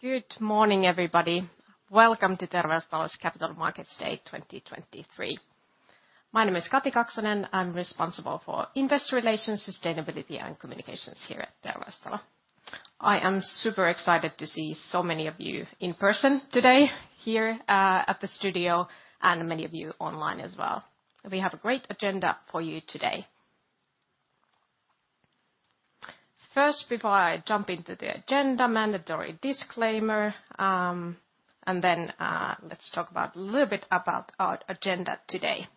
Good morning, everybody. Welcome to Terveystalo's Capital Markets Day 2023. My name is Kati Kaksonen, I'm responsible for investor relations, sustainability and communications here at Terveystalo. I am super excited to see so many of you in person today here at the studio, and many of you online as well. We have a great agenda for you today. First, before I jump into the agenda, mandatory disclaimer, let's talk about a little bit about our agenda today.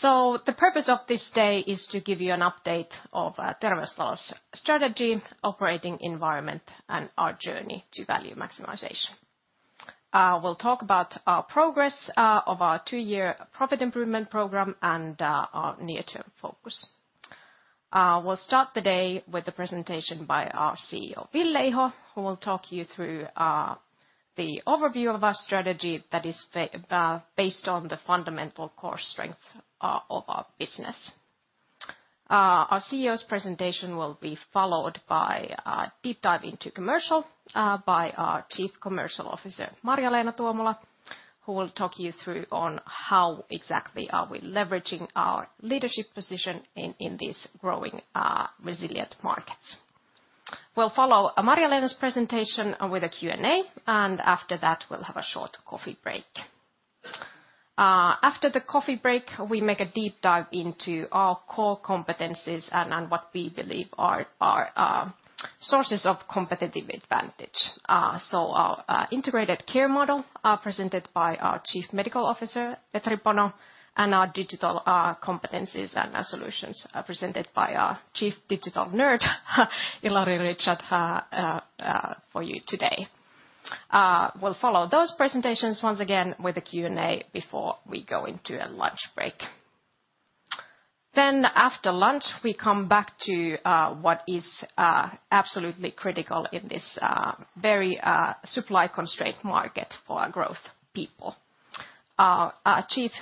The purpose of this day is to give you an update of Terveystalo's strategy, operating environment and our journey to value maximization. We'll talk about our progress of our two-year profit improvement program and our near-term focus. We'll start the day with a presentation by our CEO, Ville Iho, who will talk you through the overview of our strategy that is based on the fundamental core strength of our business. Our CEO's presentation will be followed by a deep dive into commercial by our Chief Commercial Officer, Marja-Leena Tuomola, who will talk you through on how exactly are we leveraging our leadership position in these growing resilient markets. We'll follow Marja-Leena's presentation with a Q&A, and after that we'll have a short coffee break. After the coffee break, we make a deep dive into our core competencies and what we believe are our sources of competitive advantage. So our integrated care model, presented by our Chief Medical Officer, Petri Bono, and our digital competencies and solutions presented by our Chief Digital Nerd, Ilari Richardt, for you today. We'll follow those presentations once again with a Q&A before we go into a lunch break. After lunch, we come back to what is absolutely critical in this very supply-constrained market for our growth people. Our Chief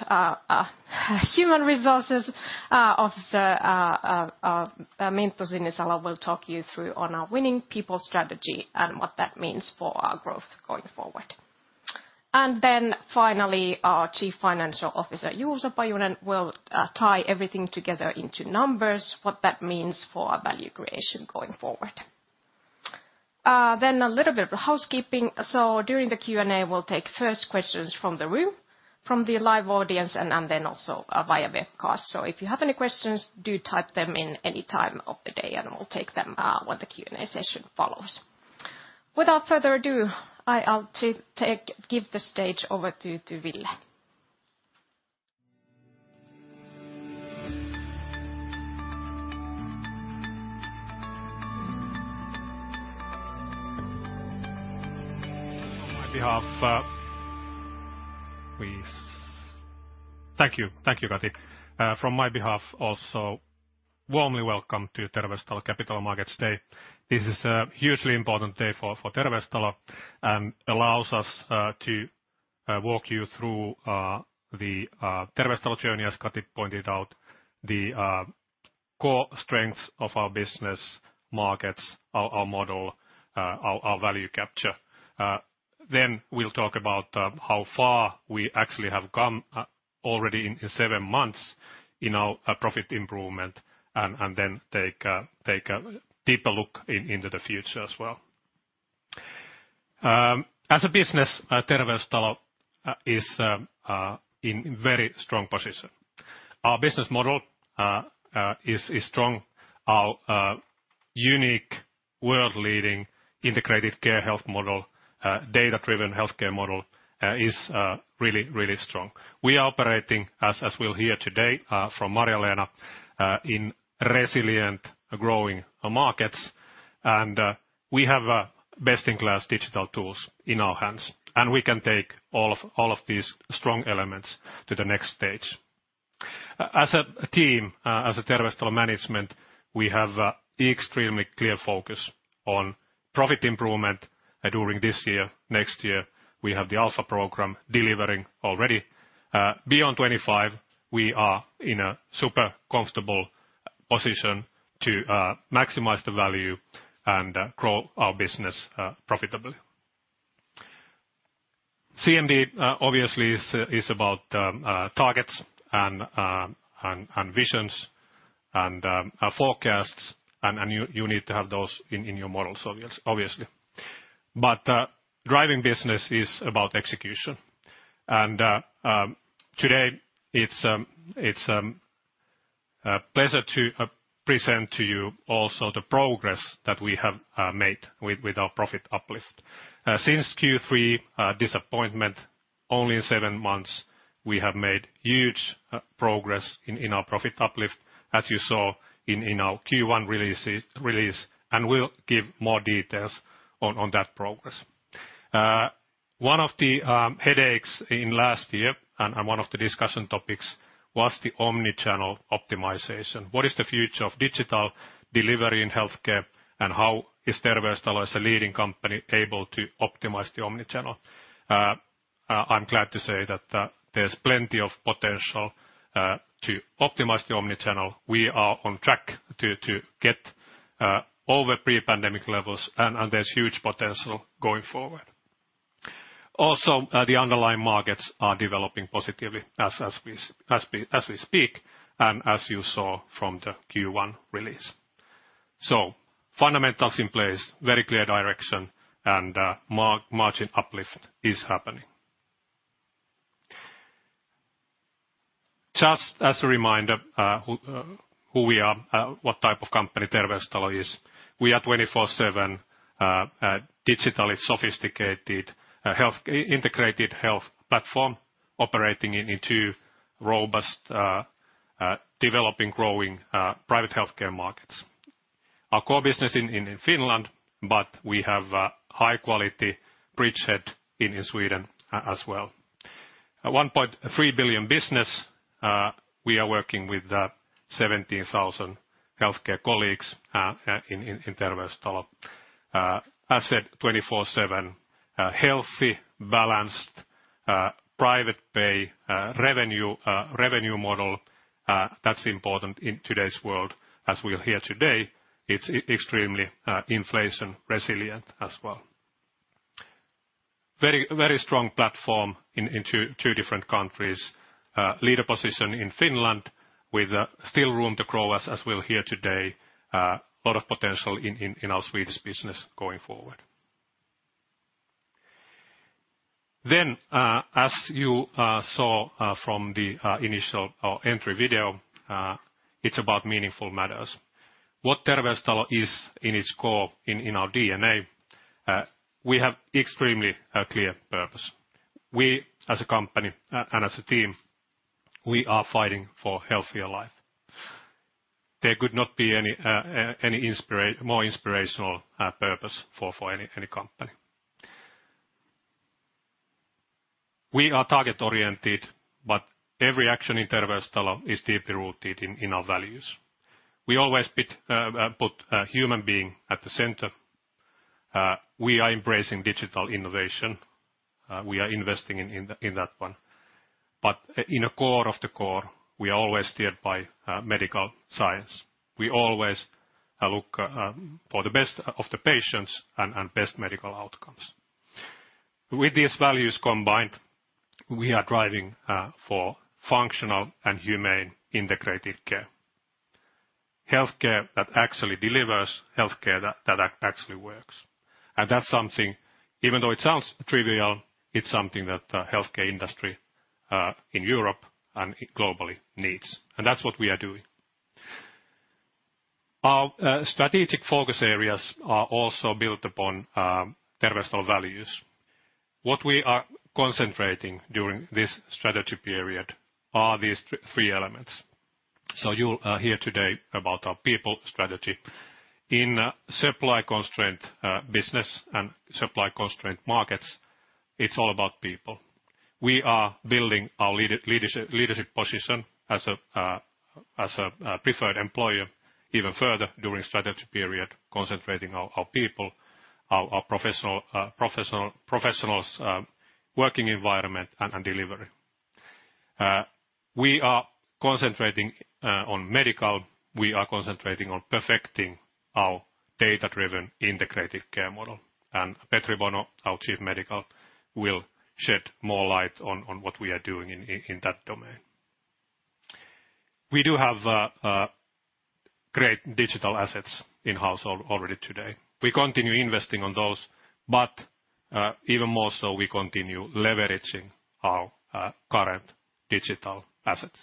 Human Resources Officer, Minttu Sinisalo, will talk you through on our winning people strategy and what that means for our growth going forward. Finally, our Chief Financial Officer, Juuso Pajunen, will tie everything together into numbers, what that means for our value creation going forward. A little bit of housekeeping. During the Q&A, we'll take first questions from the room, from the live audience and then also, via webcast. If you have any questions, do type them in any time of the day and we'll take them, when the Q&A session follows. Without further ado, I'll give the stage over to Ville. On my behalf, Thank you. Thank you, Kati. From my behalf also, warmly welcome to Terveystalo Capital Markets Day. This is a hugely important day for Terveystalo and allows us to walk you through the Terveystalo journey, as Kati pointed out, the core strengths of our business markets, our model, our value capture. We'll talk about how far we actually have come already in 7 months in our profit improvement and then take a deeper look into the future as well. As a business, Terveystalo is in very strong position. Our business model is strong. Our unique world-leading integrated care health model, data-driven healthcare model is really, really strong. We are operating, as we'll hear today, from Marja-Leena, in resilient growing markets, and we have best-in-class digital tools in our hands, and we can take all of these strong elements to the next stage. As a team, as a Terveystalo management, we have extremely clear focus on profit improvement during this year. Next year, we have the Alpha program delivering already. Beyond 25, we are in a super comfortable position to maximize the value and grow our business profitably. CMD obviously is about targets and visions and forecasts and you need to have those in your models obviously. Driving business is about execution. Today it's a pleasure to present to you also the progress that we have made with our profit uplift. Since Q3 disappointment only in seven months we have made huge progress in our profit uplift, as you saw in our Q1 release, and we'll give more details on that progress. One of the headaches in last year and one of the discussion topics was the omnichannel optimization. What is the future of digital delivery in healthcare, and how is Terveystalo as a leading company able to optimize the omnichannel? I'm glad to say that there's plenty of potential to optimize the omnichannel. We are on track to get over pre-pandemic levels, and there's huge potential going forward. The underlying markets are developing positively as we speak, and as you saw from the Q1 release. Fundamentals in place, very clear direction, and margin uplift is happening. Just as a reminder, who we are, what type of company Terveystalo is. We are twenty-four/seven, digitally sophisticated integrated health platform operating in two robust, developing, growing, private healthcare markets. Our core business in Finland, we have a high quality bridgehead in Sweden as well. A 1.3 billion business, we are working with 17,000 healthcare colleagues in Terveystalo. I said twenty-four/seven, healthy, balanced, private pay revenue model, that's important in today's world. As we'll hear today, it's extremely inflation resilient as well. Very strong platform in two different countries. Leader position in Finland with still room to grow, as we'll hear today. A lot of potential in our Swedish business going forward. As you saw from the initial entry video, it's about meaningful matters. What Terveystalo is in its core, in our DNA, we have extremely clear purpose. We as a company and as a team, we are fighting for healthier life. There could not be any more inspirational purpose for any company. We are target-oriented, but every action in Terveystalo is deeply rooted in our values. We always put human being at the center. We are embracing digital innovation. We are investing in that one. In the core of the core, we are always steered by medical science. We always look for the best of the patients and best medical outcomes. With these values combined, we are driving for functional and humane integrated care. Healthcare that actually delivers, healthcare that actually works. That's something, even though it sounds trivial, it's something that the healthcare industry in Europe and globally needs. That's what we are doing. Our strategic focus areas are also built upon Terveystalo values. What we are concentrating during this strategy period are these three elements. You'll hear today about our people strategy. In supply constraint business and supply constraint markets, it's all about people. We are building our leadership position as a, as a preferred employer even further during strategy period, concentrating on our people, our professional, professionals, working environment and delivery. We are concentrating on medical. We are concentrating on perfecting our data-driven integrated care model. Petri Bono, our Chief Medical, will shed more light on what we are doing in that domain. We do have great digital assets in-house already today. We continue investing on those, but even more so, we continue leveraging our current digital assets.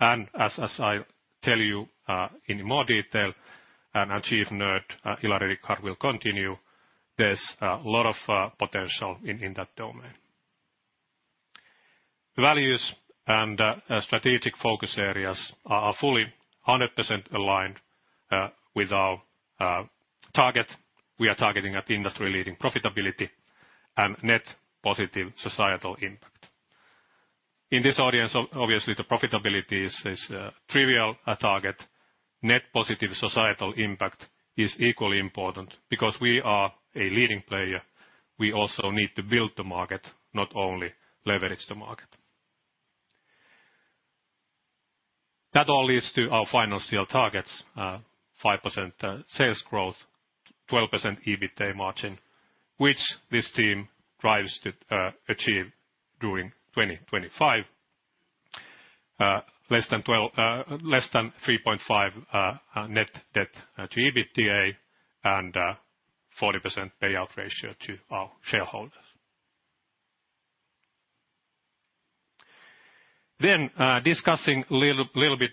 As I tell you, in more detail, and our chief nerd, Ilari Richardt, will continue, there's a lot of potential in that domain. Values and strategic focus areas are fully 100% aligned with our target. We are targeting at industry-leading profitability and net positive societal impact. In this audience, obviously the profitability is trivial, a target. Net positive societal impact is equally important. Because we are a leading player, we also need to build the market, not only leverage the market. That all leads to our final CL targets, 5% sales growth, 12% EBITA margin, which this team strives to achieve during 2025. Less than 3.5 net debt to EBITA, and 40% payout ratio to our shareholders. Discussing a little bit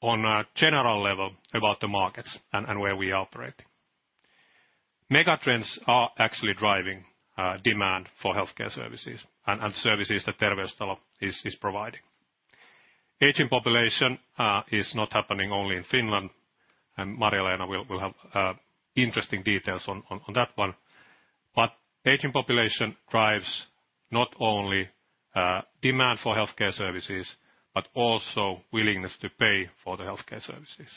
on a general level about the markets and where we operate. Megatrends are actually driving demand for healthcare services and services that Terveystalo is providing. Aging population is not happening only in Finland, and Marja-Leena will have interesting details on that one. But aging population drives not only demand for healthcare services, but also willingness to pay for the healthcare services.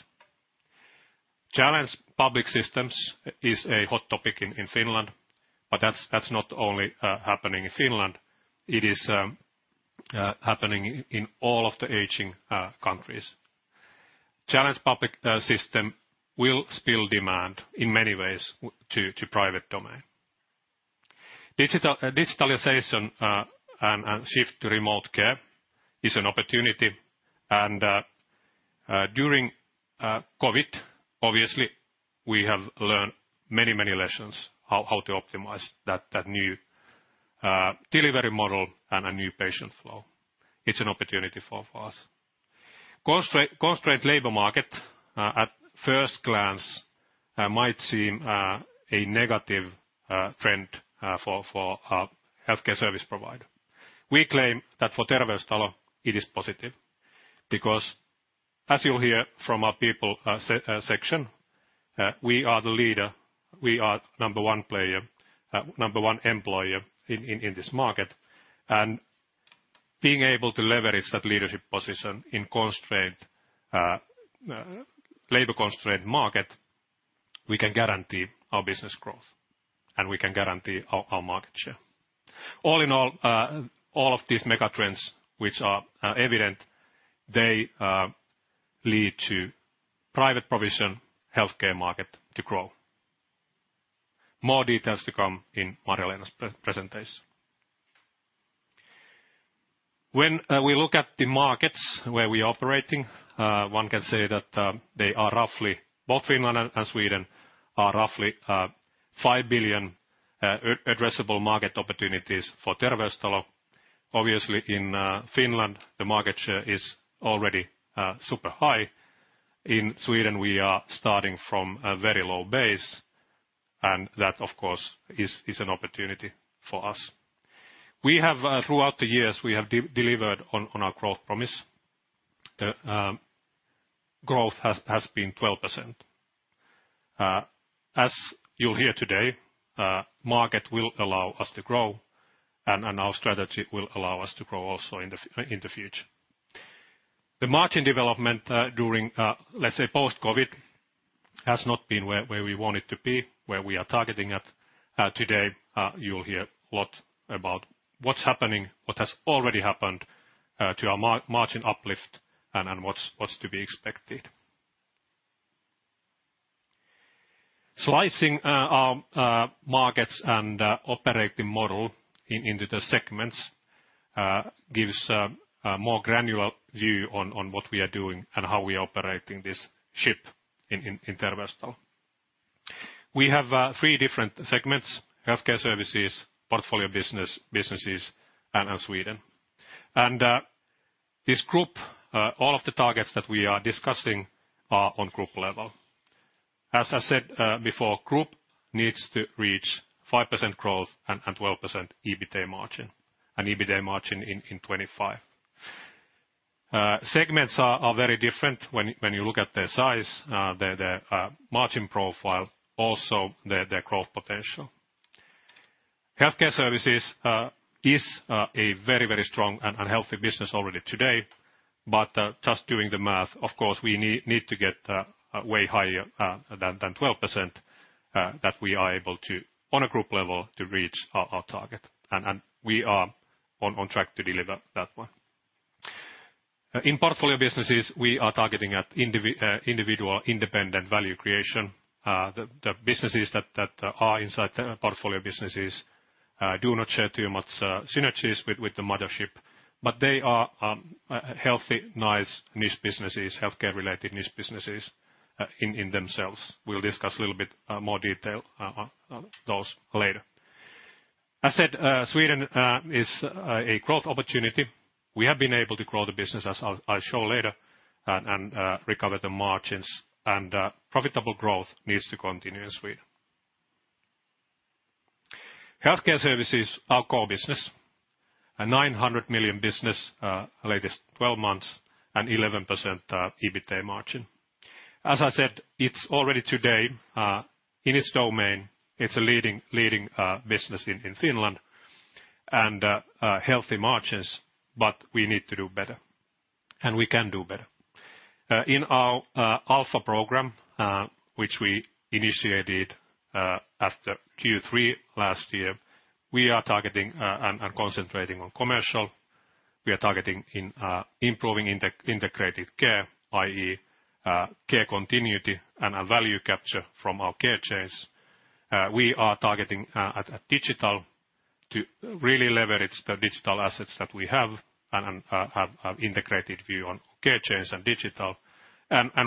Challenged public systems is a hot topic in Finland, but that's not only happening in Finland, it is happening in all of the aging countries. Challenged public system will still demand in many ways to private domain. Digitalization and shift to remote care is an opportunity and during COVID, obviously we have learned many lessons how to optimize that new delivery model and a new patient flow. It's an opportunity for us. Constrained labor market, at first glance, might seem a negative trend for our healthcare service provider. We claim that for Terveystalo it is positive because as you'll hear from our people section, we are the leader, we are number one player, number one employer in this market. Being able to leverage that leadership position in constrained, labor-constrained market, we can guarantee our business growth, and we can guarantee our market share. All in all of these megatrends which are evident, they lead to private provision healthcare market to grow. More details to come in Marja-Leena's pre-presentation. When we look at the markets where we are operating, one can say that Both Finland and Sweden are roughly 5 billion addressable market opportunities for Terveystalo. Obviously in Finland, the market share is already super high. In Sweden, we are starting from a very low base, that of course is an opportunity for us. We have throughout the years, we have delivered on our growth promise. Growth has been 12%. As you'll hear today, market will allow us to grow and our strategy will allow us to grow also in the future. The margin development during, let's say post-COVID has not been where we want it to be, where we are targeting at. Today, you'll hear a lot about what's happening, what has already happened, to our margin uplift and what's to be expected. Slicing our markets and operating model into the segments gives a more granular view on what we are doing and how we are operating this ship in Terveystalo. We have three different segments: healthcare services, portfolio business, businesses in Sweden. This group, all of the targets that we are discussing are on group level. As I said before, group needs to reach 5% growth and 12% EBITA margin, and EBITA margin in 2025. Segments are very different when you look at their size, their margin profile, also their growth potential. Healthcare services is a very strong and healthy business already today, but just doing the math, of course, we need to get way higher than 12% that we are able to, on a group level, to reach our target. We are on track to deliver that one. In portfolio businesses, we are targeting at individual independent value creation. The businesses that are inside the portfolio businesses do not share too much synergies with the mothership, but they are healthy, nice niche businesses, healthcare-related niche businesses in themselves. We'll discuss a little bit more detail on those later. I said Sweden is a growth opportunity. We have been able to grow the business, as I'll show later, and recover the margins and profitable growth needs to continue in Sweden. Healthcare services, our core business, a 900 million business, latest 12 months and 11% EBITA margin. As I said, it's already today in its domain, it's a leading business in Finland and healthy margins, but we need to do better, and we can do better. In our Alpha program, which we initiated after Q3 last year, we are targeting and concentrating on commercial. We are targeting in improving integrated care, i.e., care continuity and a value capture from our care chains. We are targeting a digital to really leverage the digital assets that we have and have integrated view on care chains and digital.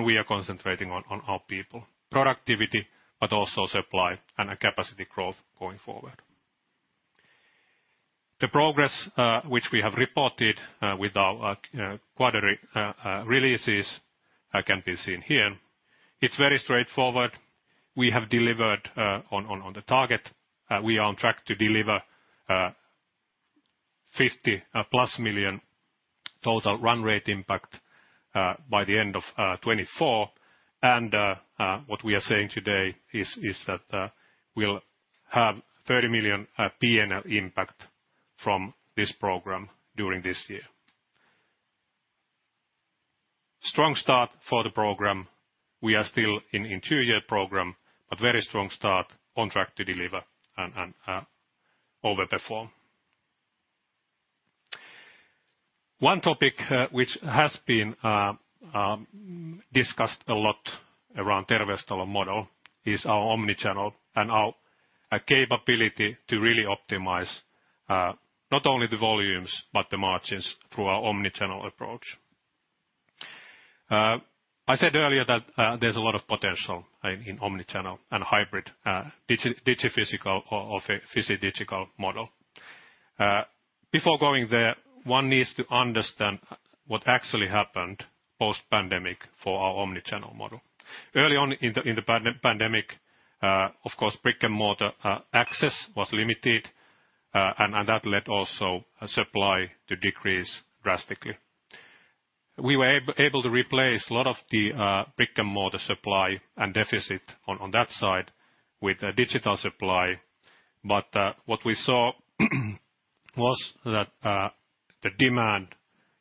We are concentrating on our people productivity, but also supply and capacity growth going forward. The progress which we have reported with our quarterly releases can be seen here. It's very straightforward. We have delivered on the target. We are on track to deliver 50 plus million total run rate impact by the end of 2024. What we are saying today is that we'll have 30 million P&L impact from this program during this year. Strong start for the program. We are still in interior program, but very strong start on track to deliver and overperform. One topic which has been discussed a lot around Terveystalo model is our omnichannel and our capability to really optimize not only the volumes but the margins through our omnichannel approach. I said earlier that there's a lot of potential in omnichannel and hybrid digiphysical or physi digital model. Before going there, one needs to understand what actually happened post-pandemic for our omnichannel model. Early on in the pandemic, of course, brick-and-mortar access was limited, and that led also supply to decrease drastically. We were able to replace a lot of the brick-and-mortar supply and deficit on that side with a digital supply. What we saw was that the demand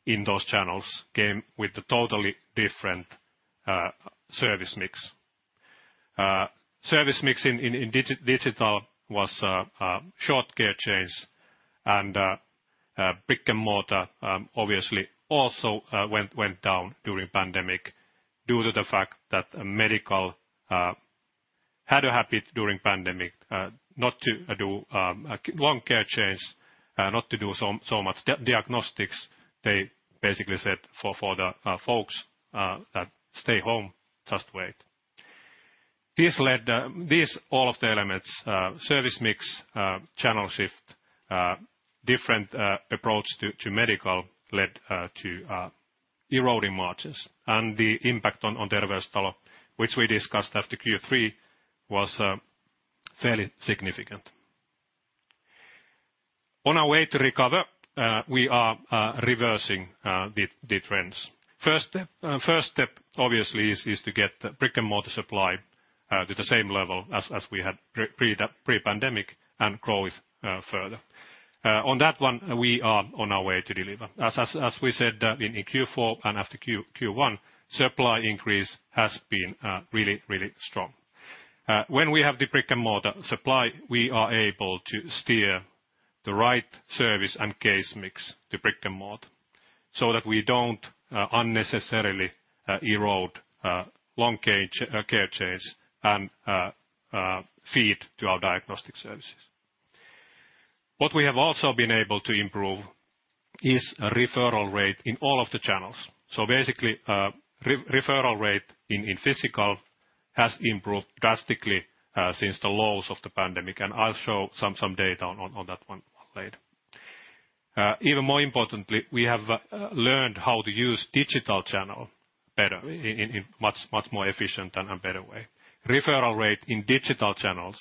in those channels came with a totally different service mix. Service mix in digital was short care chains and brick-and-mortar, obviously also went down during pandemic due to the fact that medical had a habit during pandemic not to do long care chains, not to do so much diagnostics. They basically said for the folks that stay home, just wait. This all of the elements, service mix, channel shift, different approach to medical led to eroding margins. The impact on Terveystalo, which we discussed after Q3, was fairly significant. On our way to recover, we are reversing the trends. First, first step, obviously, is to get brick-and-mortar supply to the same level as we had pre-pandemic and growth further. On that one, we are on our way to deliver. As we said in Q4 and after Q2, Q1, supply increase has been really strong. When we have the brick-and-mortar supply, we are able to steer the right service and case mix to brick-and-mortar so that we don't unnecessarily erode long care chains and feed to our diagnostic services. What we have also been able to improve is a referral rate in all of the channels. Basically, re-referral rate in physical has improved drastically since the lows of the pandemic. I'll show some data on that one later. Even more importantly, we have learned how to use digital channel better in much, much more efficient and better way. Referral rate in digital channels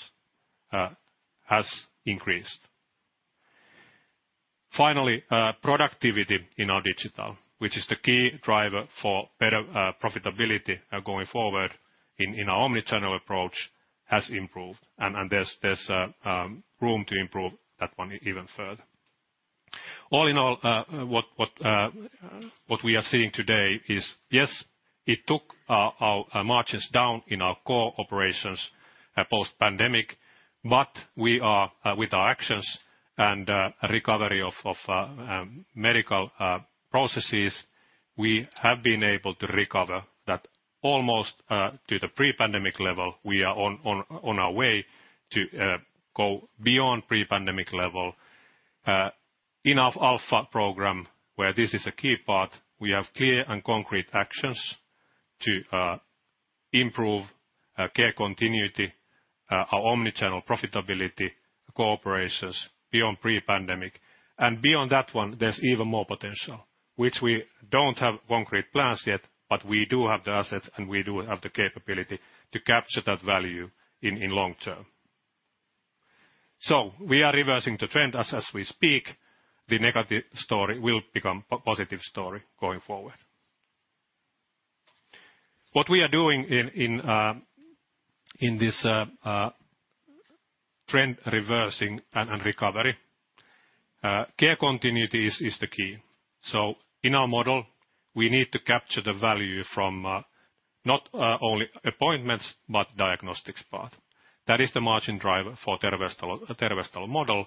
has increased. Finally, productivity in our digital, which is the key driver for better profitability going forward in our omnichannel approach has improved. There's room to improve that one even further. All in all, what we are seeing today is, yes, it took our margins down in our core operations post-pandemic, but we are with our actions and recovery of medical processes, we have been able to recover that almost to the pre-pandemic level. We are on a way to go beyond pre-pandemic level. In our Alpha program, where this is a key part, we have clear and concrete actions to improve care continuity, our omnichannel profitability, core operations beyond pre-pandemic. Beyond that one, there's even more potential, which we don't have concrete plans yet, but we do have the assets, and we do have the capability to capture that value in long term. We are reversing the trend as we speak. The negative story will become positive story going forward. What we are doing in this trend reversing and recovery, care continuity is the key. In our model, we need to capture the value from not only appointments, but diagnostics path. That is the margin driver for Terveystalo model,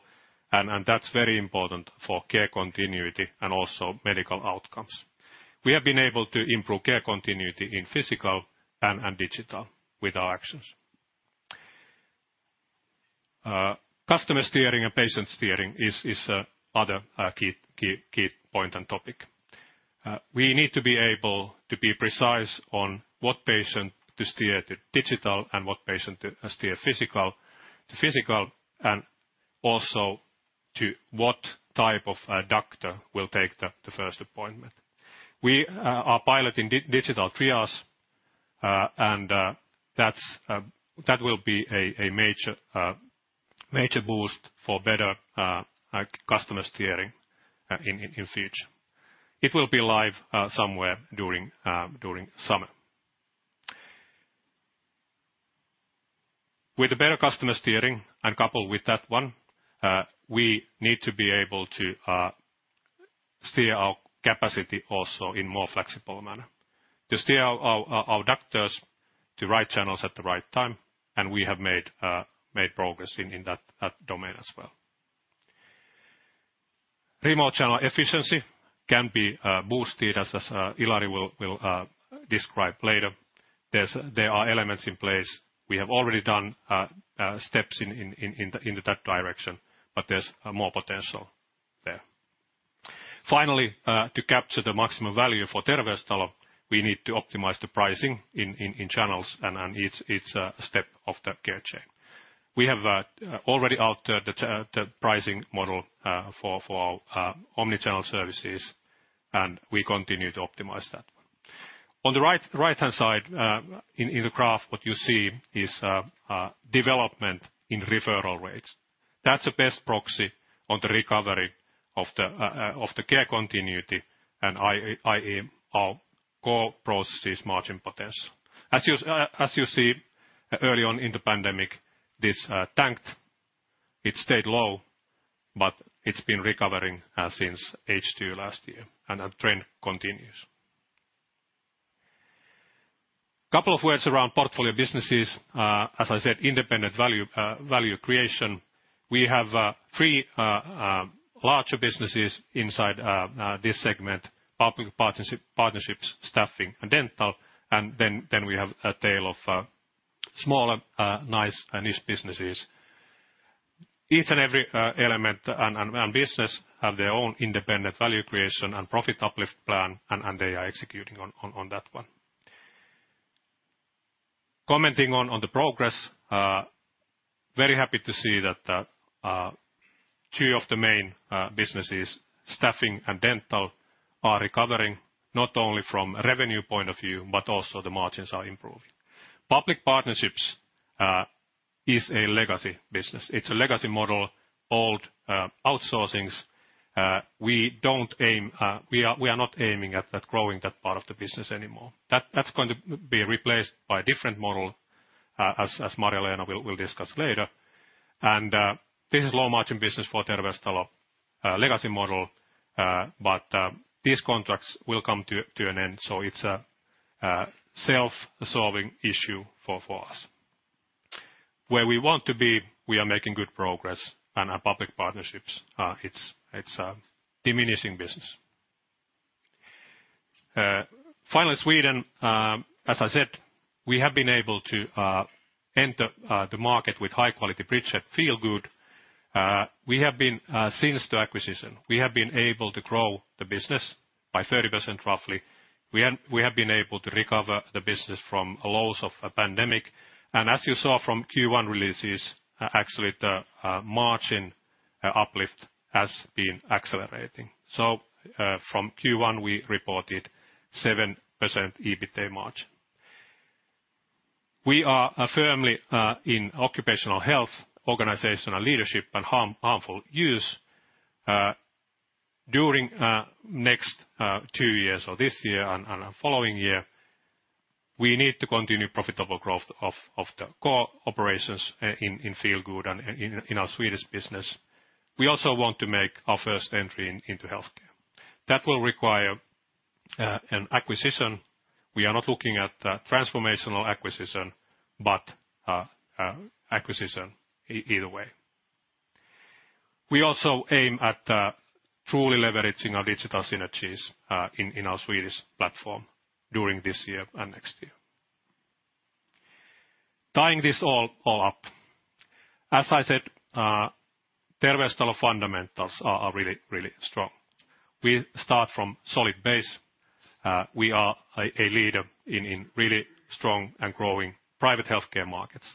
and that's very important for care continuity and also medical outcomes. We have been able to improve care continuity in physical and digital with our actions. Customer steering and patient steering is other key point and topic. We need to be able to be precise on what patient to steer to digital and what patient to steer physical to physical, and also to what type of doctor will take the first appointment. We are piloting digital triage, and that will be a major boost for better customer steering in future. It will be live somewhere during summer. With a better customer steering and couple with that one, we need to be able to steer our capacity also in more flexible manner. To steer our doctors to right channels at the right time, and we have made progress in that domain as well. Remote channel efficiency can be boosted as Ilari will describe later. There are elements in place. We have already done steps in that direction, but there's more potential there. Finally, to capture the maximum value for Terveystalo, we need to optimize the pricing in channels and on each step of that care chain. We have already altered the pricing model for omnichannel services, and we continue to optimize that. On the right-hand side, in the graph, what you see is development in referral rates. That's the best proxy on the recovery of the care continuity and i.e., our core processes margin potential. As you see early on in the pandemic, this tanked. It stayed low, but it's been recovering since H2 last year. That trend continues. Couple of words around portfolio businesses. As I said, independent value creation. We have three larger businesses inside this segment: public partnership, partnerships, staffing, and dental. Then we have a tail of smaller nice and niche businesses. Each and every element and business have their own independent value creation and profit uplift plan, and they are executing on that one. Commenting on the progress, very happy to see that two of the main businesses, staffing and dental, are recovering not only from a revenue point of view, but also the margins are improving. Public partnerships is a legacy business. It's a legacy model, old outsourcings. We are not aiming at growing that part of the business anymore. That's going to be replaced by a different model as Marja-Leena will discuss later. This is low-margin business for Terveystalo, legacy model, but these contracts will come to an end. It's a self-solving issue for us. Where we want to be, we are making good progress, and our public partnerships, it's a diminishing business. Finally, Sweden, as I said, we have been able to enter the market with high-quality bridgehead, Feelgood. We have been, since the acquisition, we have been able to grow the business by 30%, roughly. We have been able to recover the business from lows of a pandemic. As you saw from Q1 releases, actually, the margin uplift has been accelerating. From Q1, we reported 7% EBITA margin. We are firmly in occupational health, organizational leadership, and harmful use. During next two years or this year and following year, we need to continue profitable growth of the core operations in Feelgood and in our Swedish business. We also want to make our first entry into healthcare. That will require an acquisition. We are not looking at a transformational acquisition, but a acquisition either way. We also aim at truly leveraging our digital synergies in our Swedish platform during this year and next year. Tying this all up, as I said, Terveystalo fundamentals are really strong. We start from solid base. We are a leader in really strong and growing private healthcare markets.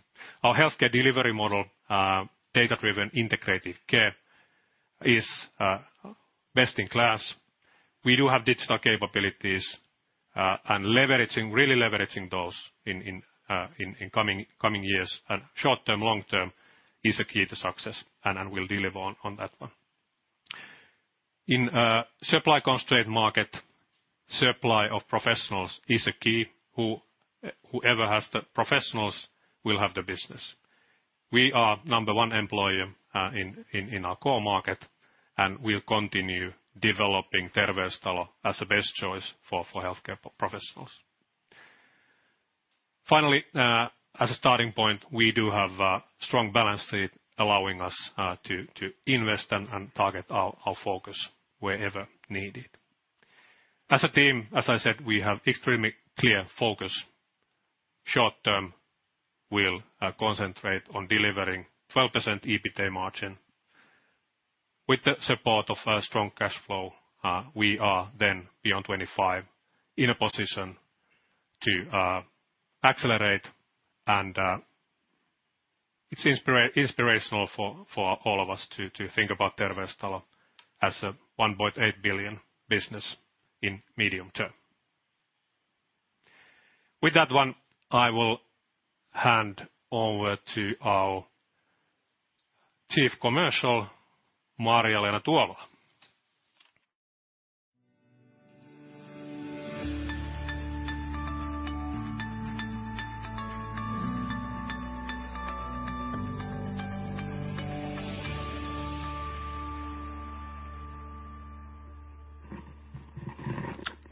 Our healthcare delivery model, data-driven integrated care is best in class. We do have digital capabilities, and leveraging, really leveraging those in in coming years. Short-term, long-term is a key to success, and we'll deliver on that one. In a supply-constrained market, supply of professionals is a key. Whoever has the professionals will have the business. We are number 1 employer in our core market, and we'll continue developing Terveystalo as a best choice for healthcare professionals. Finally, as a starting point, we do have a strong balance sheet allowing us to invest and target our focus wherever needed. As a team, as I said, we have extremely clear focus. Short-term, we'll concentrate on delivering 12% EBITA margin. With the support of a strong cash flow, we are then beyond 25 in a position to accelerate, and it's inspirational for all of us to think about Terveystalo as a 1.8 billion business in medium term. With that one, I will hand over to our Chief Commercial, Marja-Leena Tuomola.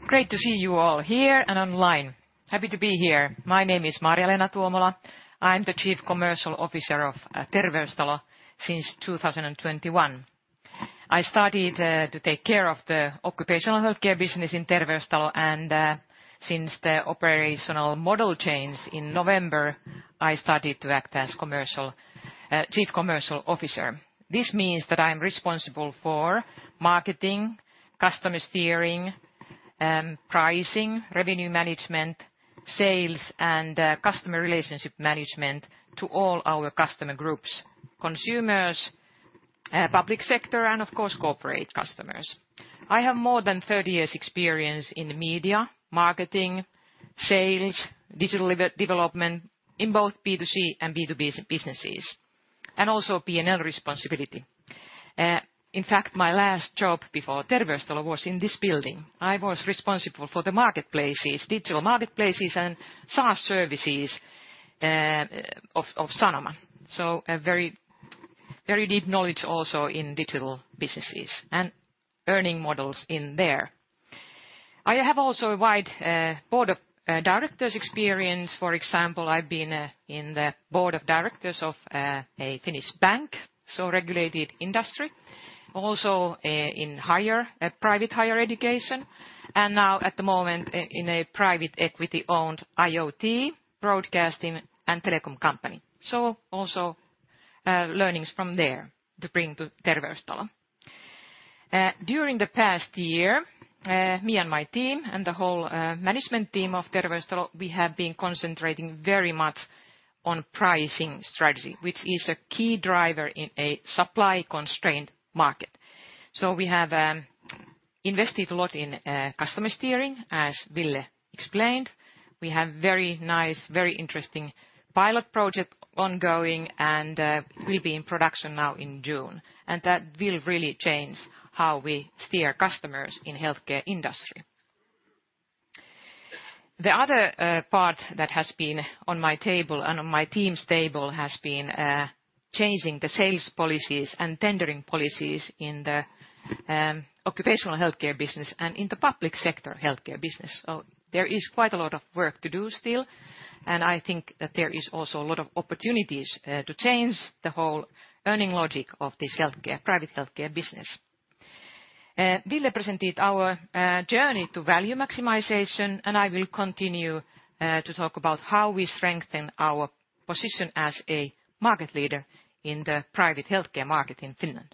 Great to see you all here and online. Happy to be here. My name is Marja-Leena Tuomola. I'm the chief commercial officer of Terveystalo since 2021. I started to take care of the occupational healthcare business in Terveystalo. Since the operational model changed in November, I started to act as chief commercial officer. This means that I'm responsible for marketing, customer steering, pricing, revenue management, sales, and customer relationship management to all our customer groups, consumers, public sector, and of course, corporate customers. I have more than 30 years' experience in media, marketing, sales, digital development in both B2C and B2B businesses, and also P&L responsibility. In fact, my last job before Terveystalo was in this building. I was responsible for the marketplaces, digital marketplaces and SaaS services of Sanoma. A very, very deep knowledge also in digital businesses and earning models in there. I have also a wide board of directors experience. For example, I've been in the board of directors of a Finnish bank, regulated industry, also at private higher education, and now at the moment in a private equity-owned IoT broadcasting and telecom company. Also learnings from there to bring to Terveystalo. During the past year, me and my team and the whole management team of Terveystalo, we have been concentrating very much on pricing strategy, which is a key driver in a supply-constrained market. We have invested a lot in customer steering, as Ville explained. We have very nice, very interesting pilot project ongoing, will be in production now in June, and that will really change how we steer customers in healthcare industry. The other part that has been on my table and on my team's table has been changing the sales policies and tendering policies in the occupational healthcare business and in the public sector healthcare business. There is quite a lot of work to do still, and I think that there is also a lot of opportunities to change the whole earning logic of this private healthcare business. Ville presented our journey to value maximization, I will continue to talk about how we strengthen our position as a market leader in the private healthcare market in Finland.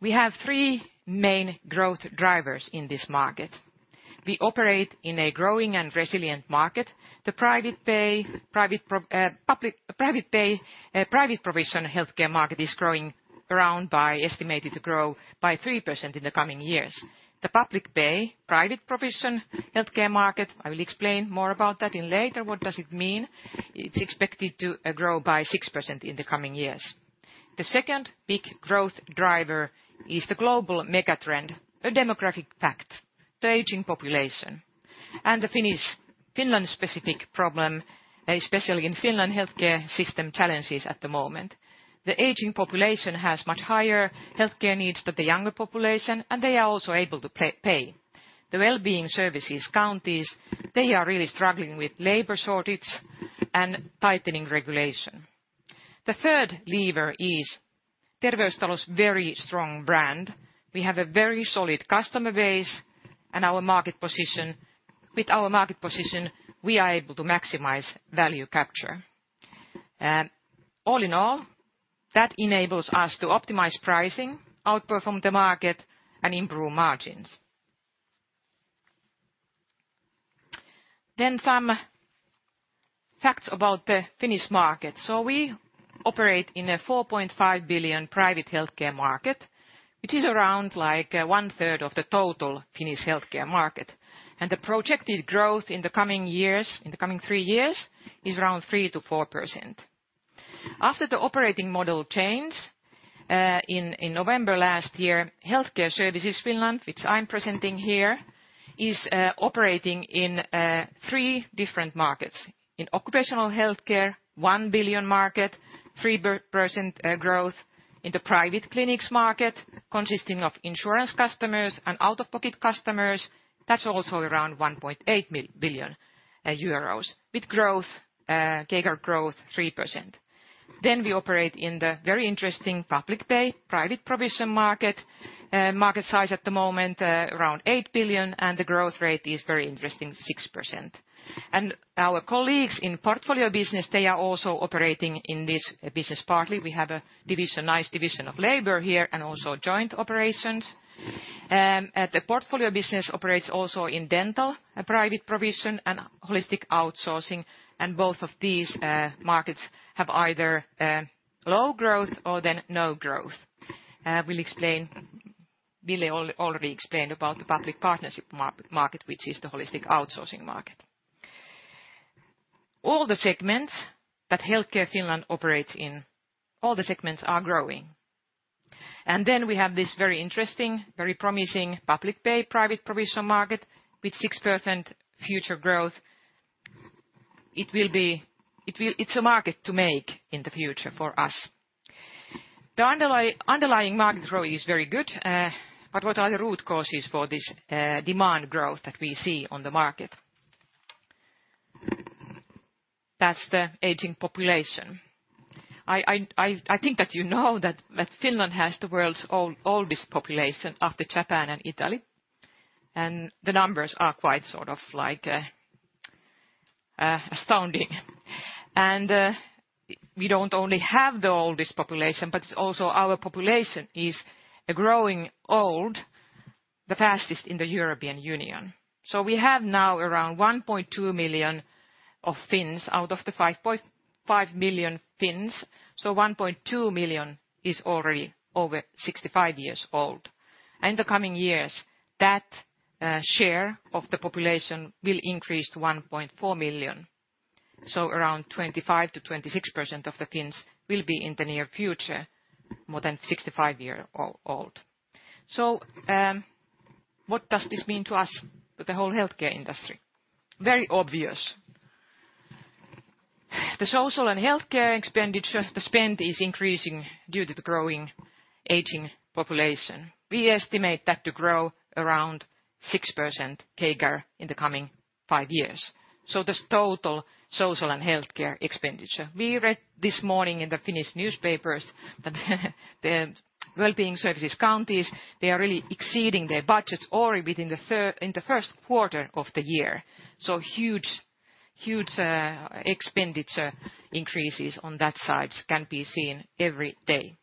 We have three main growth drivers in this market. We operate in a growing and resilient market. The private pay, private provision healthcare market is growing around estimated to grow by 3% in the coming years. The public pay, private provision healthcare market, I will explain more about that in later, what does it mean, it's expected to grow by 6% in the coming years. The second big growth driver is the global mega trend, a demographic fact, the aging population, and the Finland-specific problem, especially in Finland healthcare system challenges at the moment. The aging population has much higher healthcare needs than the younger population, and they are also able to pay. The wellbeing services counties, they are really struggling with labor shortage and tightening regulation. The third lever is Terveystalo's very strong brand. We have a very solid customer base and our market position. With our market position, we are able to maximize value capture. All in all, that enables us to optimize pricing, outperform the market, and improve margins. Some facts about the Finnish market. We operate in a 4.5 billion private healthcare market, which is around, like, 1/3 of the total Finnish healthcare market. The projected growth in the coming years, in the coming three years, is around 3%-4%. After the operating model change in November last year, healthcare services Finland, which I'm presenting here, is operating in three different markets. In occupational healthcare, 1 billion market, 3% growth. In the private clinics market, consisting of insurance customers and out-of-pocket customers, that's also around 1.8 billion euros, with CAGR growth, 3%. We operate in the very interesting public pay, private provision market. Market size at the moment, around 8 billion, and the growth rate is very interesting, 6%. Our colleagues in portfolio business, they are also operating in this business partly. We have a nice division of labor here and also joint operations. At the portfolio business operates also in dental, private provision and holistic outsourcing, and both of these markets have either low growth or then no growth. We'll explain Ville already explained about the public partnership market, which is the holistic outsourcing market. All the segments that Healthcare Finland operates in, all the segments are growing. We have this very interesting, very promising public pay private provision market with 6% future growth. It's a market to make in the future for us. The underlying market growth is very good, what are the root causes for this demand growth that we see on the market? That's the aging population. I think that you know that, Finland has the world's oldest population after Japan and Italy, the numbers are quite sort of like astounding. We don't only have the oldest population, but also our population is growing old the fastest in the European Union. We have now around 1.2 million of Finns out of the 5.5 million Finns. 1.2 million is already over 65 years old. In the coming years, that share of the population will increase to 1.4 million. Around 25%-26% of the Finns will be, in the near future, more than 65 years old. What does this mean to us, the whole healthcare industry? Very obvious. The social and healthcare expenditures, the spend is increasing due to the growing aging population. We estimate that to grow around 6% CAGR in the coming five years. That's total social and healthcare expenditure. We read this morning in the Finnish newspapers that the wellbeing services counties, they are really exceeding their budgets already within the first quarter of the year. Huge expenditure increases on that side can be seen every day.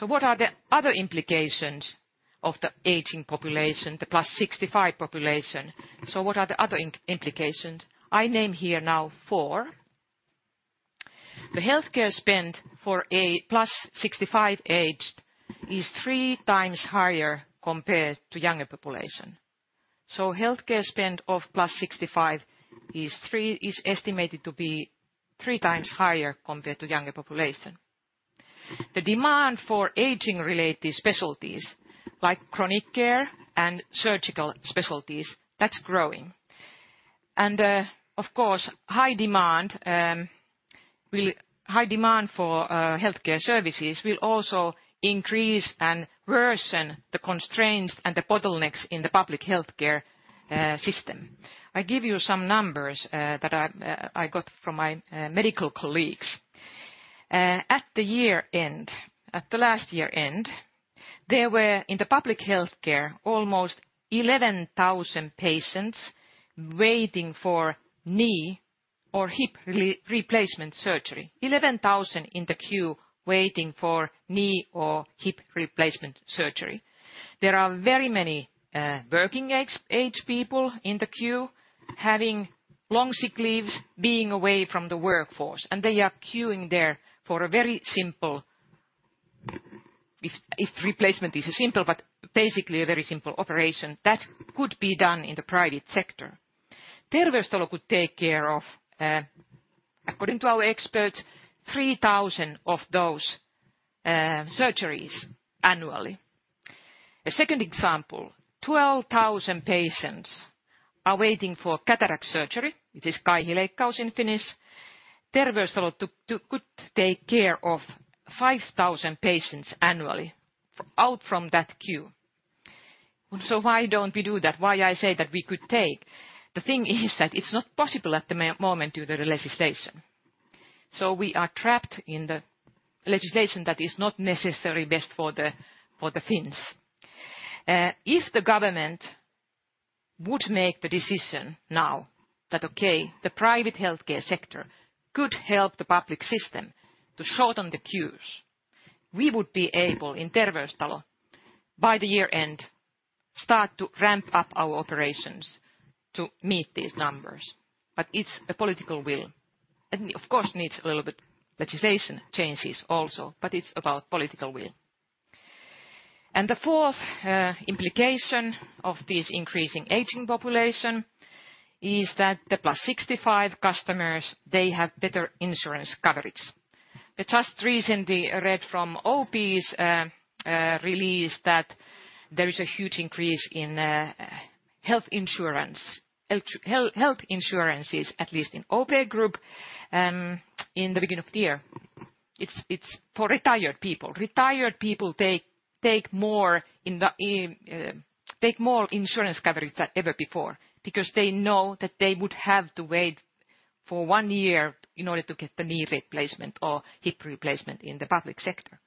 What are the other implications of the aging population, the plus 65 population? What are the other implications? I name here now four. The healthcare spend for a plus 65 aged is three times higher compared to younger population. Healthcare spend of plus 65 is estimated to be three times higher compared to younger population. The demand for aging-related specialties like chronic care and surgical specialties, that's growing. Of course, high demand for healthcare services will also increase and worsen the constraints and the bottlenecks in the public healthcare system. I give you some numbers that I got from my medical colleagues. At the year-end, at the last year-end, there were, in the public healthcare, almost 11,000 patients waiting for knee or hip re-replacement surgery. 11,000 in the queue waiting for knee or hip replacement surgery. There are very many working age, aged people in the queue having long sick leaves, being away from the workforce. They are queuing there for a very simple operation. If replacement is a simple, but basically a very simple operation that could be done in the private sector. Terveystalo could take care of, according to our experts, 3,000 of those surgeries annually. A second example, 12,000 patients are waiting for cataract surgery, which is kaihileikkaus in Finnish. Terveystalo could take care of 5,000 patients annually out from that queue. Why don't we do that? Why I say that we could take? The thing is that it's not possible at the moment due to the legislation. We are trapped in the legislation that is not necessarily best for the Finns. If the government would make the decision now that, okay, the private healthcare sector could help the public system to shorten the queues, we would be able, in Terveystalo, by the year-end, start to ramp up our operations to meet these numbers. It's a political will, and of course needs a little bit legislation changes also, it's about political will. The fourth implication of this increasing aging population is that the plus 65 customers, they have better insurance coverage. I just recently read from OP's release that there is a huge increase in health insurance. Health insurances, at least in OP group, in the beginning of the year. It's for retired people. Retired people take more in the. Take more insurance coverage than ever before because they know that they would have to wait for one year in order to get the knee replacement or hip replacement in the public sector.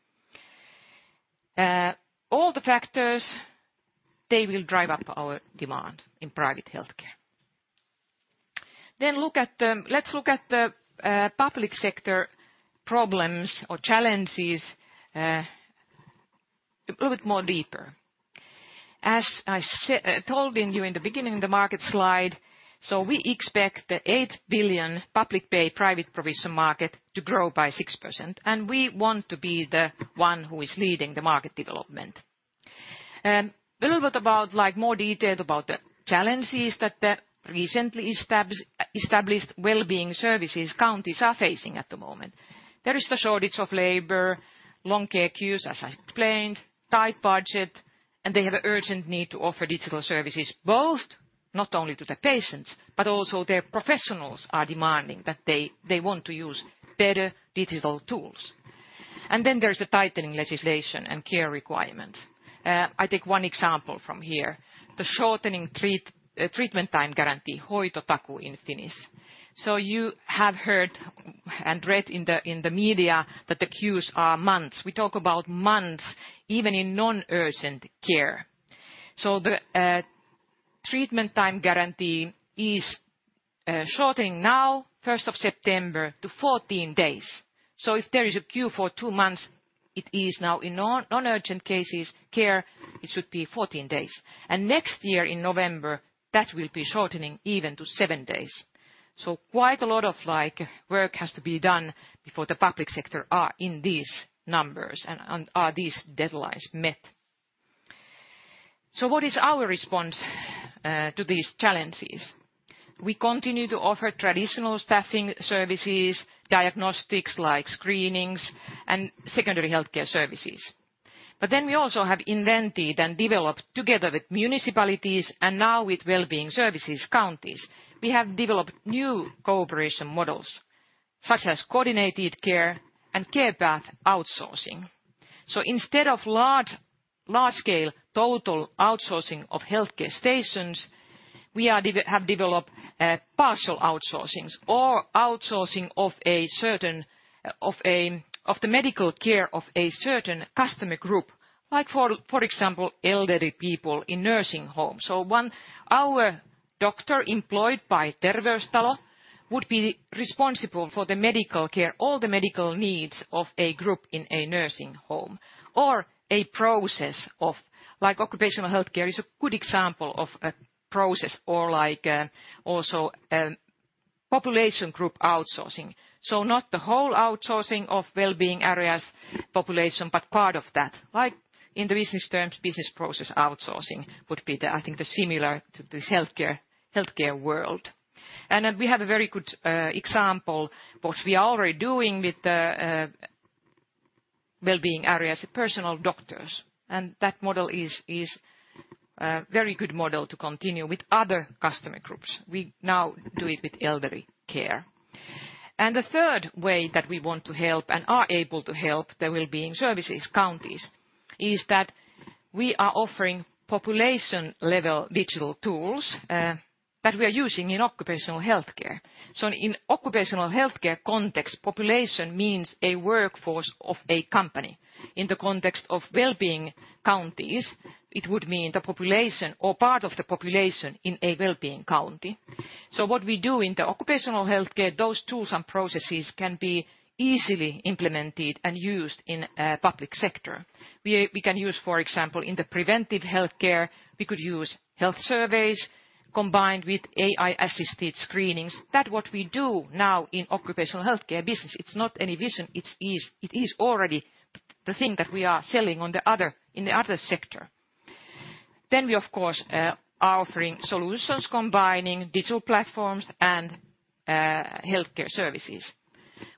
All the factors, they will drive up our demand in private healthcare. Let's look at the public sector problems or challenges, a bit more deeper. As I told in you in the beginning of the market slide, We expect the 8 billion public pay private provision market to grow by 6%, and we want to be the one who is leading the market development. A little bit about like more detail about the challenges that the recently established wellbeing services counties are facing at the moment. There is the shortage of labor, long care queues, as I explained, tight budget, and they have urgent need to offer digital services, both not only to the patients, but also their professionals are demanding that they want to use better digital tools. there's the tightening legislation and care requirements. I take one example from here. The shortening treatment time guarantee, hoitotakuu in Finnish. you have heard and read in the, in the media that the queues are months. We talk about months even in non-urgent care. the treatment time guarantee is shortening now, first of September, to 14 days. if there is a queue for two months, it is now in non-urgent cases, care, it should be 14 days. next year in November, that will be shortening even to seven days. Quite a lot of, like, work has to be done before the public sector are in these numbers and are these deadlines met. What is our response to these challenges? We continue to offer traditional staffing services, diagnostics like screenings, and secondary healthcare services. We also have invented and developed together with municipalities, and now with wellbeing services counties. We have developed new cooperation models, such as coordinated care and care path outsourcing. Instead of large scale total outsourcing of healthcare stations, we have developed partial outsourcings or outsourcing of a certain, of the medical care of a certain customer group, like for example, elderly people in nursing homes. Our doctor employed by Terveystalo would be responsible for the medical care, all the medical needs of a group in a nursing home, or a process of. Like occupational healthcare is a good example of a process or like, also, population group outsourcing. Not the whole outsourcing of wellbeing areas population, but part of that, like in the business terms, business process outsourcing would be, I think, the similar to this healthcare world. We have a very good example, what we are already doing with the wellbeing areas, personal doctors. That model is a very good model to continue with other customer groups. We now do it with elderly care. The third way that we want to help and are able to help the wellbeing services counties is that we are offering population-level digital tools that we are using in occupational healthcare. In occupational healthcare context, population means a workforce of a company. In the context of wellbeing counties, it would mean the population or part of the population in a wellbeing county. What we do in the occupational healthcare, those tools and processes can be easily implemented and used in a public sector. We can use, for example, in the preventive healthcare, we could use health surveys combined with AI-assisted screenings. That what we do now in occupational healthcare business, it's not any vision, it's easy. It is already the thing that we are selling in the other sector. We, of course, are offering solutions combining digital platforms and healthcare services.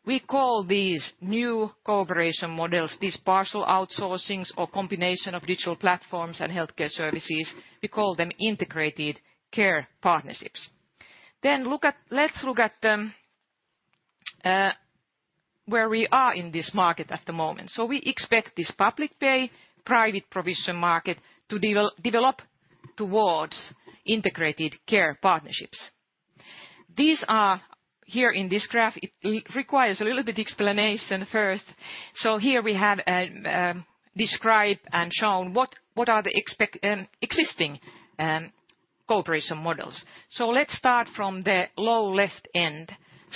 We call these new cooperation models, these partial outsourcings or combination of digital platforms and healthcare services, we call them integrated care partnerships. Let's look at where we are in this market at the moment. We expect this public pay, private provision market to develop towards integrated care partnerships. These are here in this graph. It requires a little bit explanation first. Here we have described and shown what are the existing cooperation models. Let's start from the low left end,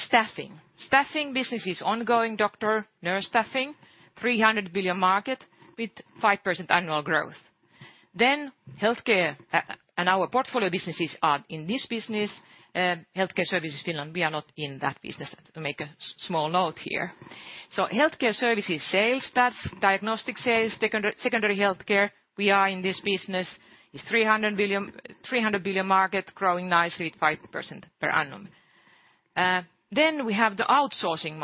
staffing. Staffing business is ongoing doctor, nurse staffing, 300 billion market with 5% annual growth. Healthcare and our portfolio businesses are in this business, healthcare services Finland, we are not in that business, to make a small note here. Healthcare services, sales, that's diagnostic sales, secondary healthcare. We are in this business. It's a 300 billion market growing nicely at 5% per annum. We have the holistic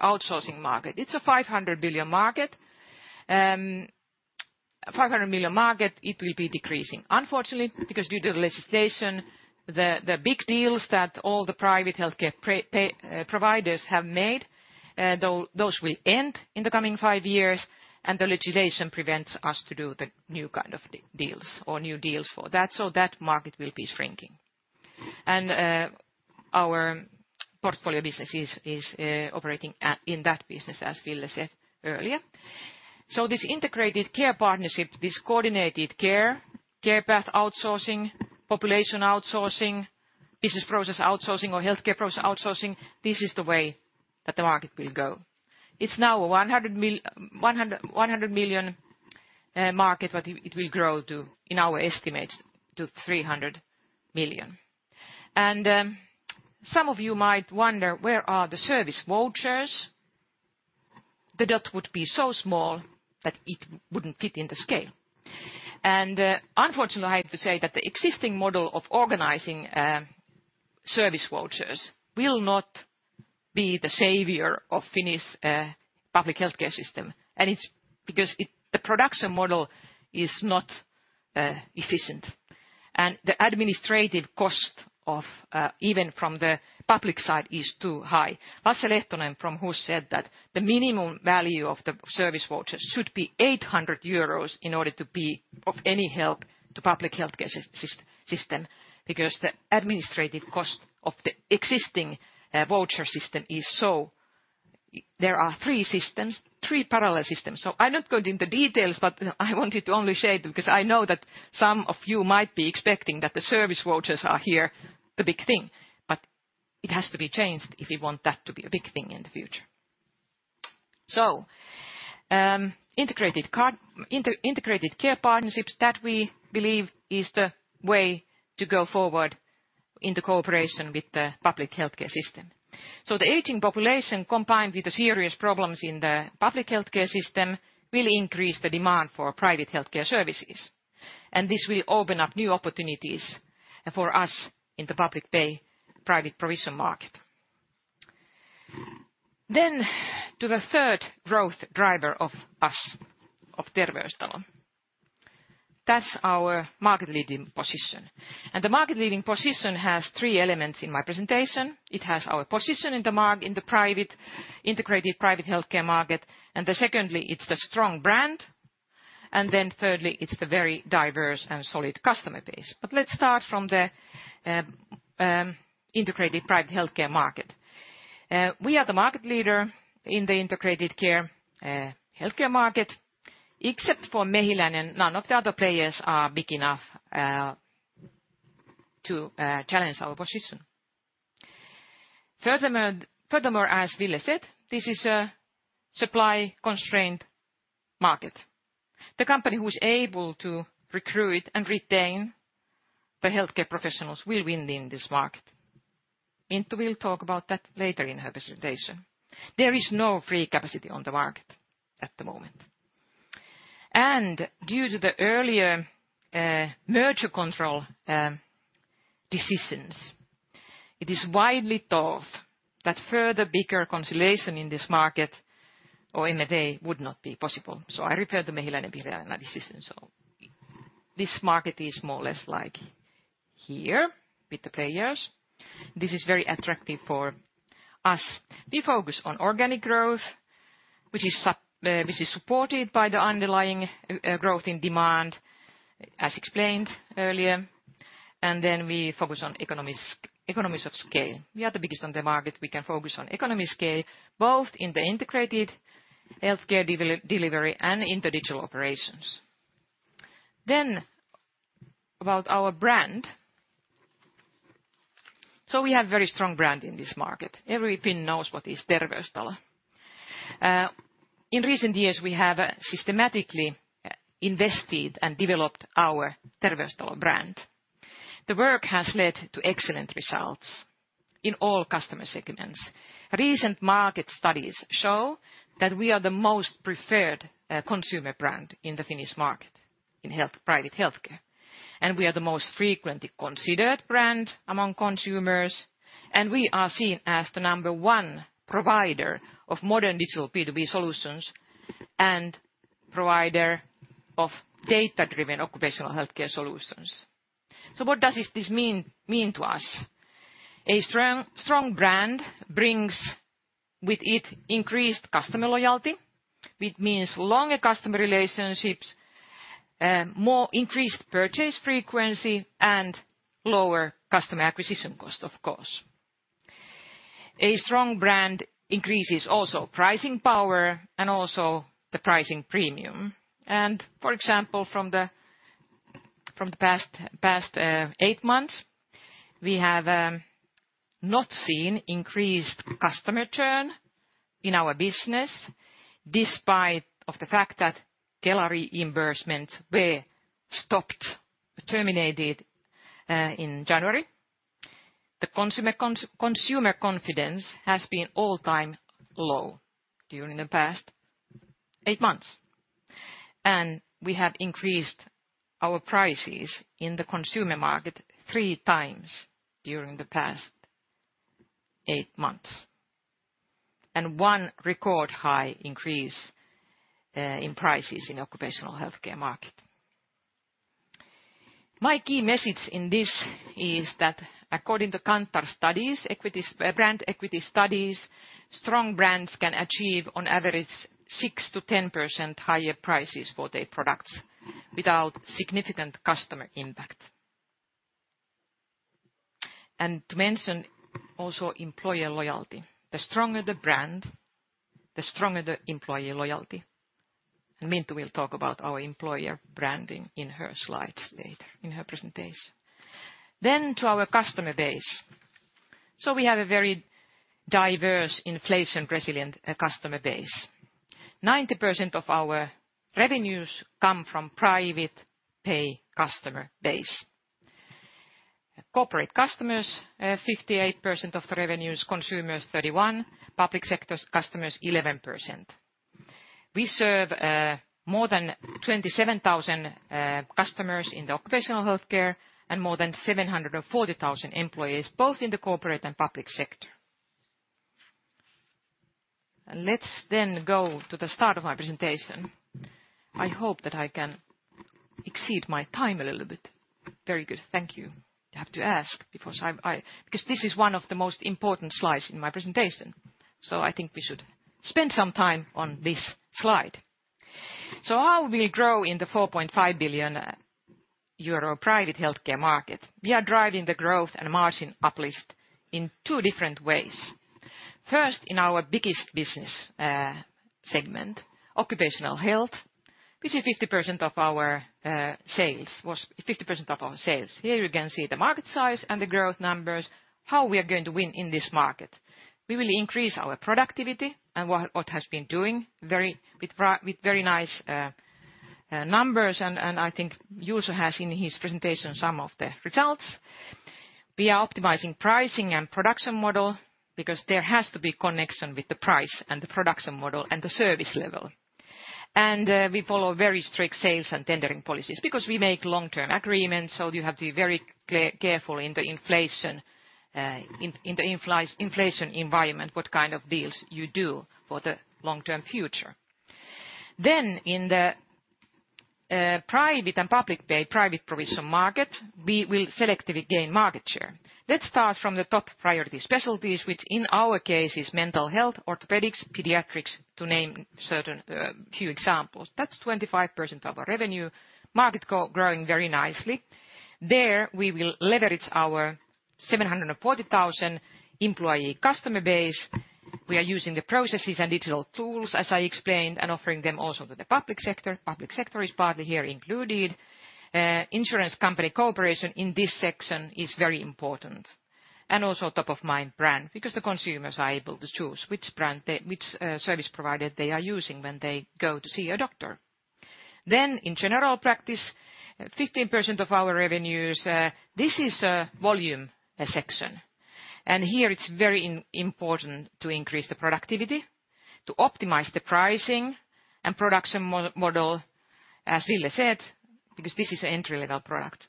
outsourcing market. It's a 500 billion market. 500 million market, it will be decreasing. Unfortunately, because due to the legislation, the big deals that all the private healthcare providers have made, those will end in the coming five years, and the legislation prevents us to do the new kind of deals or new deals for that. That market will be shrinking. Our portfolio business is operating in that business, as Ville said earlier. This integrated care partnership, this coordinated care path outsourcing, population outsourcing, business process outsourcing or healthcare process outsourcing, this is the way that the market will go. It's now a 100 million market, but it will grow to, in our estimates, to 300 million. Some of you might wonder where are the service vouchers. The dot would be so small that it wouldn't fit in the scale. Unfortunately, I have to say that the existing model of organizing service vouchers will not be the savior of Finnish public healthcare system. It's because the production model is not efficient, and the administrative cost of even from the public side is too high. Lasse Lehtonen from HUS said that the minimum value of the service vouchers should be 800 euros in order to be of any help to public healthcare system because the administrative cost of the existing voucher system is so. There are three systems, three parallel systems. I'm not going into details, but I wanted to only share them because I know that some of you might be expecting that the service vouchers are here, the big thing, but it has to be changed if we want that to be a big thing in the future. Integrated care partnerships, that we believe is the way to go forward in the cooperation with the public healthcare system. The aging population, combined with the serious problems in the public healthcare system, will increase the demand for private healthcare services, and this will open up new opportunities for us in the public pay private provision market. To the third growth driver of us, of Terveystalo. That's our market-leading position. The market-leading position has three elements in my presentation. It has our position in the integrated private healthcare market, and the secondly, it's the strong brand, and thirdly, it's the very diverse and solid customer base. Let's start from the integrated private healthcare market. We are the market leader in the integrated care healthcare market. Except for Mehiläinen, none of the other players are big enough to challenge our position. Furthermore, as Ville said, this is a supply-constrained market. The company who is able to recruit and retain the healthcare professionals will win in this market. Minttu will talk about that later in her presentation. There is no free capacity on the market at the moment. Due to the earlier merger control decisions, it is widely thought that further bigger consolidation in this market or M&A would not be possible. I referred to Mehiläinen-Vielä decision, this market is more or less like here with the players. This is very attractive for us. We focus on organic growth, which is supported by the underlying growth in demand, as explained earlier, we focus on economies of scale. We are the biggest on the market. We can focus on economy scale, both in the integrated healthcare delivery and in the digital operations. About our brand. We have very strong brand in this market. Every Finn knows what is Terveystalo. In recent years, we have systematically invested and developed our Terveystalo brand. The work has led to excellent results in all customer segments. Recent market studies show that we are the most preferred consumer brand in the Finnish market in private healthcare, and we are the most frequently considered brand among consumers, and we are seen as the number one provider of modern digital B2B solutions and provider of data-driven occupational healthcare solutions. What does this mean to us? A strong brand brings with it increased customer loyalty, which means longer customer relationships, more increased purchase frequency, and lower customer acquisition cost, of course. A strong brand increases also pricing power and also the pricing premium. For example, from the past eight months, we have not seen increased customer churn in our business, despite the fact that Kela reimbursements were stopped, terminated in January. The consumer confidence has been all-time low during the past eight months. We have increased our prices in the consumer market three times during the past eight months, and one record high increase in prices in occupational healthcare market. My key message in this is that according to Kantar Studies, brand equity studies, strong brands can achieve on average 6%-10% higher prices for their products without significant customer impact. To mention also employer loyalty. The stronger the brand, the stronger the employee loyalty. Minttu will talk about our employer branding in her slides later in her presentation. To our customer base. We have a very diverse inflation-resilient customer base. 90% of our revenues come from private pay customer base. Corporate customers, 58% of the revenues, consumers 31%, public sectors customers 11%. We serve more than 27,000 customers in the occupational health care and more than 740,000 employees, both in the corporate and public sector. Let's then go to the start of my presentation. I hope that I can exceed my time a little bit. Very good. Thank you. I have to ask because I've, because this is one of the most important slides in my presentation, I think we should spend some time on this slide. How we grow in the 4.5 billion euro private healthcare market? We are driving the growth and margin uplift in two different ways. First, in our biggest business segment, occupational health, was 50% of our sales. Here you can see the market size and the growth numbers, how we are going to win in this market. We will increase our productivity and what has been doing very with very nice numbers and I think Juuso has in his presentation some of the results. We are optimizing pricing and production model because there has to be connection with the price and the production model and the service level. we follow very strict sales and tendering policies because we make long-term agreements, so you have to be very careful in the inflation environment, what kind of deals you do for the long-term future. In the private and public pay, private provision market, we will selectively gain market share. Let's start from the top priority specialties, which in our case is mental health, orthopedics, pediatrics, to name certain few examples. That's 25% of our revenue. Market growing very nicely. There, we will leverage our 740,000 employee customer base. We are using the processes and digital tools, as I explained, and offering them also to the public sector. Public sector is partly here included. Insurance company cooperation in this section is very important. Also top of mind brand, because the consumers are able to choose which brand which service provider they are using when they go to see a doctor. In general practice, 15% of our revenues, this is a volume section. Here it's very important to increase the productivity, to optimize the pricing and production model, as Ville said, because this is an entry-level product.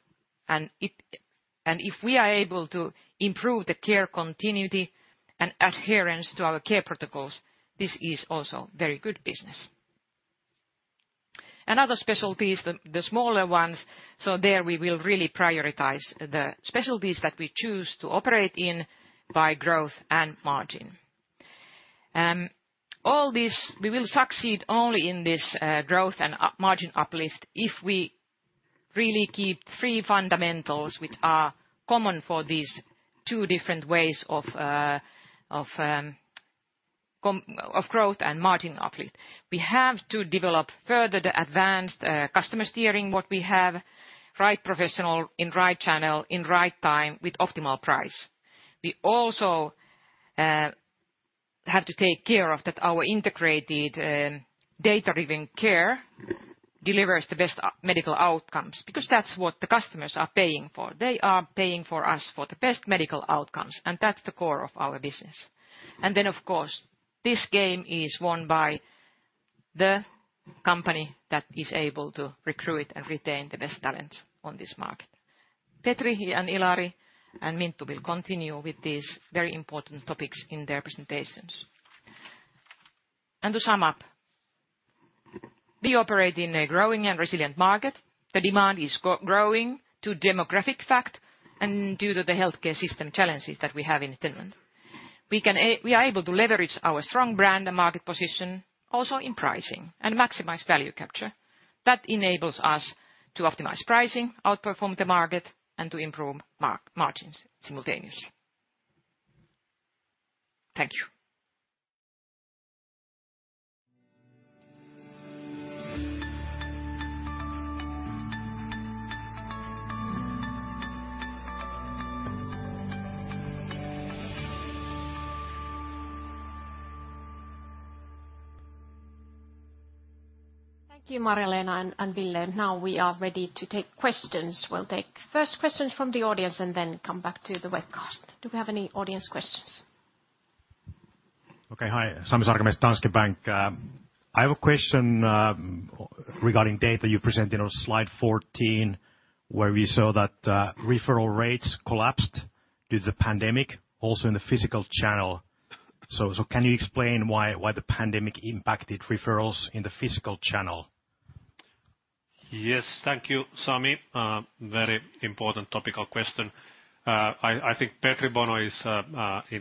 If we are able to improve the care continuity and adherence to our care protocols, this is also very good business. Other specialties, the smaller ones, there we will really prioritize the specialties that we choose to operate in by growth and margin. All this, we will succeed only in this growth and margin uplift if we really keep three fundamentals which are common for these two different ways of of growth and margin uplift. We have to develop further the advanced customer steering what we have, right professional in right channel in right time with optimal price. We also have to take care of that our integrated, data-driven care delivers the best medical outcomes, because that's what the customers are paying for. They are paying for us for the best medical outcomes, that's the core of our business. Of course, this game is won by the company that is able to recruit and retain the best talents on this market. Petri and Ilari and Minttu will continue with these very important topics in their presentations. To sum up, we operate in a growing and resilient market. The demand is growing to demographic fact and due to the healthcare system challenges that we have in Finland. We are able to leverage our strong brand and market position also in pricing and maximize value capture. That enables us to optimize pricing, outperform the market, and to improve margins simultaneously. Thank you. Thank you, Marja-Leena and Ville. Now we are ready to take questions. We'll take first questions from the audience and then come back to the webcast. Do we have any audience questions? Okay. Hi. Sami Sarkamies, Danske Bank. I have a question regarding data you presented on slide 14, where we saw that referral rates collapsed due to the pandemic, also in the physical channel. Can you explain why the pandemic impacted referrals in the physical channel? Yes. Thank you, Sami. Very important topical question. I think Petri Bono is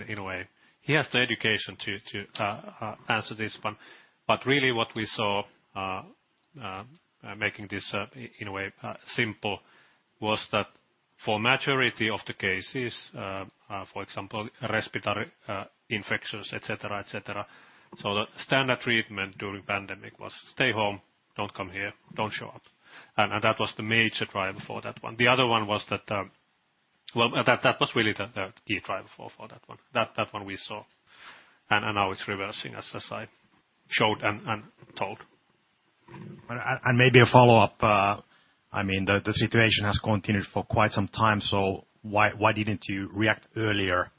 in a way, he has the education to answer this one. Really what we saw, making this in a way simple, was that for majority of the cases, for example, respiratory infections, et cetera, et cetera, so the standard treatment during pandemic was stay home, don't come here, don't show up. That was the major driver for that one. The other one was that, Well, that was really the key driver for that one. That one we saw, and now it's reversing, as I showed and told. Maybe a follow-up. I mean, the situation has continued for quite some time, so why didn't you react earlier?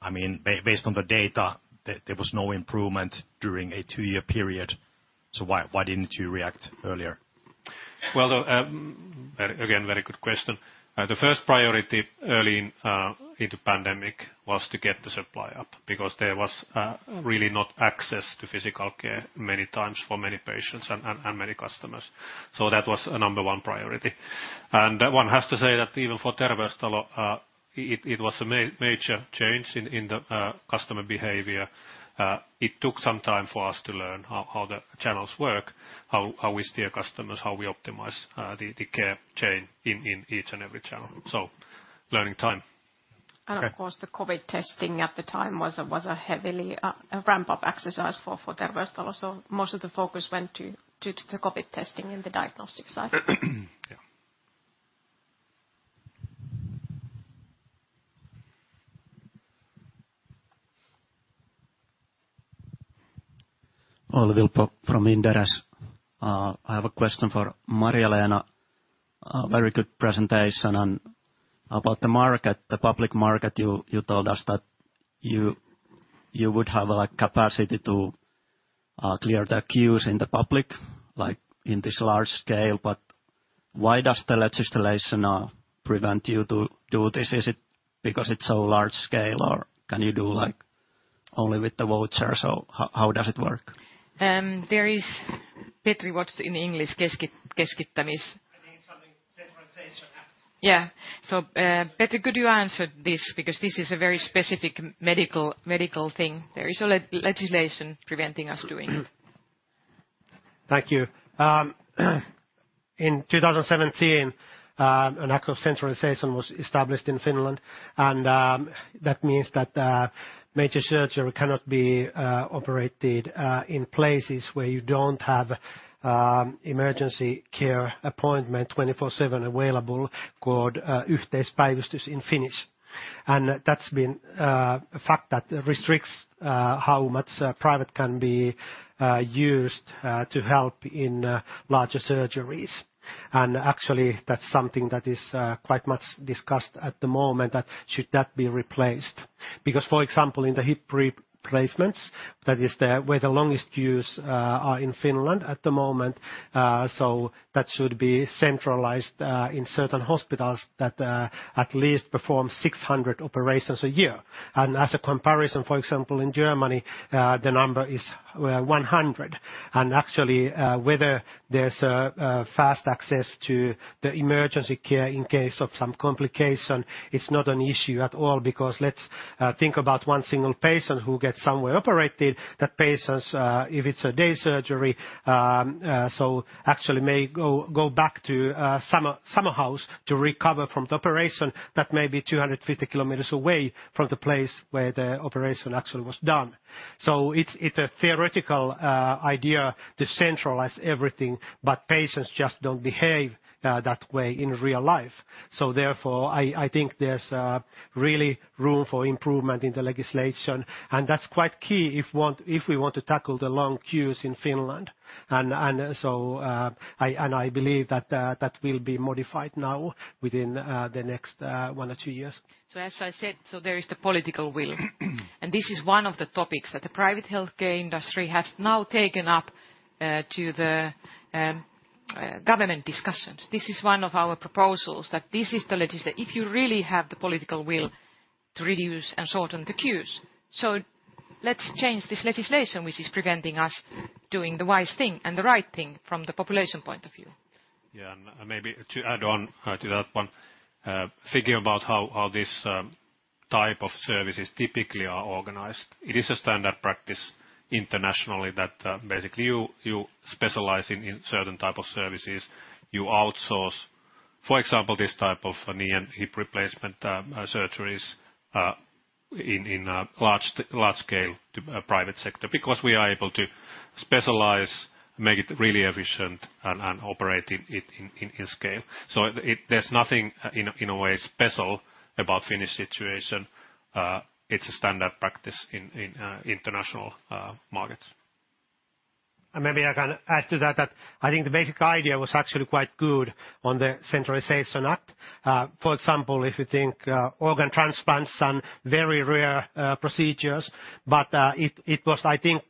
I mean, based on the data, there was no improvement during a 2-year period, so why didn't you react earlier? Well, again, very good question. The first priority early in into pandemic was to get the supply up because there was really not access to physical care many times for many patients and many customers. That was a number one priority. One has to say that even for Terveystalo, it was a major change in the customer behavior. It took some time for us to learn how the channels work, how we steer customers, how we optimize the care chain in each and every channel. Learning time. Of course, the COVID testing at the time was a heavily ramp-up exercise for Terveystalo. Most of the focus went to the COVID testing in the diagnostic side. Yeah. Olli Vilppo from Inderes. I have a question for Marja-Leena. A very good presentation. About the market, the public market, you told us that you would have like, capacity to clear the queues in the public, like in this large scale. Why does the legislation prevent you to do this? Is it because it's so large scale or can you do like, only with the voucher? How does it work? There is Petri, what's in English, kaihileikkaus? I think something Centralization Act. Yeah. Petri, could you answer this? Because this is a very specific medical thing. There is a legislation preventing us doing this. Thank you. In 2017, the Centralization Act was established in Finland. That means that major surgery cannot be operated in places where you don't have emergency care appointment 24/7 available, called hoitotakuu in Finnish. That's been a fact that restricts how much private can be used to help in larger surgeries. Actually that's something that is quite much discussed at the moment that should that be replaced. For example, in the hip replacements, that is where the longest queues are in Finland at the moment. That should be centralized in certain hospitals that at least perform 600 operations a year. As a comparison, for example, in Germany, the number is 100. Actually, whether there's a fast access to the emergency care in case of some complication, it's not an issue at all because let's think about one single patient who gets somewhere operated. That patient, if it's a day surgery, actually may go back to a summer house to recover from the operation that may be 250 km away from the place where the operation actually was done. It's a theoretical idea to centralize everything, but patients just don't behave that way in real life. Therefore, I think there's really room for improvement in the legislation, and that's quite key if we want to tackle the long queues in Finland. I believe that will be modified now within the next one or two years. As I said, there is the political will. This is one of the topics that the private healthcare industry has now taken up to the government discussions. This is one of our proposals that this is if you really have the political will to reduce and shorten the queues. Let's change this legislation which is preventing us doing the wise thing and the right thing from the population point of view. Yeah. Maybe to add on, to that one, thinking about how this type of services typically are organized, it is a standard practice internationally that, basically you specialize in certain type of services. You outsource, for example, this type of knee and hip replacement, surgeries, in a large scale to private sector because we are able to specialize, make it really efficient and operate it in scale. There's nothing in a, in a way special about Finnish situation. It's a standard practice in international markets. Maybe I can add to that I think the basic idea was actually quite good on the Centralization Act. For example, if you think, organ transplants are very rare procedures, but it was, I think,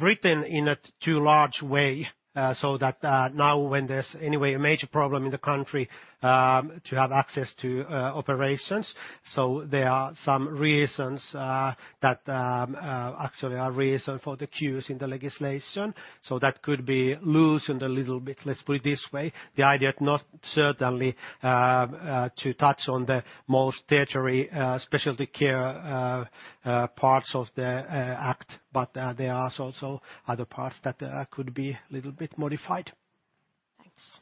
written in a too large way, so that now when there's anyway a major problem in the country, to have access to operations. There are some reasons that actually are reason for the queues in the legislation. That could be loosened a little bit, let's put it this way. The idea is not certainly to touch on the more tertiary specialty care parts of the act, but there are also other parts that could be a little bit modified. Thanks.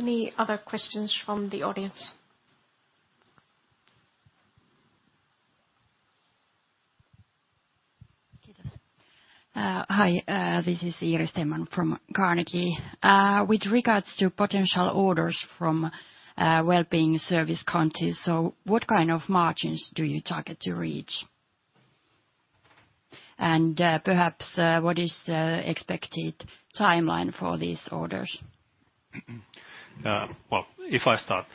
Any other questions from the audience? Hi, this is Iiris Theman from Carnegie. With regards to potential orders from wellbeing services counties, what kind of margins do you target to reach? Perhaps, what is expected timeline for these orders? Well, if I start.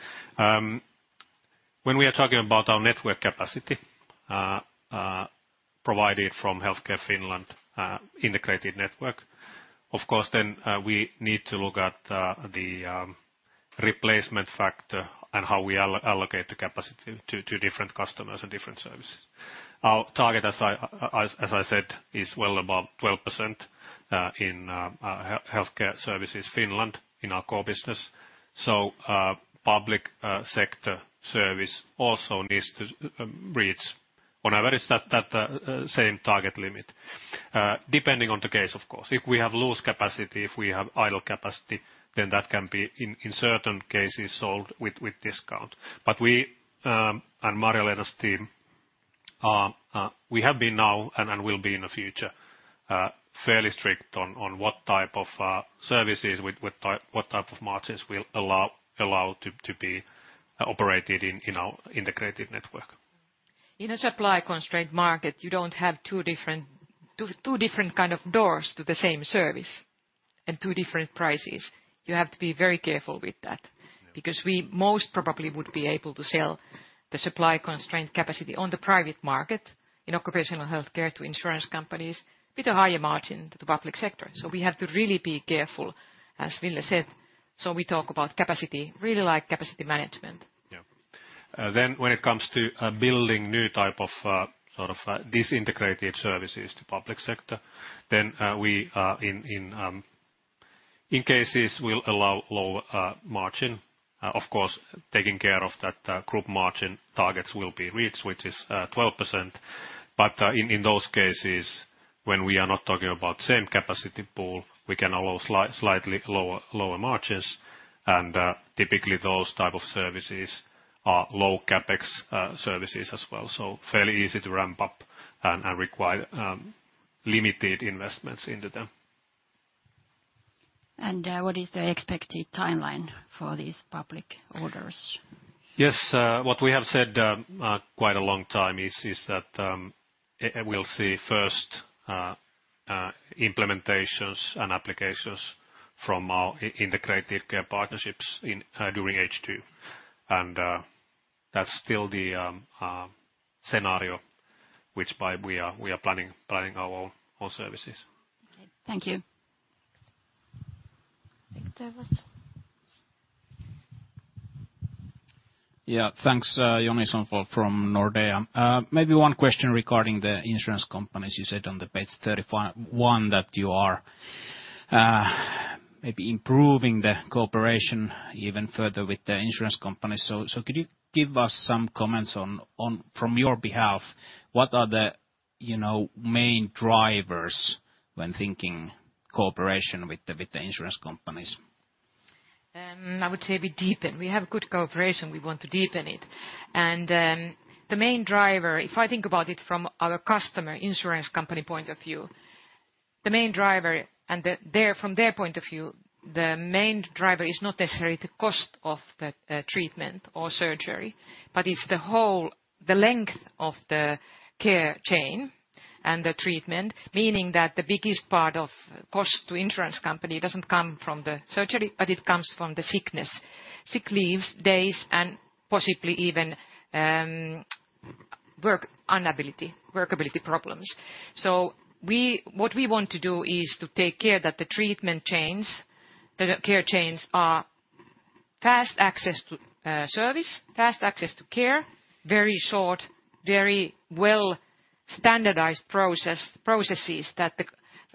When we are talking about our network capacity, uh, provided from Healthcare Finland, integrated network, of course, we need to look at the replacement factor and how we all-allocate the capacity to different customers and different services. Our target, as I said, is well above 12% in healthcare services Finland in our core business. Public sector service also needs to reach on average that same target limit. Depending on the case, of course. If we have loose capacity, if we have idle capacity, then that can be in certain cases solved with discount. We, and Marja-Leena's team, we have been now and will be in the future, fairly strict on what type of services with what type of margins we'll allow to be operated in our integrated network. In a supply-constrained market, you don't have two different kind of doors to the same service and two different prices. You have to be very careful with that. We most probably would be able to sell the supply-constrained capacity on the private market in occupational healthcare to insurance companies with a higher margin to public sector. We have to really be careful, as Ville said, we talk about capacity, really like capacity management. Yeah. When it comes to building new type of sort of disintegrated services to public sector, then we in in cases will allow low margin. Of course, taking care of that group margin targets will be reached, which is 12%. In those cases, when we are not talking about same capacity pool, we can allow slightly lower margins and typically, those type of services are low CapEx services as well, so fairly easy to ramp up and require limited investments into them. What is the expected timeline for these public orders? Yes. What we have said quite a long time is that we'll see first implementations and applications from our integrated care partnerships in, during H2. That's still the scenario which by we are planning our services. Okay. Thank you. Victor Yeah. Thanks. Joni Sonn from Nordea. Maybe one question regarding the insurance companies. You said on the page 31 that you are maybe improving the cooperation even further with the insurance companies. Could you give us some comments on, from your behalf, what are the, you know, main drivers when thinking cooperation with the insurance companies? I would say we deepen. We have good cooperation. We want to deepen it. The main driver, if I think about it from our customer insurance company point of view, the main driver from their point of view, the main driver is not necessarily the cost of the treatment or surgery, but it's the whole, the length of the care chain and the treatment, meaning that the biggest part of cost to insurance company doesn't come from the surgery, but it comes from the sickness. Sick leaves, days, and possibly even work ability problems. We, what we want to do is to take care that the treatment chains, the care chains are fast access to service, fast access to care, very short, very well-standardized processes that the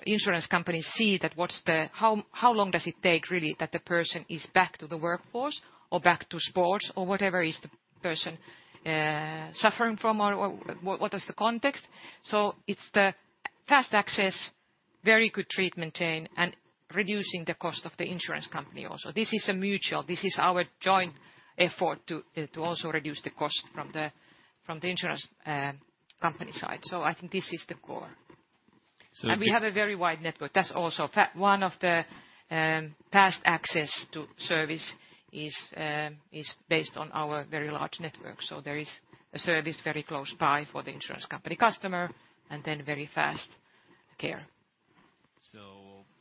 insurance companies see that what's the, how long does it take really that the person is back to the workforce or back to sports or whatever is the person suffering from or what is the context. It's the fast access, very good treatment chain, and reducing the cost of the insurance company also. This is a mutual. This is our joint effort to to also reduce the cost from the, from the insurance company side. I think this is the core. So we We have a very wide network. One of the fast access to service is based on our very large network. There is a service very close by for the insurance company customer and then very fast care.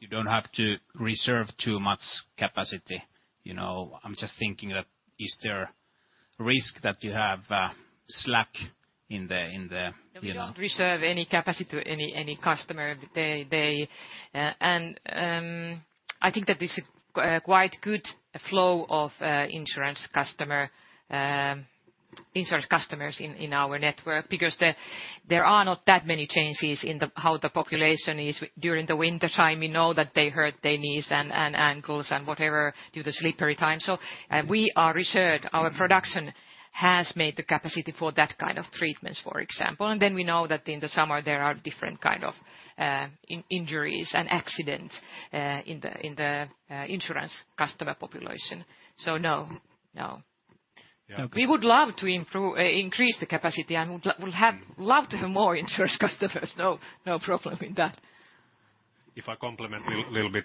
You don't have to reserve too much capacity, you know? I'm just thinking that is there risk that you have slack in the, you know? We don't reserve any capacity to any customer. They, and I think that this is quite good flow of insurance customer insurance customers in our network because there are not that many changes in the, how the population is during the wintertime. We know that they hurt their knees and ankles and whatever due to slippery time. We are reserved. Our production has made the capacity for that kind of treatments, for example. Then we know that in the summer there are different kind of injuries and accident in the insurance customer population. No. No. We would love to improve, increase the capacity and would love to have more insurance customers. No, no problem with that. If I complement little bit,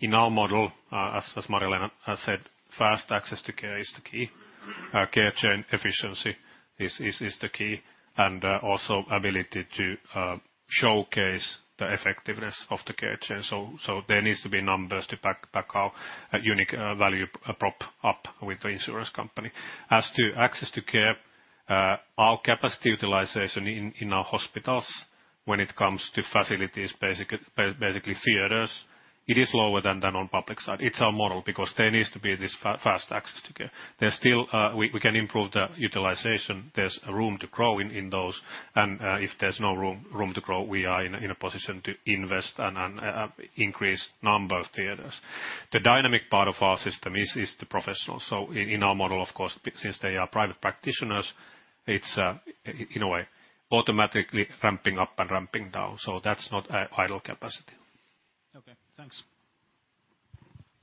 in our model, as Marja-Leena has said, fast access to care is the key. Care chain efficiency is the key and also ability to showcase the effectiveness of the care chain. There needs to be numbers to back our unique value prop up with the insurance company. As to access to care, our capacity utilization in our hospitals when it comes to facilities basically theaters, it is lower than on public side. It's our model because there needs to be this fast access to care. There's still we can improve the utilization. There's room to grow in those, and if there's no room to grow, we are in a position to invest and increase number of theaters. The dynamic part of our system is the professionals. In our model of course, since they are private practitioners, it's in a way automatically ramping up and ramping down. That's not idle capacity. Okay. Thanks.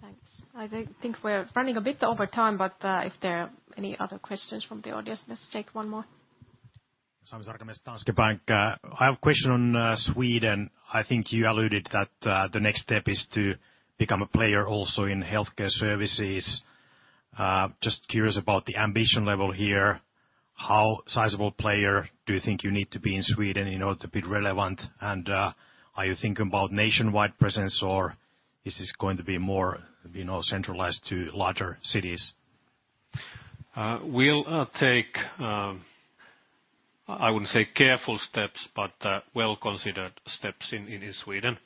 Thanks. I think we're running a bit over time, if there are any other questions from the audience, let's take one more. I have a question on Sweden. I think you alluded that the next step is to become a player also in healthcare services. Just curious about the ambition level here. How sizable player do you think you need to be in Sweden in order to be relevant, and are you thinking about nationwide presence, or is this going to be more, you know, centralized to larger cities? We'll take I wouldn't say careful steps, but well-considered steps in Sweden.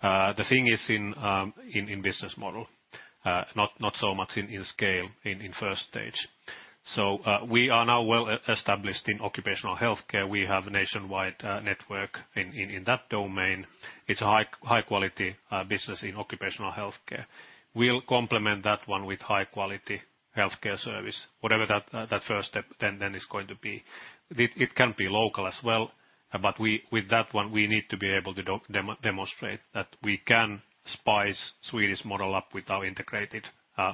The thing is in business model, not so much in scale in first stage. We are now well established in occupational healthcare. We have nationwide network in that domain. It's a high quality business in occupational healthcare. We'll complement that one with high quality healthcare service, whatever that first step then is going to be. It can be local as well, but with that one, we need to be able to demonstrate that we can spice Swedish model up with our integrated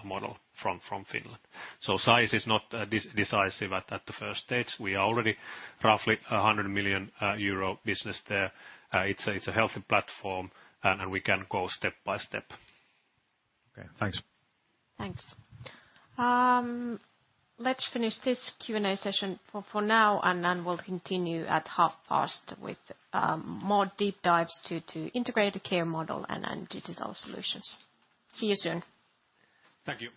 model from Finland. Size is not decisive at the first stage. We are already roughly a 100 million euro business there. It's a healthy platform and we can go step by step. Okay, thanks. Thanks. let's finish this Q&A session for now. Then we'll continue at half past with, more deep dives to integrated care model and digital solutions. See you soon. Thank you.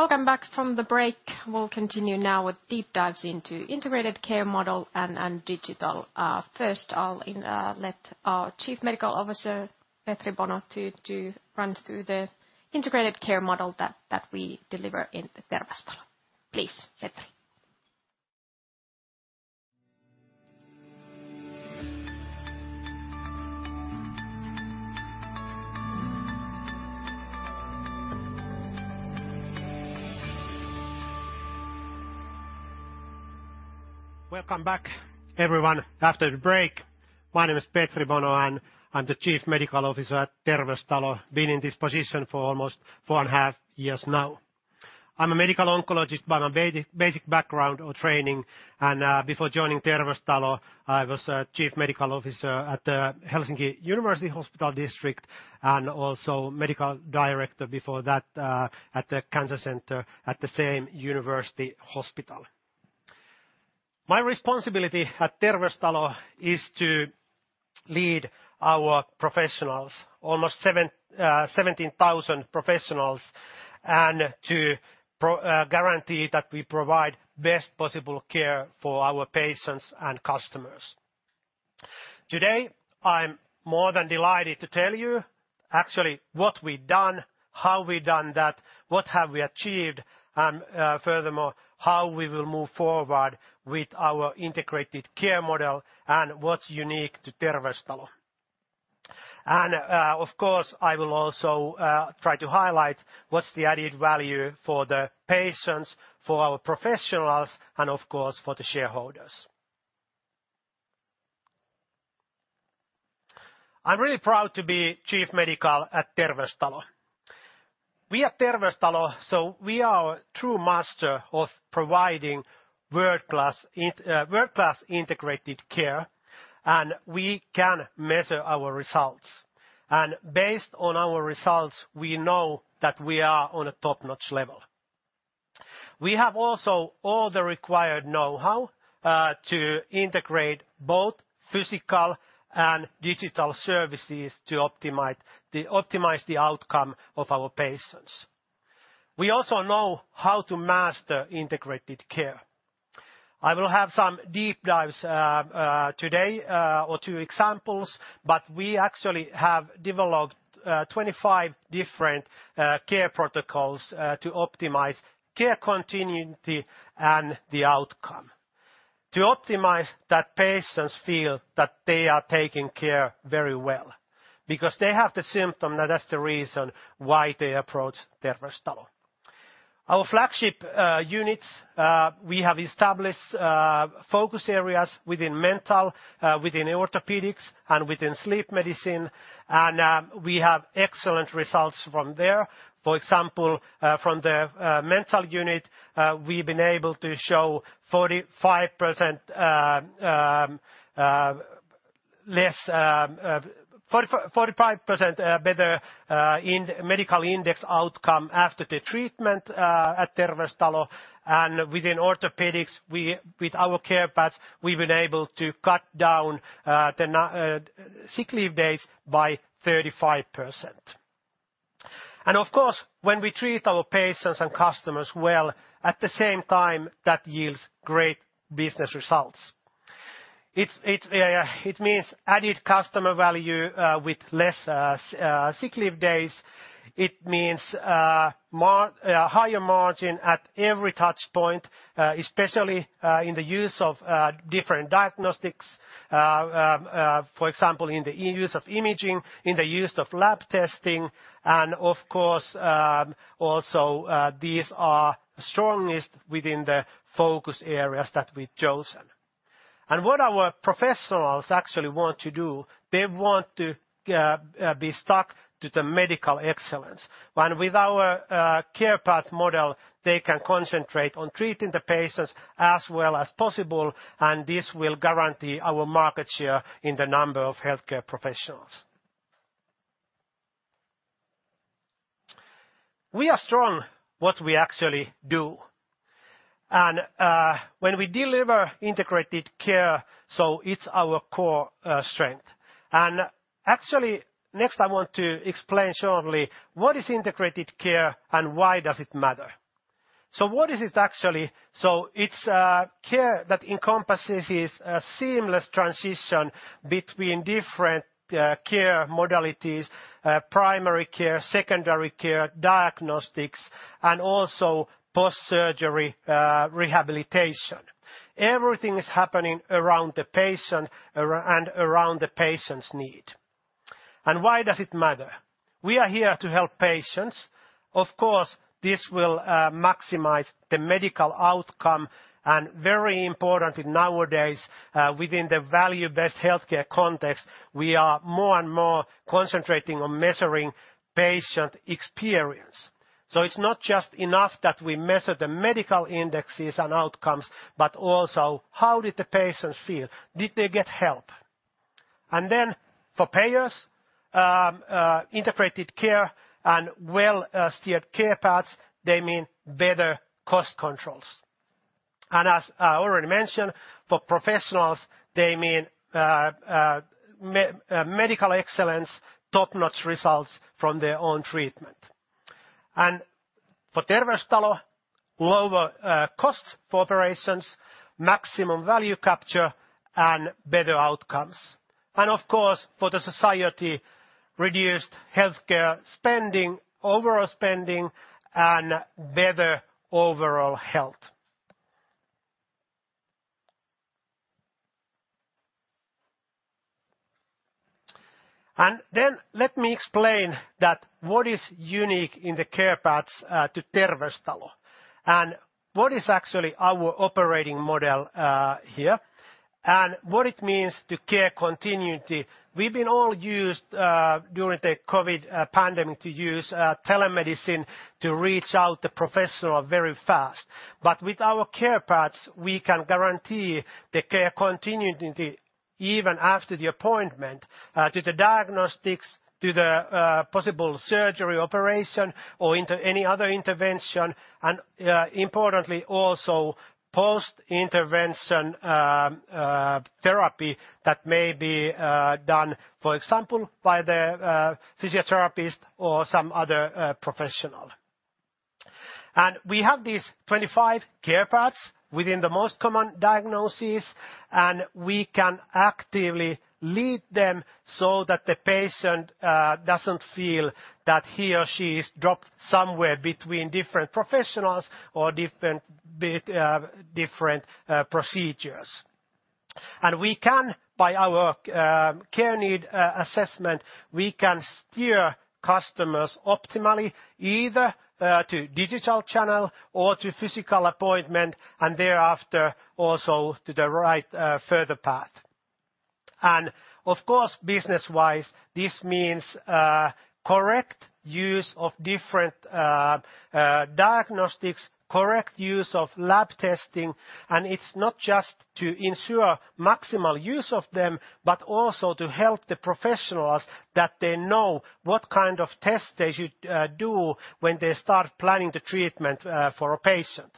Welcome back from the break. We'll continue now with deep dives into integrated care model and digital. First I'll let our Chief Medical Officer, Petri Bono to run through the integrated care model that we deliver in Terveystalo. Please, Petri. Welcome back, everyone, after the break. My name is Petri Bono. I'm the Chief Medical Officer at Terveystalo. Been in this position for almost 4.5 years now. I'm a medical oncologist by my basic background or training, and before joining Terveystalo, I was a Chief Medical Officer at the Helsinki University Hospital District, and also Medical Director before that, at the Cancer Center at the same university hospital. My responsibility at Terveystalo is to lead our professionals, almost 17,000 professionals, and to guarantee that we provide best possible care for our patients and customers. Today, I'm more than delighted to tell you actually what we've done, how we've done that, what have we achieved, and furthermore, how we will move forward with our integrated care model and what's unique to Terveystalo. Of course, I will also try to highlight what's the added value for the patients, for our professionals and of course, for the shareholders. I'm really proud to be Chief Medical at Terveystalo. We at Terveystalo are a true master of providing world-class integrated care, and we can measure our results, and based on our results, we know that we are on a top-notch level. We have also all the required know-how to integrate both physical and digital services to optimize the outcome of our patients. We also know how to master integrated care. I will have some deep dives today or two examples, but we actually have developed 25 different care protocols to optimize care continuity and the outcome. To optimize that patients feel that they are taken care very well because they have the symptom, and that's the reason why they approach Terveystalo. Our flagship units, we have established focus areas within mental, within orthopedics, and within sleep medicine, and we have excellent results from there. For example, from the mental unit, we've been able to show 45% less, 45% better medical index outcome after the treatment at Terveystalo, and within orthopedics, with our care paths, we've been able to cut down sick leave days by 35%. Of course, when we treat our patients and customers well, at the same time, that yields great business results. It's, it's, it means added customer value with less sick leave days. It means higher margin at every touch point, especially in the use of different diagnostics, for example, in the use of imaging, in the use of lab testing, and of course, also, these are strongest within the focus areas that we've chosen. What our professionals actually want to do, they want to be stuck to the medical excellence, and with our care path model, they can concentrate on treating the patients as well as possible, and this will guarantee our market share in the number of healthcare professionals. We are strong what we actually do, and when we deliver integrated care, it's our core strength. Actually, next I want to explain shortly what is integrated care and why does it matter. What is it actually? It's care that encompasses a seamless transition between different care modalities, primary care, secondary care, diagnostics, and also post-surgery rehabilitation. Everything is happening around the patient and around the patient's need. Why does it matter? We are here to help patients. Of course, this will maximize the medical outcome, and very important nowadays, within the value-based healthcare context, we are more and more concentrating on measuring patient experience. It's not just enough that we measure the medical indexes and outcomes, but also how did the patients feel? Did they get help? For payers, integrated care and well steered care paths, they mean better cost controls. As I already mentioned, for professionals, they mean medical excellence, top-notch results from their own treatment. For Terveystalo, lower costs for operations, maximum value capture, and better outcomes. Of course, for the society, reduced healthcare spending, overall spending, and better overall health. Let me explain that what is unique in the care paths to Terveystalo and what is actually our operating model here, and what it means to care continuity. We've been all used during the COVID pandemic to use telemedicine to reach out to professional very fast. With our care paths, we can guarantee the care continuity even after the appointment, to the diagnostics, to the possible surgery operation or into any other intervention, and importantly, also post-intervention therapy that may be done, for example, by the physiotherapist or some other professional. We have these 25 care paths within the most common diagnosis, and we can actively lead them so that the patient, doesn't feel that he or she is dropped somewhere between different professionals or different procedures. By our care need assessment, we can steer customers optimally either, to digital channel or to physical appointment, and thereafter also to the right, further path. Of course, business-wise, this means, correct use of different diagnostics, correct use of lab testing, and it's not just to ensure maximal use of them, but also to help the professionals that they know what kind of tests they should, do when they start planning the treatment, for a patient.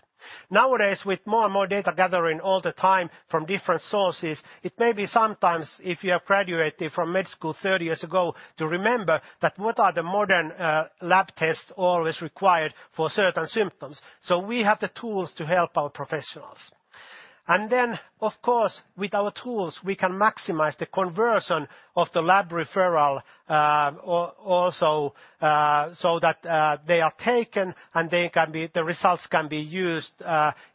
Nowadays, with more and more data gathering all the time from different sources, it may be sometimes if you have graduated from med school 30 years ago to remember that what are the modern lab tests always required for certain symptoms, We have the tools to help our professionals. Of course, with our tools, we can maximize the conversion of the lab referral, or also that they are taken and the results can be used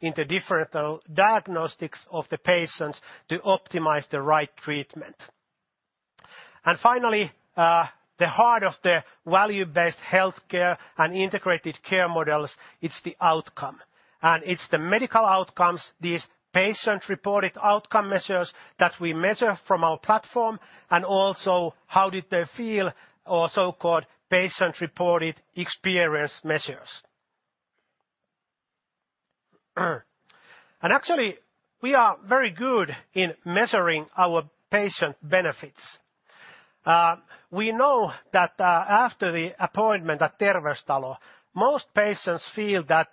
in the different diagnostics of the patients to optimize the right treatment. Finally, the heart of the value-based healthcare and integrated care models, it's the outcome. It's the medical outcomes, these patient-reported outcome measures that we measure from our platform, and also how did they feel, or so-called patient-reported experience measures. Actually, we are very good in measuring our patient benefits. We know that after the appointment at Terveystalo, most patients feel that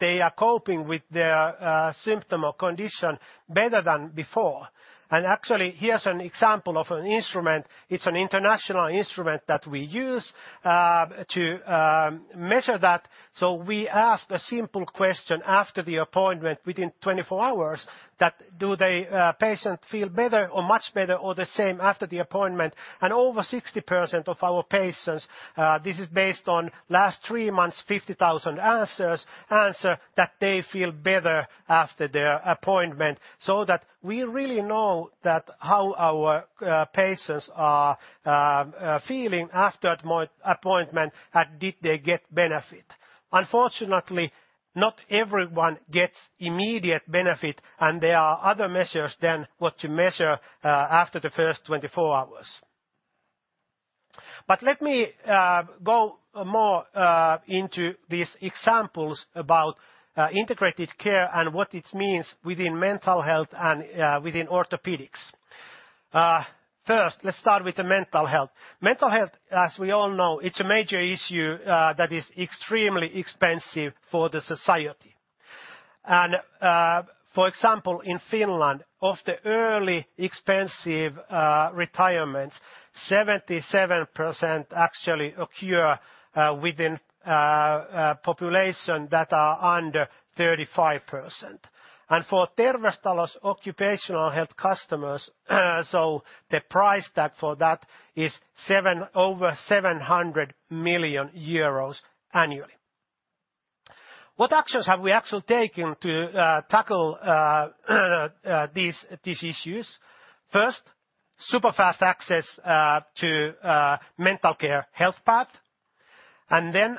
they are coping with their symptom or condition better than before. Actually, here's an example of an instrument. It's an international instrument that we use to measure that. We ask a simple question after the appointment within 24 hours that do they patient feel better or much better or the same after the appointment? Over 60% of our patients, this is based on last three months, 50,000 answers, answer that they feel better after their appointment, so that we really know that how our patients are feeling after appointment and did they get benefit. Unfortunately, not everyone gets immediate benefit, and there are other measures than what you measure after the first 24 hours. Let me go more into these examples about integrated care and what it means within mental health and within orthopedics. First, let's start with the mental health. Mental health, as we all know, it's a major issue that is extremely expensive for the society. For example, in Finland, of the early expensive retirements, 77% actually occur within population that are under 35%. For Terveystalo's occupational health customers, the price tag for that is over 700 million euros annually. What actions have we actually taken to tackle these issues? First, super fast access to mental care health path. Then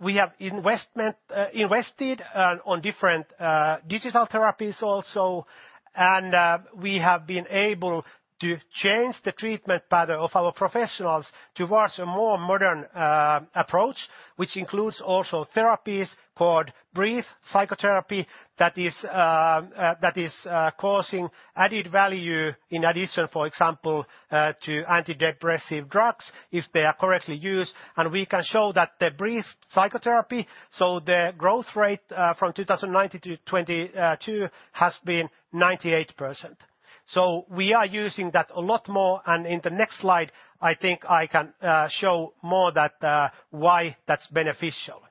we have investment invested on different digital therapies also. We have been able to change the treatment pattern of our professionals towards a more modern approach, which includes also therapies called brief psychotherapy that is that is causing added value in addition, for example, to antidepressive drugs if they are correctly used. We can show that the brief psychotherapy, so the growth rate from 2019 to 2022 has been 98%. So we are using that a lot more. In the next slide, I think I can show more that why that's beneficial.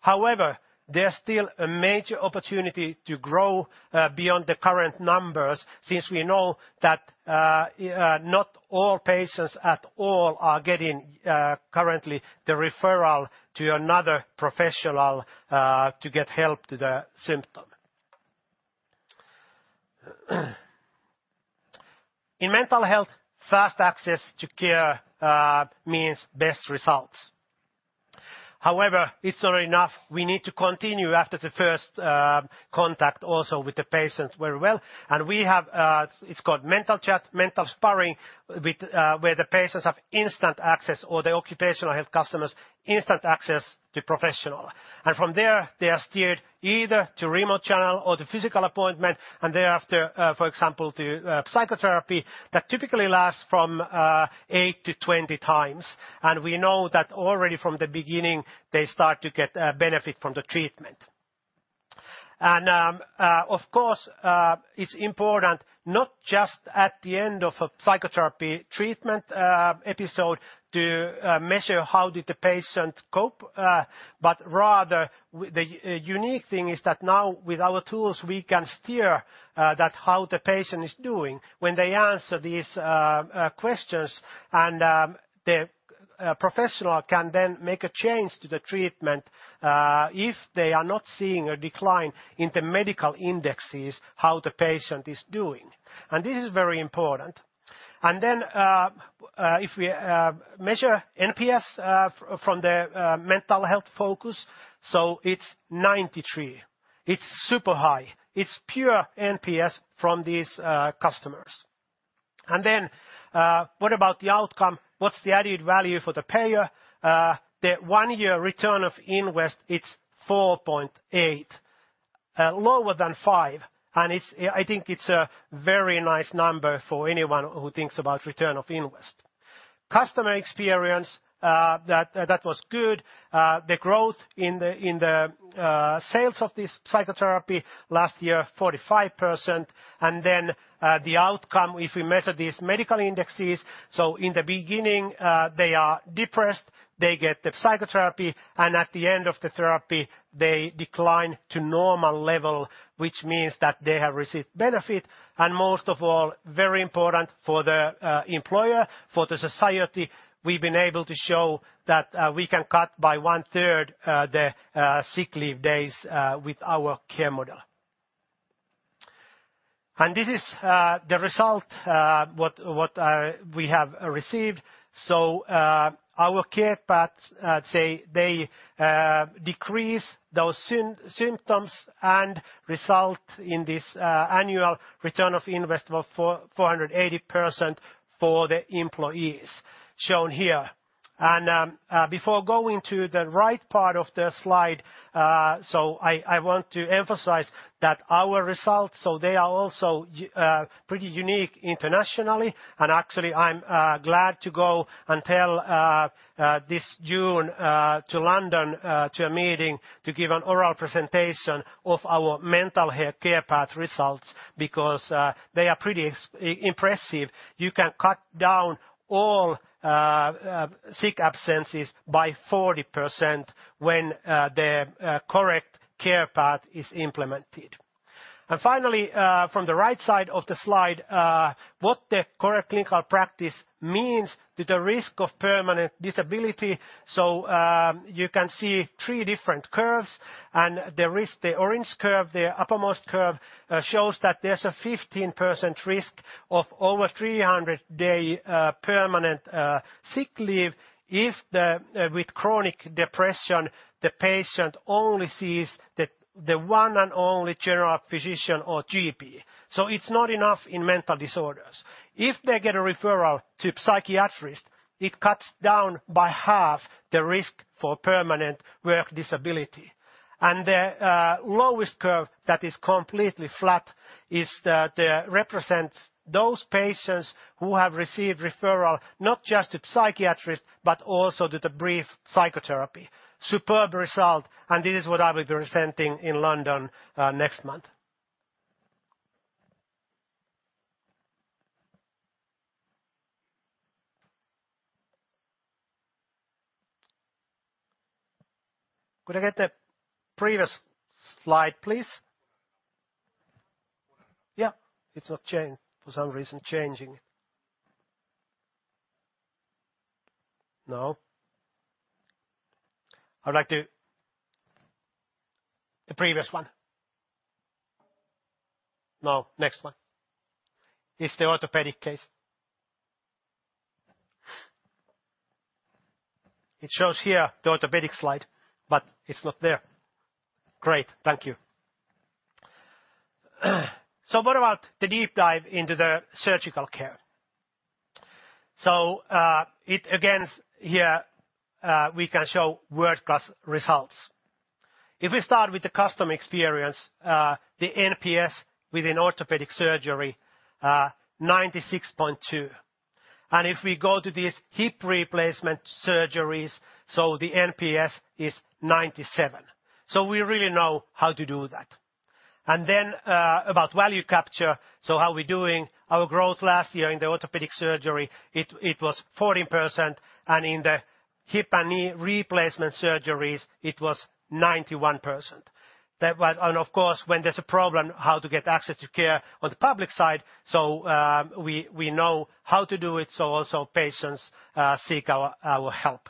However, there's still a major opportunity to grow beyond the current numbers since we know that not all patients at all are getting currently the referral to another professional to get help to their symptom. In mental health, fast access to care means best results. However, it's not enough. We need to continue after the first contact also with the patients very well, and we have, it's called Mental chat, Mental sparri with, where the patients have instant access or the occupational health customers instant access to professional. From there, they are steered either to remote channel or to physical appointment, and thereafter, for example, to psychotherapy that typically lasts from eight to 20 times. We know that already from the beginning, they start to get benefit from the treatment. Of course, it's important not just at the end of a psychotherapy treatment episode to measure how did the patient cope, but rather the unique thing is that now with our tools we can steer that how the patient is doing when they answer these questions and the professional can then make a change to the treatment if they are not seeing a decline in the medical indexes how the patient is doing. This is very important. If we measure NPS from the mental health focus, it's 93. It's super high. It's pure NPS from these customers. What about the outcome? What's the added value for the payer? The one-year return of invest, it's 4.8 lower than five, and it's I think it's a very nice number for anyone who thinks about return of invest. Customer experience, that was good. The growth in the sales of this psychotherapy last year, 45%. The outcome, if we measure these medical indexes, so in the beginning, they are depressed, they get the psychotherapy, and at the end of the therapy, they decline to normal level, which means that they have received benefit. Most of all, very important for the employer, for the society, we've been able to show that we can cut by one-third the sick leave days with our care model. This is the result what we have received. Our care paths say they decrease those symptoms and result in this annual return of investment of 480% for the employees shown here. Before going to the right part of the slide, I want to emphasize that our results, so they are also pretty unique internationally. Actually, I'm glad to go and tell this June to London to a meeting to give an oral presentation of our mental health care path results because they are pretty impressive. You can cut down all sick absences by 40% when the correct care path is implemented. Finally, from the right side of the slide, what the correct clinical practice means to the risk of permanent disability. You can see three different curves, and the risk, the orange curve, the uppermost curve, shows that there's a 15% risk of over 300 day permanent sick leave if with chronic depression, the patient only sees the one and only general physician or GP. It's not enough in mental disorders. If they get a referral to psychiatrist, it cuts down by half the risk for permanent work disability. The lowest curve that is completely flat represents those patients who have received referral not just to psychiatrist, but also to the brief psychotherapy. Superb result, this is what I'll be presenting in London next month. Could I get the previous slide, please? Yeah. It's not for some reason changing. No. The previous one. No, next one. It's the orthopedic case. It shows here the orthopedic slide, but it's not there. Great. Thank you. What about the deep dive into the surgical care? It again, here, we can show world-class results. If we start with the customer experience, the NPS within orthopedic surgery, 96.2. If we go to these hip replacement surgeries, the NPS is 97. We really know how to do that. Then, about value capture, how we're doing our growth last year in the orthopedic surgery, it was 14%, and in the hip and knee replacement surgeries it was 91%. Of course, when there's a problem, how to get access to care on the public side, we know how to do it, also patients seek our help.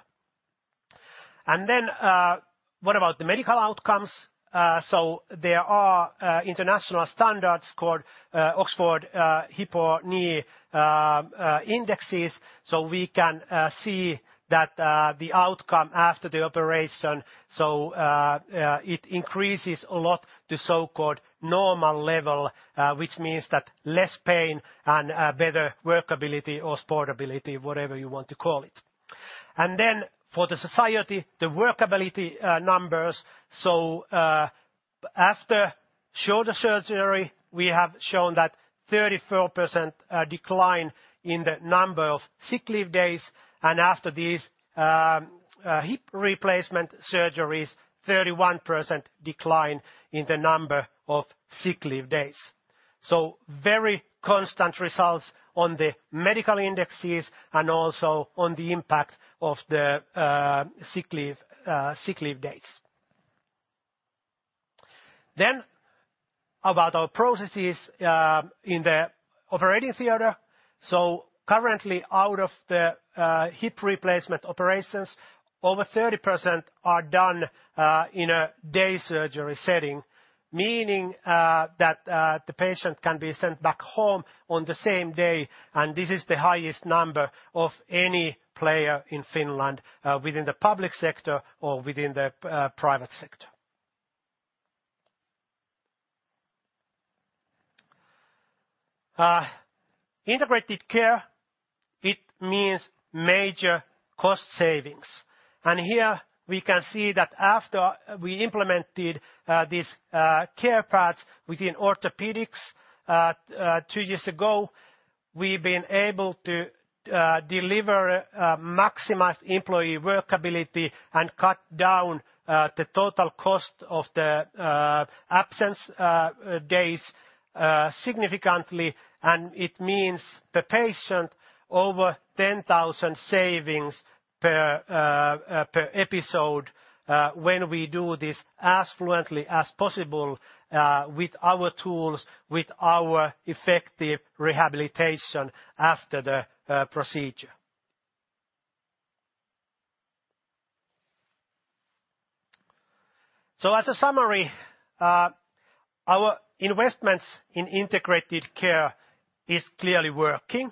What about the medical outcomes? There are international standards called Oxford Hip or Knee indexes. We can see that the outcome after the operation, it increases a lot to so-called normal level, which means that less pain and better workability or sportability, whatever you want to call it. For the society, the workability numbers, after shoulder surgery, we have shown that 34% decline in the number of sick leave days, and after these hip replacement surgeries, 31% decline in the number of sick leave days. Very constant results on the medical indexes and also on the impact of the sick leave days. About our processes in the operating theater, currently out of the hip replacement operations, over 30% are done in a day surgery setting, meaning that the patient can be sent back home on the same day, and this is the highest number of any player in Finland within the public sector or within the private sector. Integrated care, it means major cost savings. Here we can see that after we implemented these care parts within orthopedics 2 years ago, we've been able to deliver maximized employee workability and cut down the total cost of the absence days significantly. It means the patient over 10,000 savings per episode when we do this as fluently as possible with our tools, with our effective rehabilitation after the procedure. As a summary, our investments in integrated care is clearly working,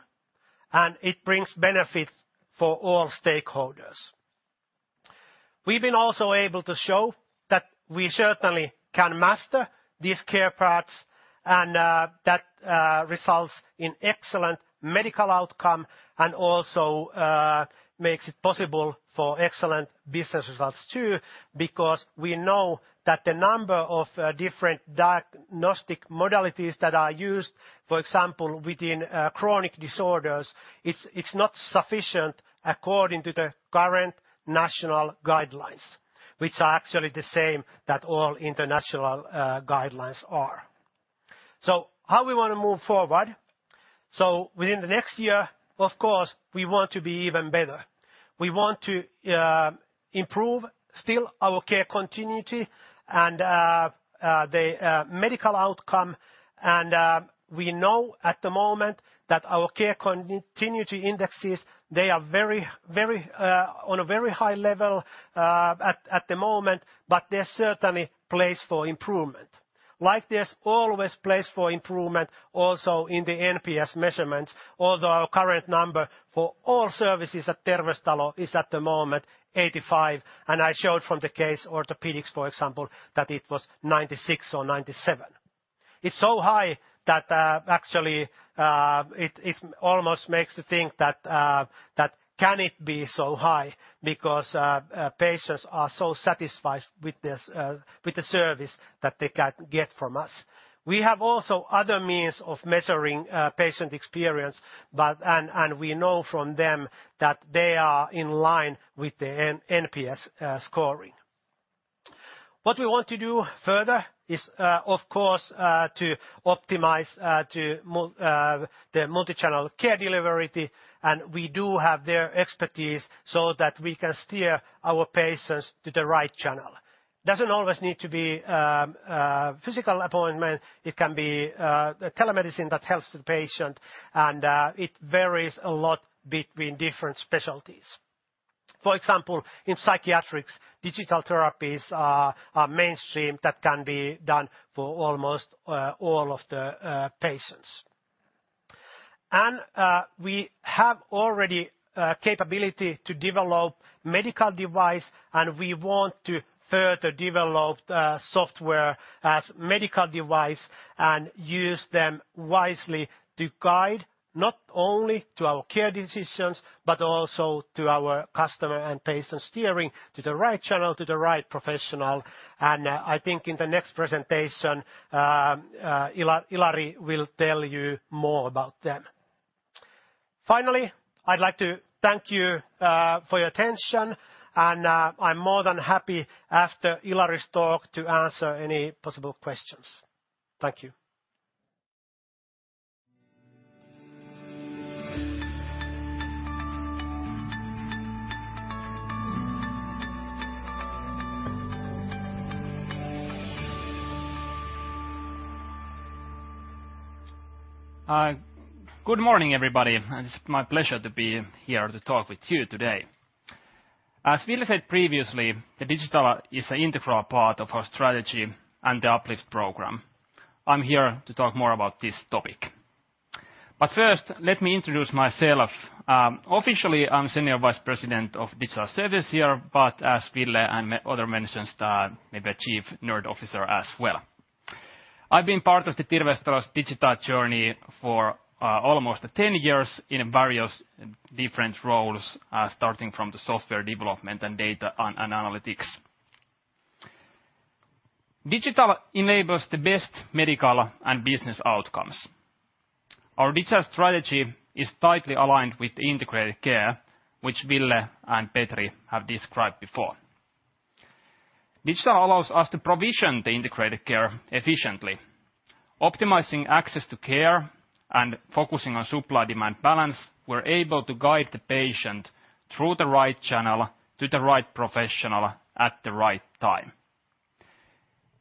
and it brings benefits for all stakeholders. We've been also able to show that we certainly can master these care parts, and that results in excellent medical outcome and also makes it possible for excellent business results too, because we know that the number of different diagnostic modalities that are used, for example, within chronic disorders, it's not sufficient according to the current national guidelines, which are actually the same that all international guidelines are. How we wanna move forward? Within the next year, of course, we want to be even better. We want to improve still our care continuity and the medical outcome. We know at the moment that our care continuity indexes, they are very, very on a very high level at the moment, but there's certainly place for improvement. Like there's always place for improvement also in the NPS measurements, although our current number for all services at Terveystalo is at the moment 85, and I showed from the case orthopedics, for example, that it was 96 or 97. It's so high that actually it almost makes to think that that can it be so high because patients are so satisfied with this with the service that they can get from us. We have also other means of measuring patient experience. We know from them that they are in line with the NPS scoring. What we want to do further is, of course, to optimize the multichannel care delivery. We do have their expertise so that we can steer our patients to the right channel. Doesn't always need to be a physical appointment. It can be telemedicine that helps the patient, and it varies a lot between different specialties. For example, in psychiatrics, digital therapies are mainstream that can be done for almost all of the patients. We have already a capability to develop medical device, and we want to further develop the Software as a Medical Device and use them wisely to guide not only to our care decisions, but also to our customer and patient steering to the right channel, to the right professional. I think in the next presentation, Ilari will tell you more about them. Finally, I'd like to thank you for your attention, I'm more than happy after Ilari's talk to answer any possible questions. Thank you. Good morning, everybody. It's my pleasure to be here to talk with you today. As Ville said previously, the digital is an integral part of our strategy and the uplift program. I'm here to talk more about this topic. First, let me introduce myself. Officially, I'm Senior Vice President of Digital Services, but as Ville and other mentions that may be Chief Nerd Officer as well. I've been part of the Terveystalo's digital journey for almost 10 years in various different roles, starting from the software development and data and analytics. Digital enables the best medical and business outcomes. Our digital strategy is tightly aligned with integrated care, which Ville and Petri have described before. Digital allows us to provision the integrated care efficiently, optimizing access to care and focusing on supply/demand balance. We're able to guide the patient through the right channel to the right professional at the right time.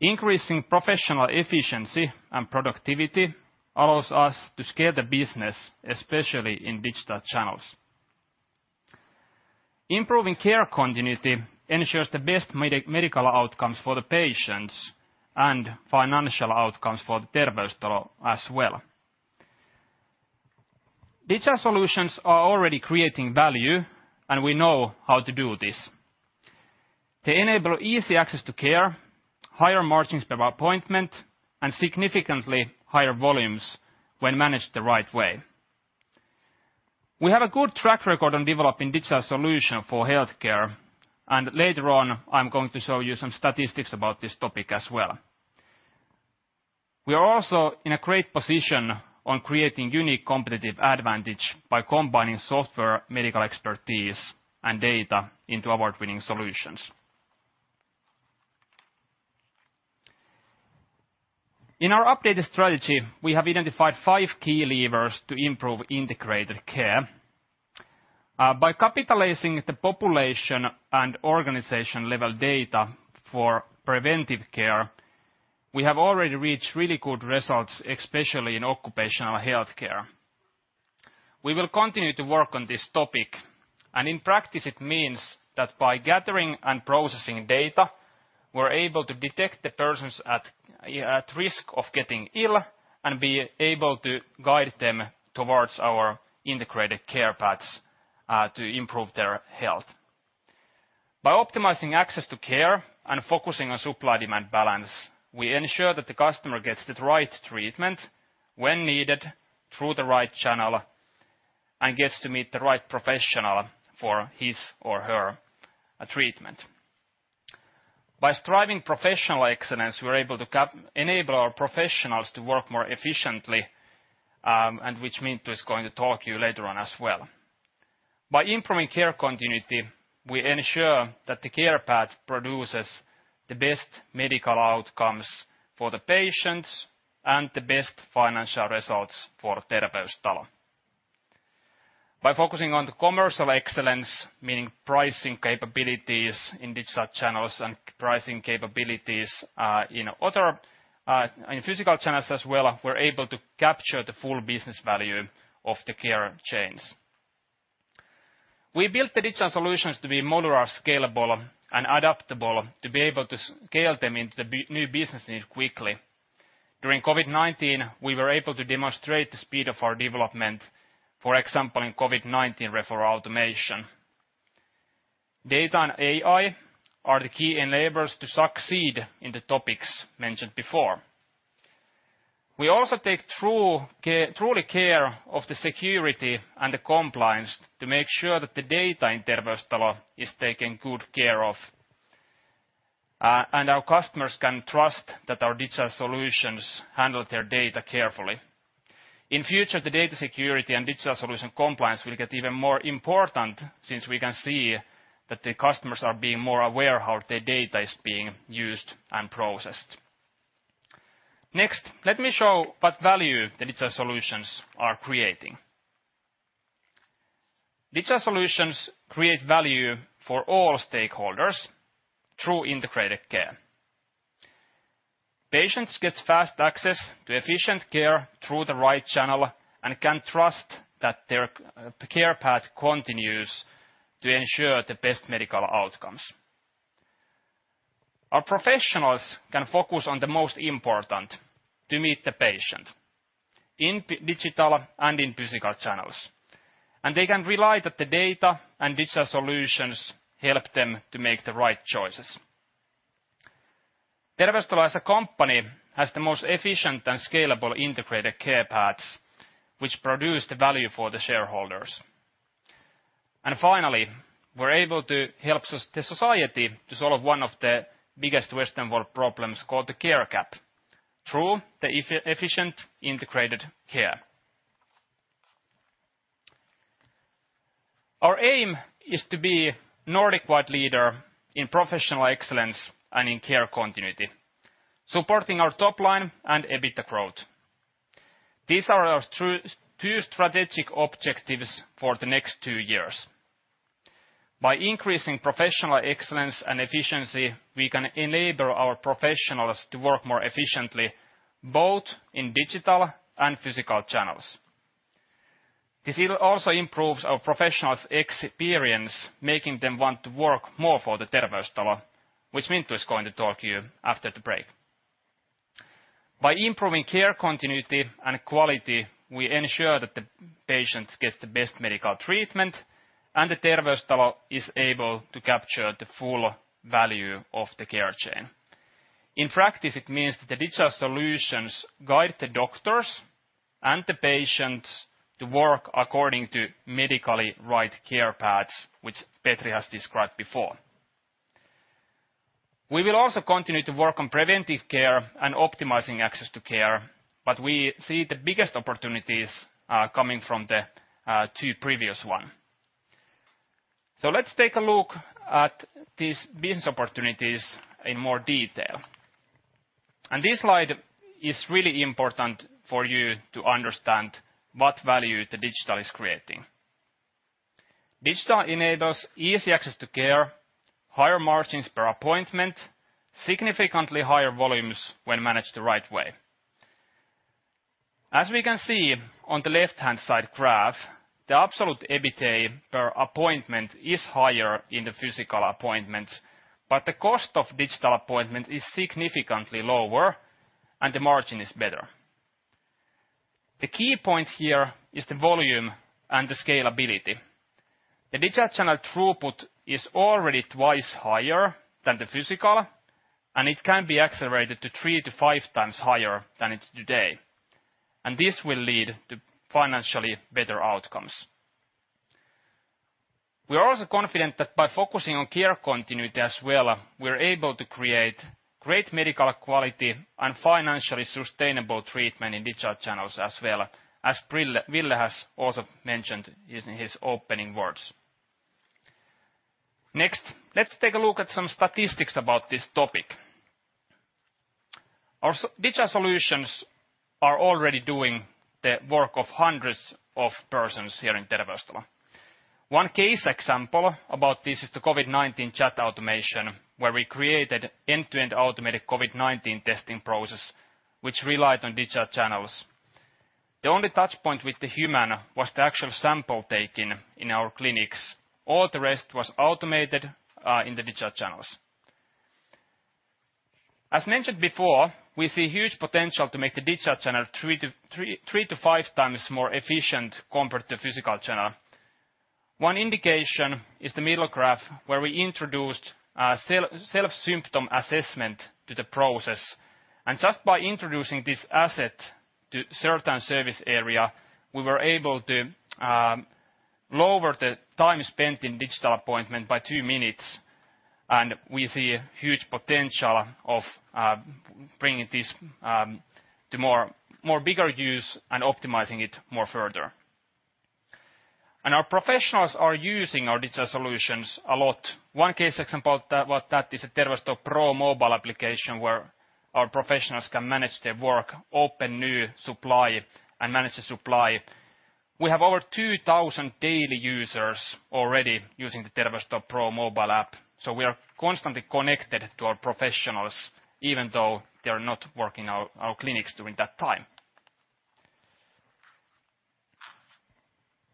Increasing professional efficiency and productivity allows us to scale the business, especially in digital channels. Improving care continuity ensures the best medical outcomes for the patients and financial outcomes for Terveystalo as well. Digital solutions are already creating value, and we know how to do this. They enable easy access to care, higher margins per appointment, and significantly higher volumes when managed the right way. We have a good track record on developing digital solution for healthcare, and later on, I'm going to show you some statistics about this topic as well. We are also in a great position on creating unique competitive advantage by combining software, medical expertise, and data into award-winning solutions. In our updated strategy, we have identified five key levers to improve integrated care. By capitalizing the population and organization-level data for preventive care, we have already reached really good results, especially in occupational health care. We will continue to work on this topic, and in practice, it means that by gathering and processing data, we're able to detect the persons at risk of getting ill and be able to guide them towards our integrated care paths to improve their health. By optimizing access to care and focusing on supply/demand balance, we ensure that the customer gets the right treatment when needed through the right channel and gets to meet the right professional for his or her treatment. By striving professional excellence, we're able to enable our professionals to work more efficiently, and which Minttu is going to talk to you later on as well. By improving care continuity, we ensure that the care path produces the best medical outcomes for the patients and the best financial results for Terveystalo. By focusing on the commercial excellence, meaning pricing capabilities in digital channels and pricing capabilities in other in physical channels as well, we're able to capture the full business value of the care chains. We built the digital solutions to be modular, scalable, and adaptable to be able to scale them into the new business needs quickly. During COVID-19, we were able to demonstrate the speed of our development, for example, in COVID-19 referral automation. Data and AI are the key enablers to succeed in the topics mentioned before. We also take truly care of the security and the compliance to make sure that the data in Terveystalo is taken good care of. Our customers can trust that our digital solutions handle their data carefully. In future, the data security and digital solution compliance will get even more important since we can see that the customers are being more aware how their data is being used and processed. Next, let me show what value the digital solutions are creating. Digital solutions create value for all stakeholders through integrated care. Patients get fast access to efficient care through the right channel and can trust that their care path continues to ensure the best medical outcomes. Our professionals can focus on the most important, to meet the patient in digital and in physical channels. They can rely that the data and digital solutions help them to make the right choices. Terveystalo as a company has the most efficient and scalable integrated care paths, which produce the value for the shareholders. Finally, we're able to help the society to solve one of the biggest Western world problems called the care gap through the efficient integrated care. Our aim is to be Nordic-wide leader in professional excellence and in care continuity, supporting our top line and EBITDA growth. These are our two strategic objectives for the next two years. By increasing professional excellence and efficiency, we can enable our professionals to work more efficiently, both in digital and physical channels. This also improves our professionals' experience, making them want to work more for the Terveystalo, which Minttu is going to talk you after the break. By improving care continuity and quality, we ensure that the patients get the best medical treatment, and the Terveystalo is able to capture the full value of the care chain. In practice, it means that the digital solutions guide the doctors and the patients to work according to medically right care paths, which Petri has described before. We will also continue to work on preventive care and optimizing access to care, but we see the biggest opportunities are coming from the two previous one. Let's take a look at these business opportunities in more detail. This slide is really important for you to understand what value the digital is creating. Digital enables easy access to care, higher margins per appointment, significantly higher volumes when managed the right way. We can see on the left-hand side graph, the absolute EBITA per appointment is higher in the physical appointments. The cost of digital appointment is significantly lower and the margin is better. The key point here is the volume and the scalability. The digital channel throughput is already twice higher than the physical. It can be accelerated to 3-5 times higher than it's today, and this will lead to financially better outcomes. We are also confident that by focusing on care continuity as well, we're able to create great medical quality and financially sustainable treatment in digital channels as well, as Ville has also mentioned in his opening words. Let's take a look at some statistics about this topic. Our digital solutions are already doing the work of hundreds of persons here in Terveystalo. One case example about this is the COVID-19 chat automation, where we created end-to-end automated COVID-19 testing process, which relied on digital channels. The only touch point with the human was the actual sample taken in our clinics. All the rest was automated in the digital channels. As mentioned before, we see huge potential to make the digital channel three to five times more efficient compared to physical channel. One indication is the middle graph, where we introduced self symptom assessment to the process. Just by introducing this asset to certain service area, we were able to lower the time spent in digital appointment by two minutes, and we see huge potential of bringing this to more bigger use and optimizing it more further. Our professianals are using our digital solutions a lot. One case example that is a Terveystalo Pro mobile application where our professionals can manage their work, open new supply, and manage the supply. We have over 2,000 daily users already using the Terveystalo Pro mobile app. We are constantly connected to our professionals even though they are not working our clinics during that time.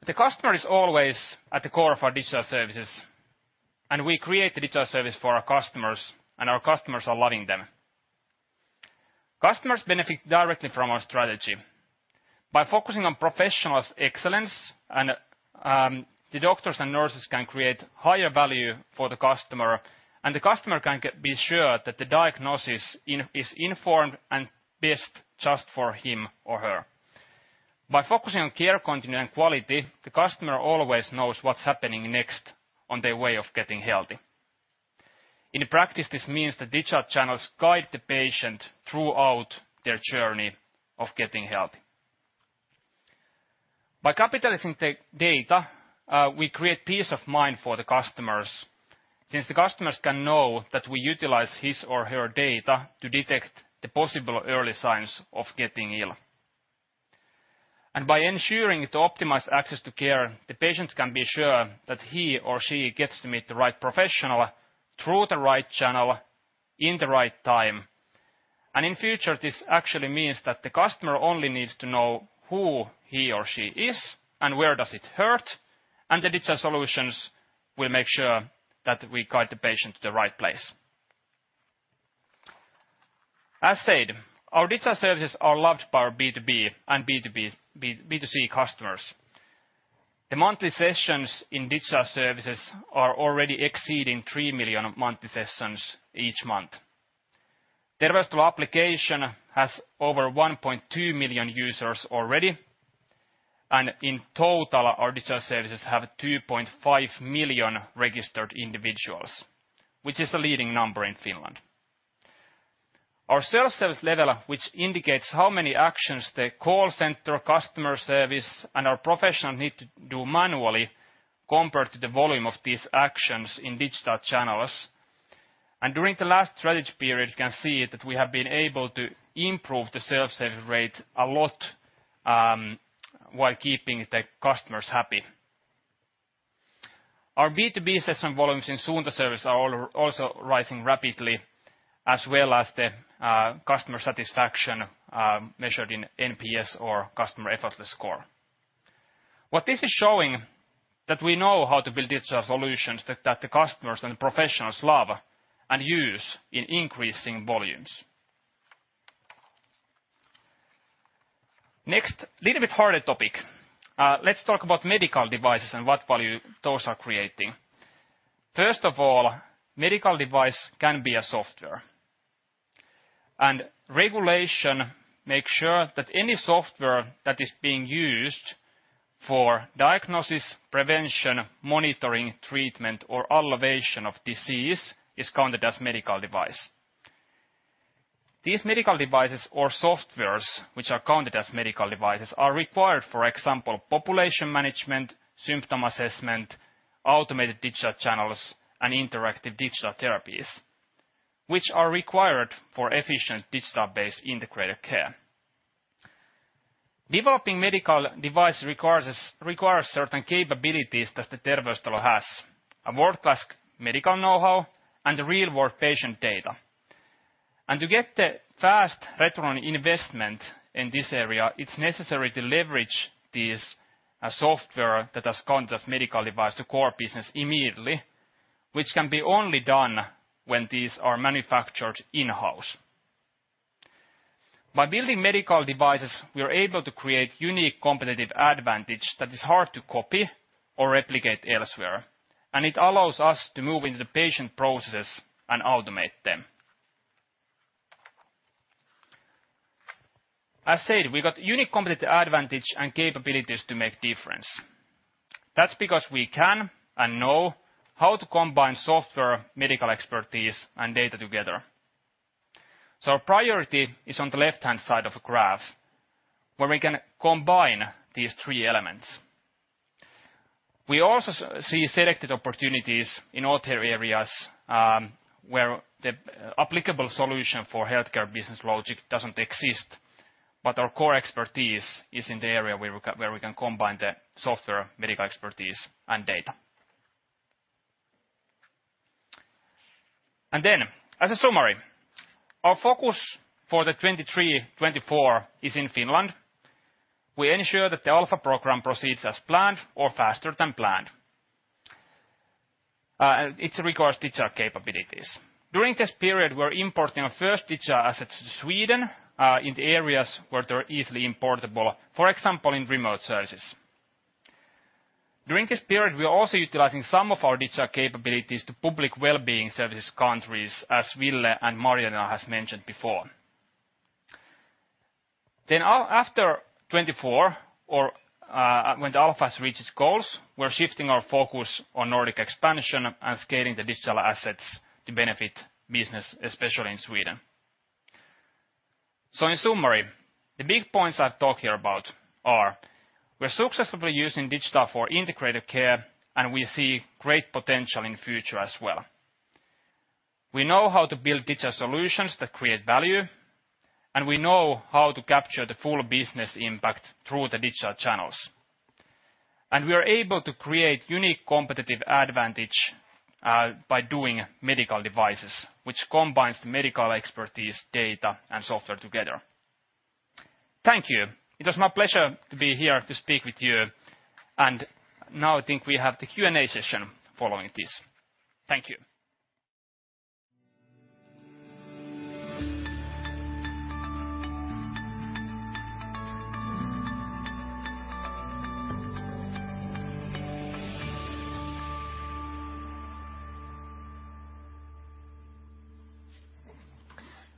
The customer is always at the core of our digital services. We create the digital service for our customers. Our customers are loving them. Customers benefit directly from our strategy. By focusing on professionals excellence, the doctors and nurses can create higher value for the customer. The customer can be sure that the diagnosis is informed and based just for him or her. By focusing on care continuity and quality, the customer always knows what's happening next on their way of getting healthy. In practice, this means the digital channels guide the patient throughout their journey of getting healthy. By capitalizing the data, we create peace of mind for the customers since the customers can know that we utilize his or her data to detect the possible early signs of getting ill. By ensuring to optimize access to care, the patients can be sure that he or she gets to meet the right professional through the right channel in the right time. In future, this actually means that the customer only needs to know who he or she is and where does it hurt, and the digital solutions will make sure that we guide the patient to the right place. As said, our digital services are loved by our B2B and B2C customers. The monthly sessions in digital services are already exceeding three million monthly sessions each month. Terveystalo application has over 1.2 million users already, in total, our digital services have 2.5 million registered individuals, which is a leading number in Finland. Our self-service level, which indicates how many actions the call center, customer service, and our professionals need to do manually compared to the volume of these actions in digital channels. During the last strategy period, you can see that we have been able to improve the self-service rate a lot, while keeping the customers happy. Our B2B session volumes in Suunta service are also rising rapidly, as well as the customer satisfaction, measured in NPS or customer effortless score. What this is showing that we know how to build digital solutions that the customers and professionals love and use in increasing volumes. Next, little bit harder topic. Let's talk about medical devices and what value those are creating. First of all, medical device can be a software. Regulation makes sure that any software that is being used for diagnosis, prevention, monitoring, treatment, or alleviation of disease is counted as medical device. These medical devices or softwares which are counted as medical devices are required, for example, population management, symptom assessment, automated digital channels, and interactive digital therapies, which are required for efficient digital-based integrated care. Developing medical device requires certain capabilities that the Terveystalo has: a world-class medical know-how and the real-world patient data. To get the fast return on investment in this area, it's necessary to leverage this software that has counted as medical device to core business immediately, which can be only done when these are manufactured in-house. By building medical devices, we are able to create unique competitive advantage that is hard to copy or replicate elsewhere, it allows us to move into the patient processes and automate them. As said, we got unique competitive advantage and capabilities to make difference. That's because we can and know how to combine software, medical expertise, and data together. Our priority is on the left-hand side of the graph, where we can combine these three elements. We also see selected opportunities in other areas, where the applicable solution for healthcare business logic doesn't exist, but our core expertise is in the area where we can combine the software, medical expertise, and data. As a summary, our focus for the 2023, 2024 is in Finland. We ensure that the Alpha program proceeds as planned or faster than planned. It requires digital capabilities. During this period, we're importing our first digital assets to Sweden, in the areas where they're easily importable, for example, in remote services. During this period, we are also utilizing some of our digital capabilities to public wellbeing services counties, as Ville and Marjaana has mentioned before. After 24 or, when the Alpha has reached its goals, we're shifting our focus on Nordic expansion and scaling the digital assets to benefit business, especially in Sweden. In summary, the big points I've talked here about are we're successfully using digital for integrated care, and we see great potential in future as well. We know how to build digital solutions that create value, and we know how to capture the full business impact through the digital channels. We are able to create unique competitive advantage by doing medical devices, which combines the medical expertise, data, and software together. Thank you. It was my pleasure to be here to speak with you. Now I think we have the Q&A session following this. Thank you.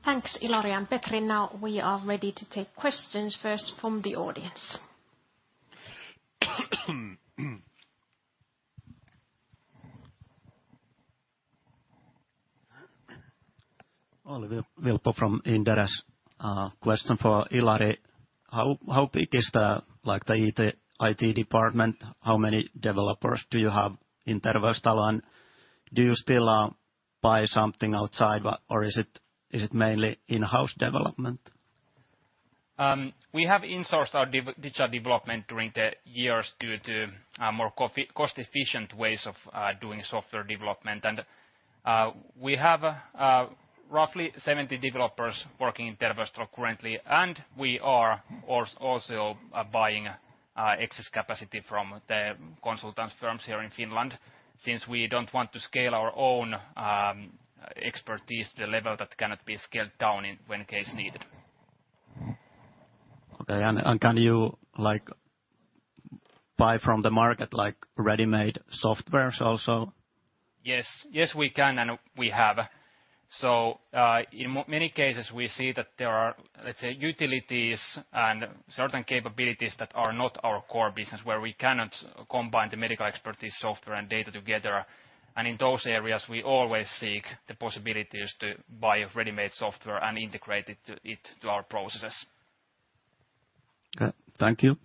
Thanks, Ilari and Petri. Now we are ready to take questions first from the audience. Olli Vilppo from Inderes. Question for Ilari. How big is the IT department? How many developers do you have in Terveystalo, and do you still buy something outside, or is it mainly in-house development? We have insourced our digital development during the years due to more cost-efficient ways of doing software development. We have roughly 70 developers working in Terveystalo currently, and we are also buying excess capacity from the consultants firms here in Finland since we don't want to scale our own expertise to the level that cannot be scaled down in when case needed. Can you, like, buy from the market, like, ready-made softwares also? Yes. Yes, we can, and we have. In many cases, we see that there are, let's say, utilities and certain capabilities that are not our core business, where we cannot combine the medical expertise, software, and data together. In those areas, we always seek the possibilities to buy a ready-made software and integrate it to our processes. Okay. Thank you.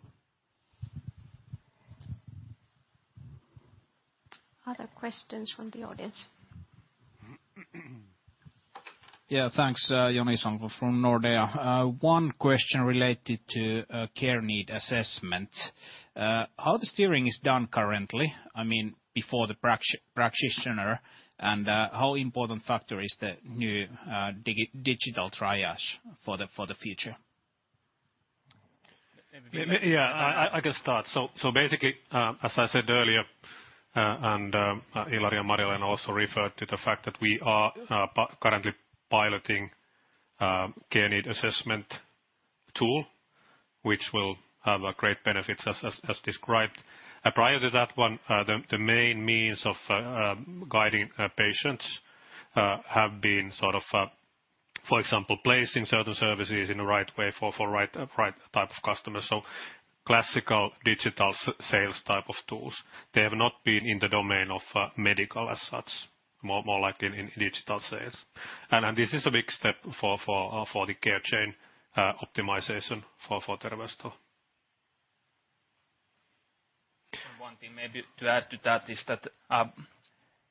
Other questions from the audience? Yeah. Thanks, Joni Sonn from Nordea. One question related to care need assessment. How the steering is done currently, I mean, before the practitioner, and how important factor is the new digital triage for the future? Yeah. I can start. Basically, as I said earlier, and Ilari and Marja have also referred to the fact that we are currently piloting care need assessment tool, which will have great benefits as described. Prior to that one, the main means of guiding patients have been sort of, for example, placing certain services in the right way for right type of customers, so classical digital sales type of tools. They have not been in the domain of medical as such, more like in digital sales. This is a big step for the care chain optimization for Terveystalo. One thing maybe to add to that is that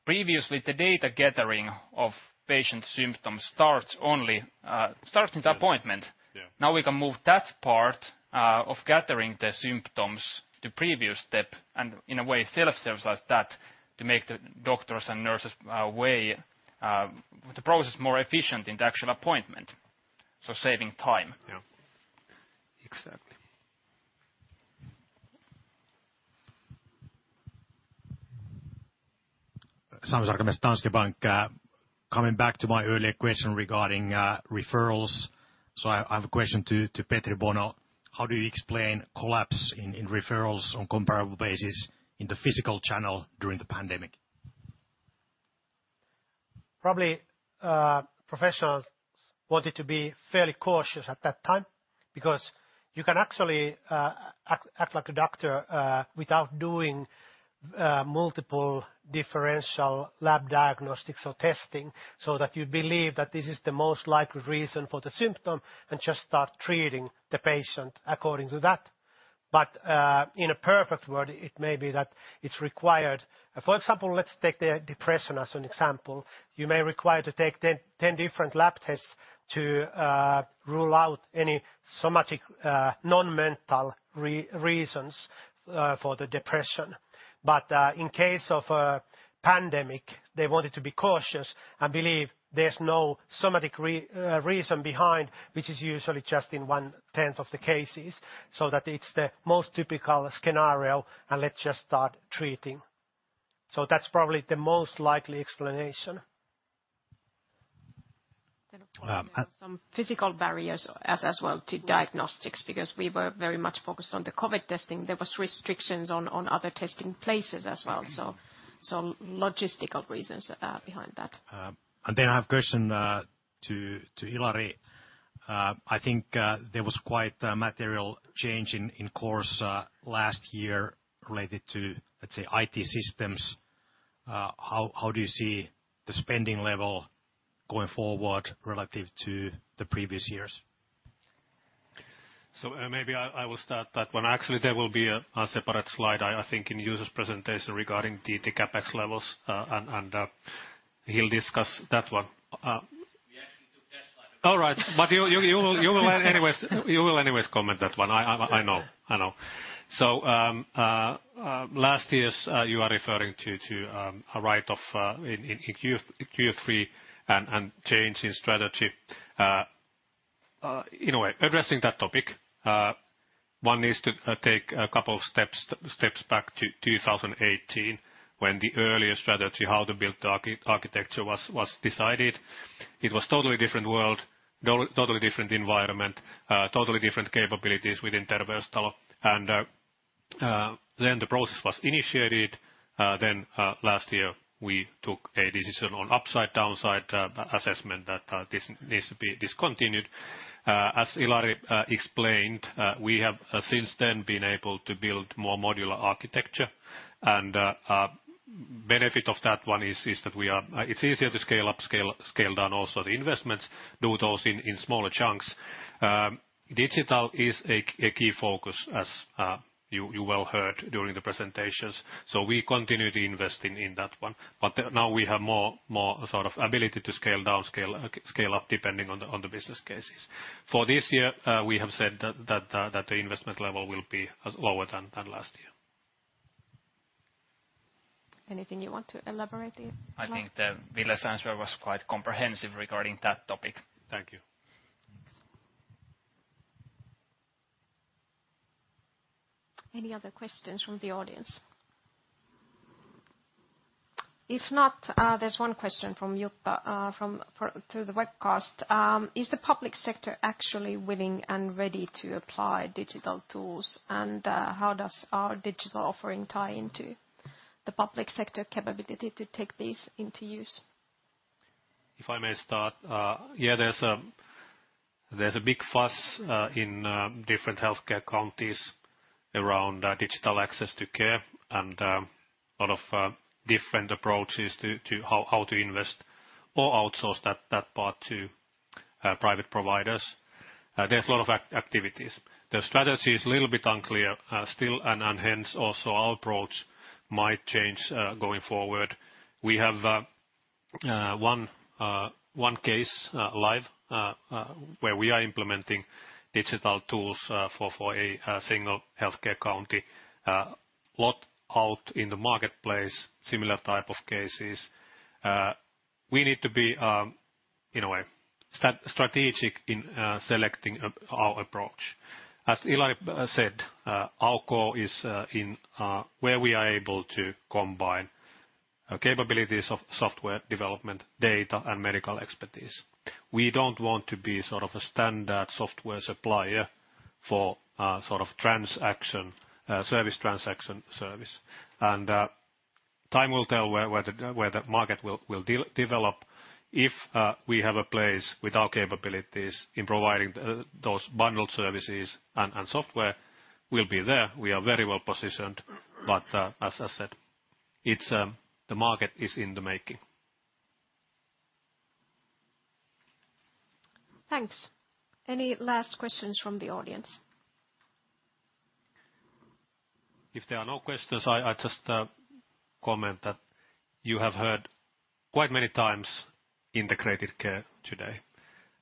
previously the data gathering of patient symptoms starts only in the appointment. Yeah. Now we can move that part of gathering the symptoms to previous step and in a way self-service that to make the doctors and nurses the process more efficient in the actual appointment, so saving time. Yeah. Exactly. Sami Sarkamies, Danske Bank. Coming back to my earlier question regarding referrals. I have a question to Petri Bono. How do you explain collapse in referrals on comparable basis in the physical channel during the pandemic? Probably professionals wanted to be fairly cautious at that time because you can actually act like a doctor without doing multiple differential lab diagnostics or testing, so that you believe that this is the most likely reason for the symptom and just start treating the patient according to that. In a perfect world, it may be that it's required. For example, let's take the depression as an example. You may require to take 10 different lab tests to rule out any somatic non-mental reasons for the depression. In case of a pandemic, they wanted to be cautious and believe there's no somatic reason behind, which is usually just in one tenth of the cases, so that it's the most typical scenario, and let's just start treating. That's probably the most likely explanation of course there were some physical barriers as well to diagnostics because we were very much focused on the COVID testing. There was restrictions on other testing places as well, logistical reasons behind that. I have a question to Ilari. I think there was quite a material change in course last year related to, let's say, IT systems. How do you see the spending level going forward relative to the previous years? Maybe I will start that one. Actually, there will be a separate slide, I think, in Juuso's presentation regarding the CapEx levels, and he'll discuss that one. We asked him to test slide. All right. You will anyways comment that one. I know, I know. Last year's, you are referring to a write-off in Q3 and change in strategy. In a way, addressing that topic, one needs to take a couple of steps back to 2018, when the earlier strategy, how to build the architecture was decided. It was totally different world, totally different environment, totally different capabilities within Terveystalo. The process was initiated. Last year we took a decision on upside downside assessment that this needs to be discontinued. As Ilari explained, we have since then been able to build more modular architecture. Benefit of that one is that it's easier to scale up, scale down also the investments, do those in smaller chunks. Digital is a key focus as you well heard during the presentations, we continue to investing in that one. Now we have more sort of ability to scale down, scale up depending on the business cases. For this year, we have said that the investment level will be lower than last year. Anything you want to elaborate there as well? I think that Ville's answer was quite comprehensive regarding that topic. Thank you. Thanks. Any other questions from the audience? If not, there's one question from Jutta, through the webcast. Is the public sector actually willing and ready to apply digital tools? How does our digital offering tie into the public sector capability to take these into use? If I may start. There's a big fuss in different wellbeing services counties around digital access to care and a lot of different approaches to how to invest or outsource that part to private providers. There's a lot of activities. The strategy is a little bit unclear still, and hence also our approach might change going forward. We have one case live where we are implementing digital tools for a single wellbeing services county. Lot out in the marketplace, similar type of cases. We need to be in a way strategic in selecting our approach. As Ilari said, our goal is where we are able to combine capabilities of software development, data, and medical expertise. We don't want to be sort of a standard software supplier for sort of transaction service transaction service. Time will tell where the market will develop. If we have a place with our capabilities in providing those bundled services and software, we'll be there. We are very well positioned. As I said, it's the market is in the making. Thanks. Any last questions from the audience? If there are no questions, I just comment that you have heard quite many times integrated care today.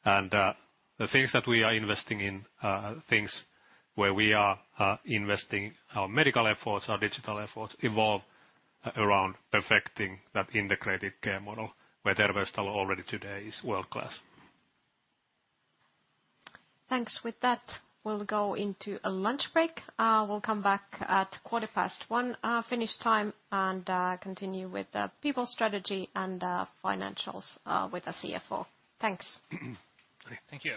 The things that we are investing in are things where we are investing our medical efforts, our digital efforts involve around perfecting that integrated care model, where Terveystalo already today is world-class. Thanks. With that, we'll go into a lunch break. We'll come back at 1:15 P.M. Finnish time, and continue with people strategy and financials with our CFO. Thanks. Thank you.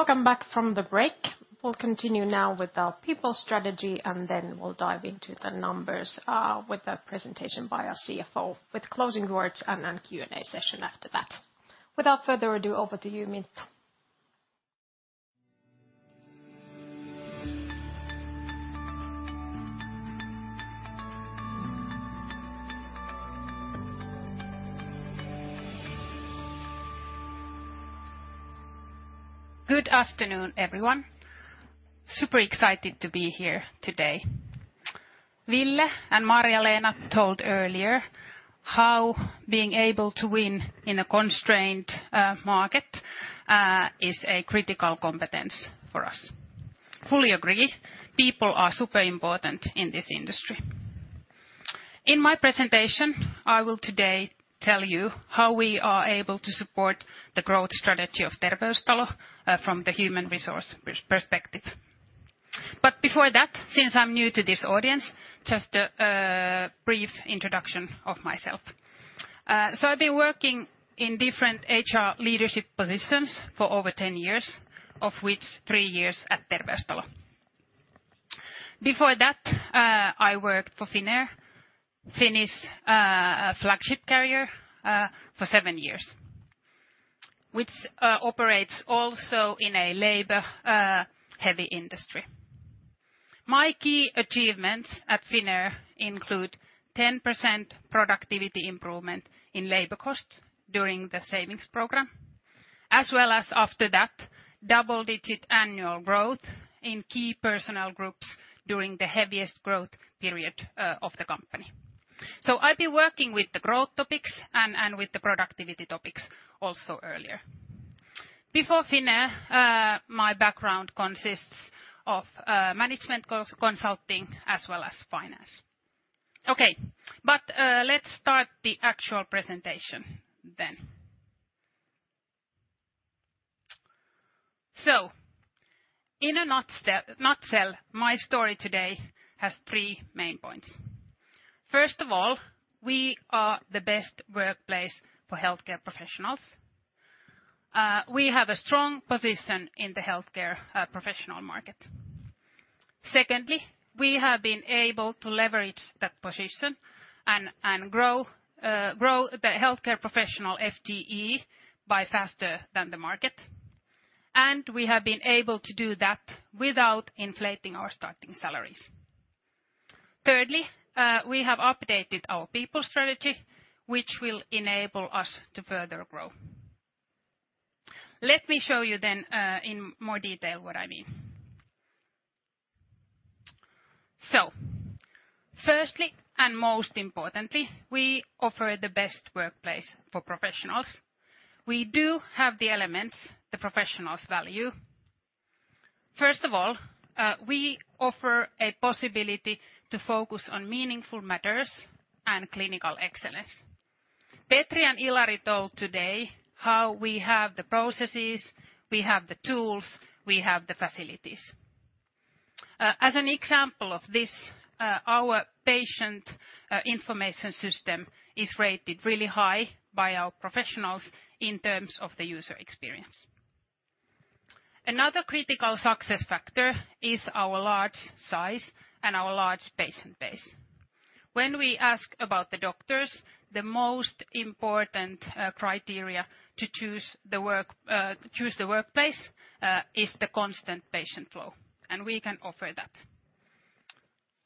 Yeah. Welcome back from the break. We'll continue now with our people strategy, and then we'll dive into the numbers, with a presentation by our CFO, with closing words and a Q&A session after that. Without further ado, over to you, Minttu. Good afternoon, everyone. Super excited to be here today. Ville and Marja-Leena told earlier how being able to win in a constrained market is a critical competence for us. Fully agree. People are super important in this industry. In my presentation, I will today tell you how we are able to support the growth strategy of Terveystalo from the human resource perspective. Before that, since I'm new to this audience, just a brief introduction of myself. I've been working in different HR leadership positions for over 10 years, of which three years at Terveystalo. Before that, I worked for Finnair, Finnish flagship carrier, for seven years, which operates also in a labor heavy industry. My key achievements at Finnair include 10% productivity improvement in labor costs during the savings program, as well as after that, double-digit annual growth in key personnel groups during the heaviest growth period of the company. I've been working with the growth topics and with the productivity topics also earlier. Before Finnair, my background consists of management consulting as well as finance. Let's start the actual presentation then. In a nutshell, my story today has three main points. First of all, we are the best workplace for healthcare professionals. We have a strong position in the healthcare professional market. Secondly, we have been able to leverage that position and grow the healthcare professional FTE by faster than the market, and we have been able to do that without inflating our starting salaries. Thirdly, we have updated our people strategy, which will enable us to further grow. Let me show you in more detail what I mean. Firstly, most importantly, we offer the best workplace for professionals. We do have the elements the professionals value. First of all, we offer a possibility to focus on meaningful matters and clinical excellence. Petri and Ilari told today how we have the processes, we have the tools, we have the facilities. As an example of this, our patient information system is rated really high by our professionals in terms of the user experience. Another critical success factor is our large size and our large patient base. When we ask about the doctors, the most important criteria to choose the workplace is the constant patient flow, and we can offer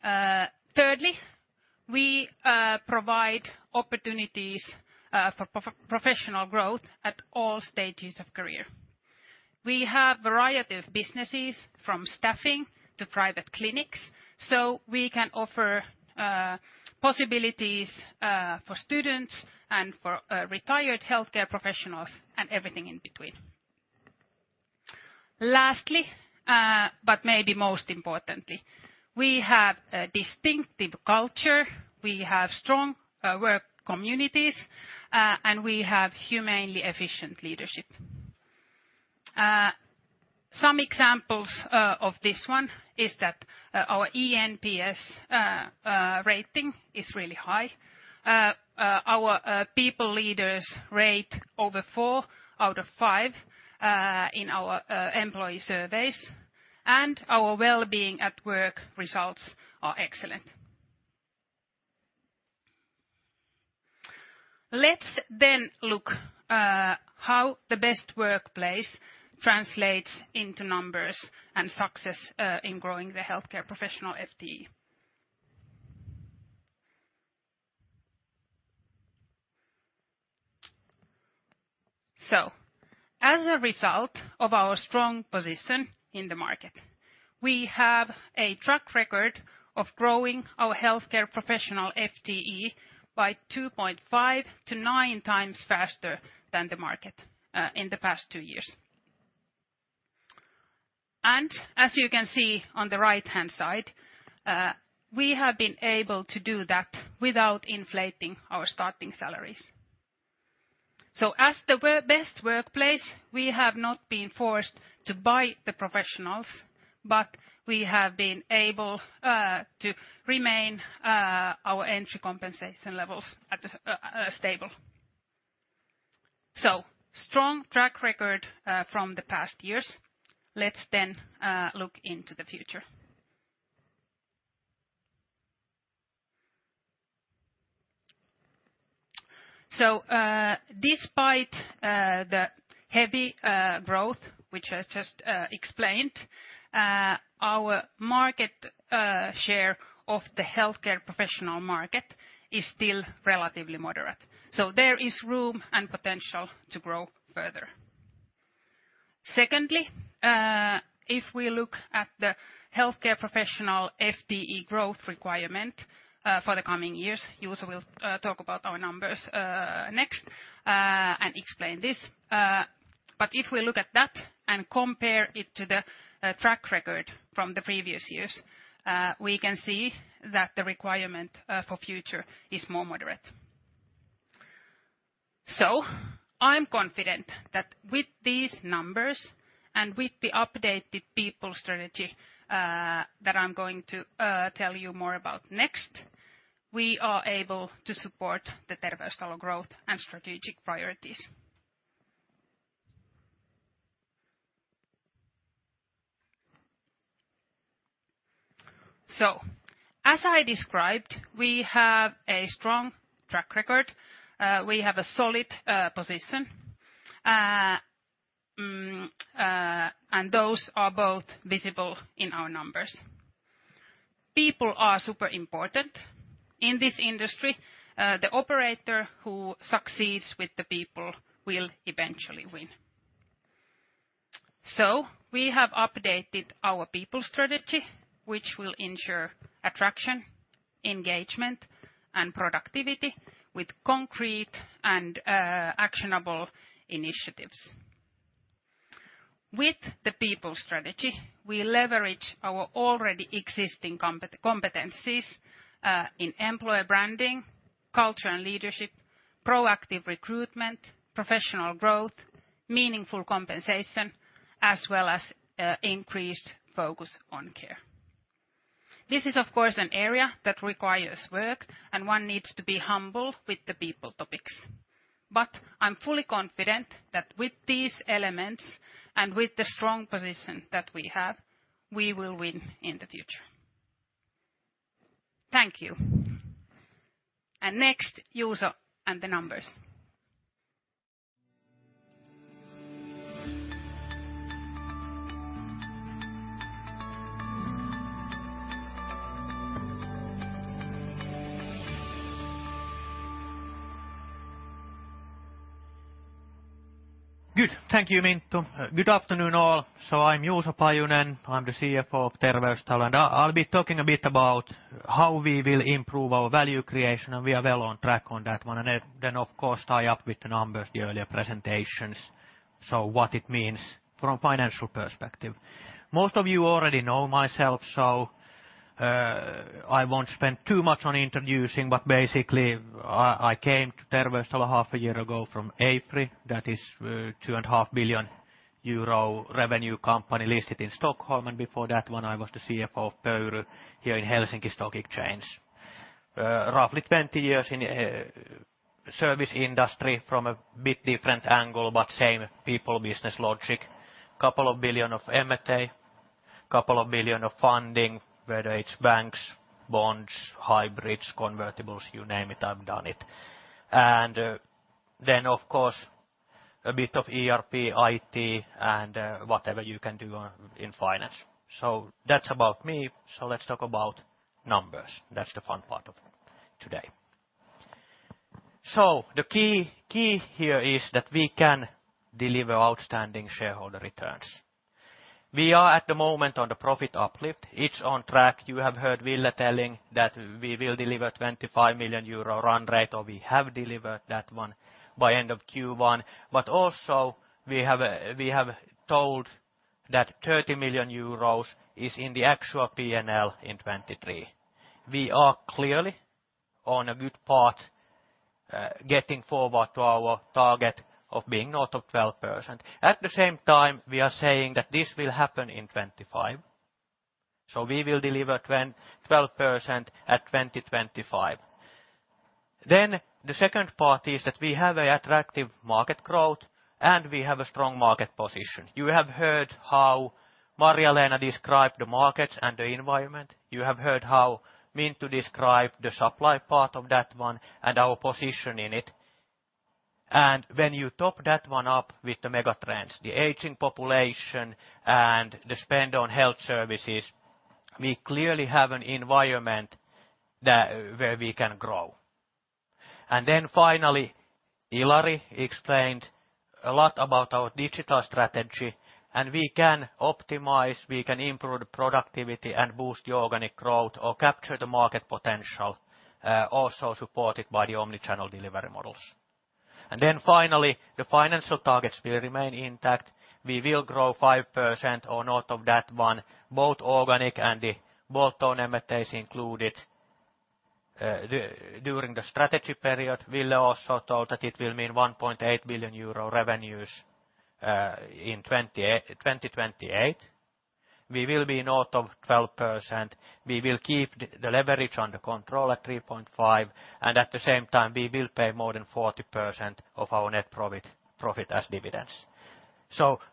that. Thirdly, we provide opportunities for pro-professional growth at all stages of career. We have variety of businesses from staffing to private clinics, so we can offer possibilities for students and for retired healthcare professionals and everything in between. Lastly, but maybe most importantly, we have a distinctive culture, we have strong work communities, and we have humanely efficient leadership. Some examples of this one is that our eNPS rating is really high. Our people leaders rate over four out of five in our employee surveys, and our wellbeing at work results are excellent. Let's look how the Best Workplace translates into numbers and success in growing the healthcare professional FTE. As a result of our strong position in the market, we have a track record of growing our healthcare professional FTE by 2.5 to 9x faster than the market in the past two years. As you can see on the right-hand side, we have been able to do that without inflating our starting salaries. As the Best Workplace, we have not been forced to buy the professionals, but we have been able to remain our entry compensation levels at the stable. Strong track record from the past years. Let's look into the future. Despite the heavy growth, which I just explained, our market share of the healthcare professional market is still relatively moderate, so there is room and potential to grow further. Secondly, if we look at the healthcare professional FTE growth requirement for the coming years, Juuso will talk about our numbers next and explain this. If we look at that and compare it to the track record from the previous years, we can see that the requirement for future is more moderate. I'm confident that with these numbers and with the updated people strategy that I'm going to tell you more about next, we are able to support the Terveystalo growth and strategic priorities. As I described, we have a strong track record. We have a solid position, and those are both visible in our numbers. People are super important in this industry. The operator who succeeds with the people will eventually win. We have updated our people strategy, which will ensure attraction, engagement, and productivity with concrete and actionable initiatives. With the people strategy, we leverage our already existing competencies in employer branding, culture and leadership, proactive recruitment, professional growth, meaningful compensation, as well as increased focus on care. This is, of course, an area that requires work and one needs to be humble with the people topics. I'm fully confident that with these elements and with the strong position that we have, we will win in the future. Thank you. Next, Juuso and the numbers. Good. Thank you, Minttu. Good afternoon, all. I'm Juuso Pajunen. I'm the CFO of Terveystalo, and I'll be talking a bit about how we will improve our value creation. We are well on track on that one. Of course, tie up with the numbers the earlier presentations. What it means from financial perspective. Most of you already know myself. I won't spend too much on introducing. Basically, I came to Terveystalo half a year ago from April. That is 2.5 billion euro revenue company listed in Stockholm. Before that one, I was the CFO of Pöyry here in Helsinki Stock Exchange. Roughly 20 years in service industry from a bit different angle, same people business logic. Couple of billion EUR of M&A, couple of billion EUR of funding, whether it's banks, bonds, hybrids, convertibles, you name it, I've done it. Of course, a bit of ERP, IT, and whatever you can do in finance. That's about me. Let's talk about numbers. That's the fun part of today. The key here is that we can deliver outstanding shareholder returns. We are at the moment on the profit uplift. It's on track. You have heard Ville telling that we will deliver 25 million euro run rate, or we have delivered that one by end of Q1. Also we have told that 30 million euros is in the actual P&L in 2023. We are clearly on a good path, getting forward to our target of being north of 12%. We are saying that this will happen in 25, we will deliver 12% at 2025. The second part is that we have an attractive market growth, and we have a strong market position. You have heard how Marja-Leena described the markets and the environment. You have heard how Minttu described the supply part of that one and our position in it. When you top that one up with the mega trends, the aging population and the spend on health services, we clearly have an environment where we can grow. Finally, Ilari explained a lot about our digital strategy, and we can optimize, we can improve the productivity and boost the organic growth or capture the market potential, also supported by the omnichannel delivery models. The financial targets will remain intact. We will grow 5% or north of that one, both organic and the bolt-on M&As included, during the strategy period. Ville also told that it will mean 1.8 billion euro revenues in 2028. We will be north of 12%. We will keep the leverage under control at 3.5. At the same time, we will pay more than 40% of our net profit as dividends.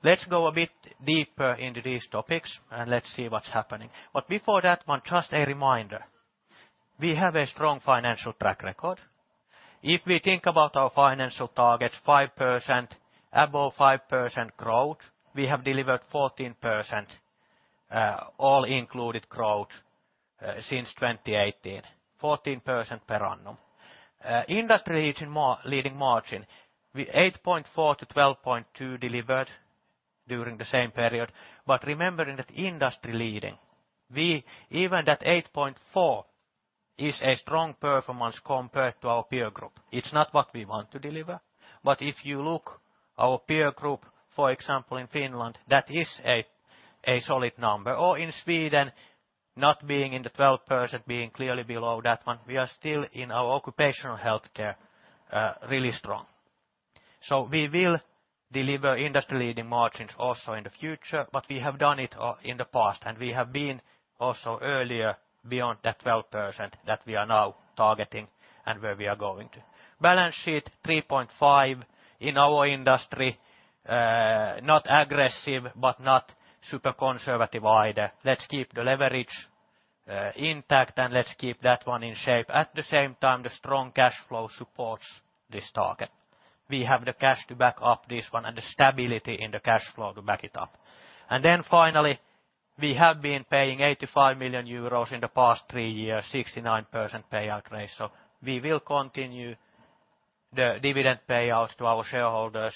Let's go a bit deeper into these topics and let's see what's happening. Before that one, just a reminder, we have a strong financial track record. If we think about our financial targets, 5%, above 5% growth, we have delivered 14% all included growth since 2018, 14% per annum. Industry-leading margin, 8.4%-12.2% delivered during the same period. Remembering that industry leading, even that 8.4% is a strong performance compared to our peer group. It's not what we want to deliver. If you look our peer group, for example, in Finland, that is a solid number. In Sweden, not being in the 12%, being clearly below that one, we are still in our occupational healthcare, really strong. We will deliver industry-leading margins also in the future, but we have done it in the past, and we have been also earlier beyond that 12% that we are now targeting and where we are going to. Balance sheet, 3.5x in our industry. Not aggressive, but not super conservative either. Let's keep the leverage intact, and let's keep that one in shape. At the same time, the strong cash flow supports this target. We have the cash to back up this one and the stability in the cash flow to back it up. Finally, we have been paying 85 million euros in the past three years, 69% payout rate. We will continue the dividend payouts to our shareholders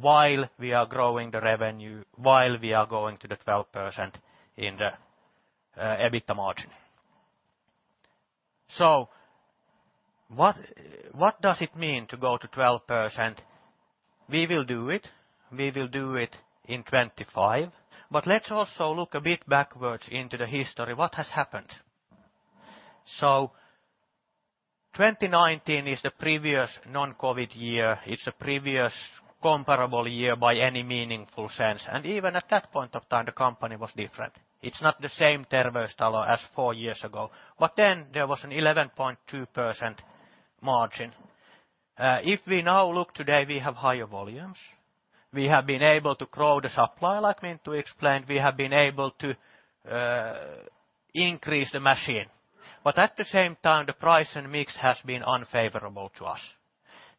while we are growing the revenue, while we are going to the 12% in the EBITDA margin. What does it mean to go to 12%? We will do it. We will do it in 2025, but let's also look a bit backwards into the history. What has happened? 2019 is the previous non-COVID year. It's a previous comparable year by any meaningful sense. Even at that point of time, the company was different. It's not the same Terveystalo as four years ago. There was an 11.2% margin. If we now look today, we have higher volumes. We have been able to grow the supply like Minttu explained. We have been able to increase the machine. At the same time, the price and mix has been unfavorable to us.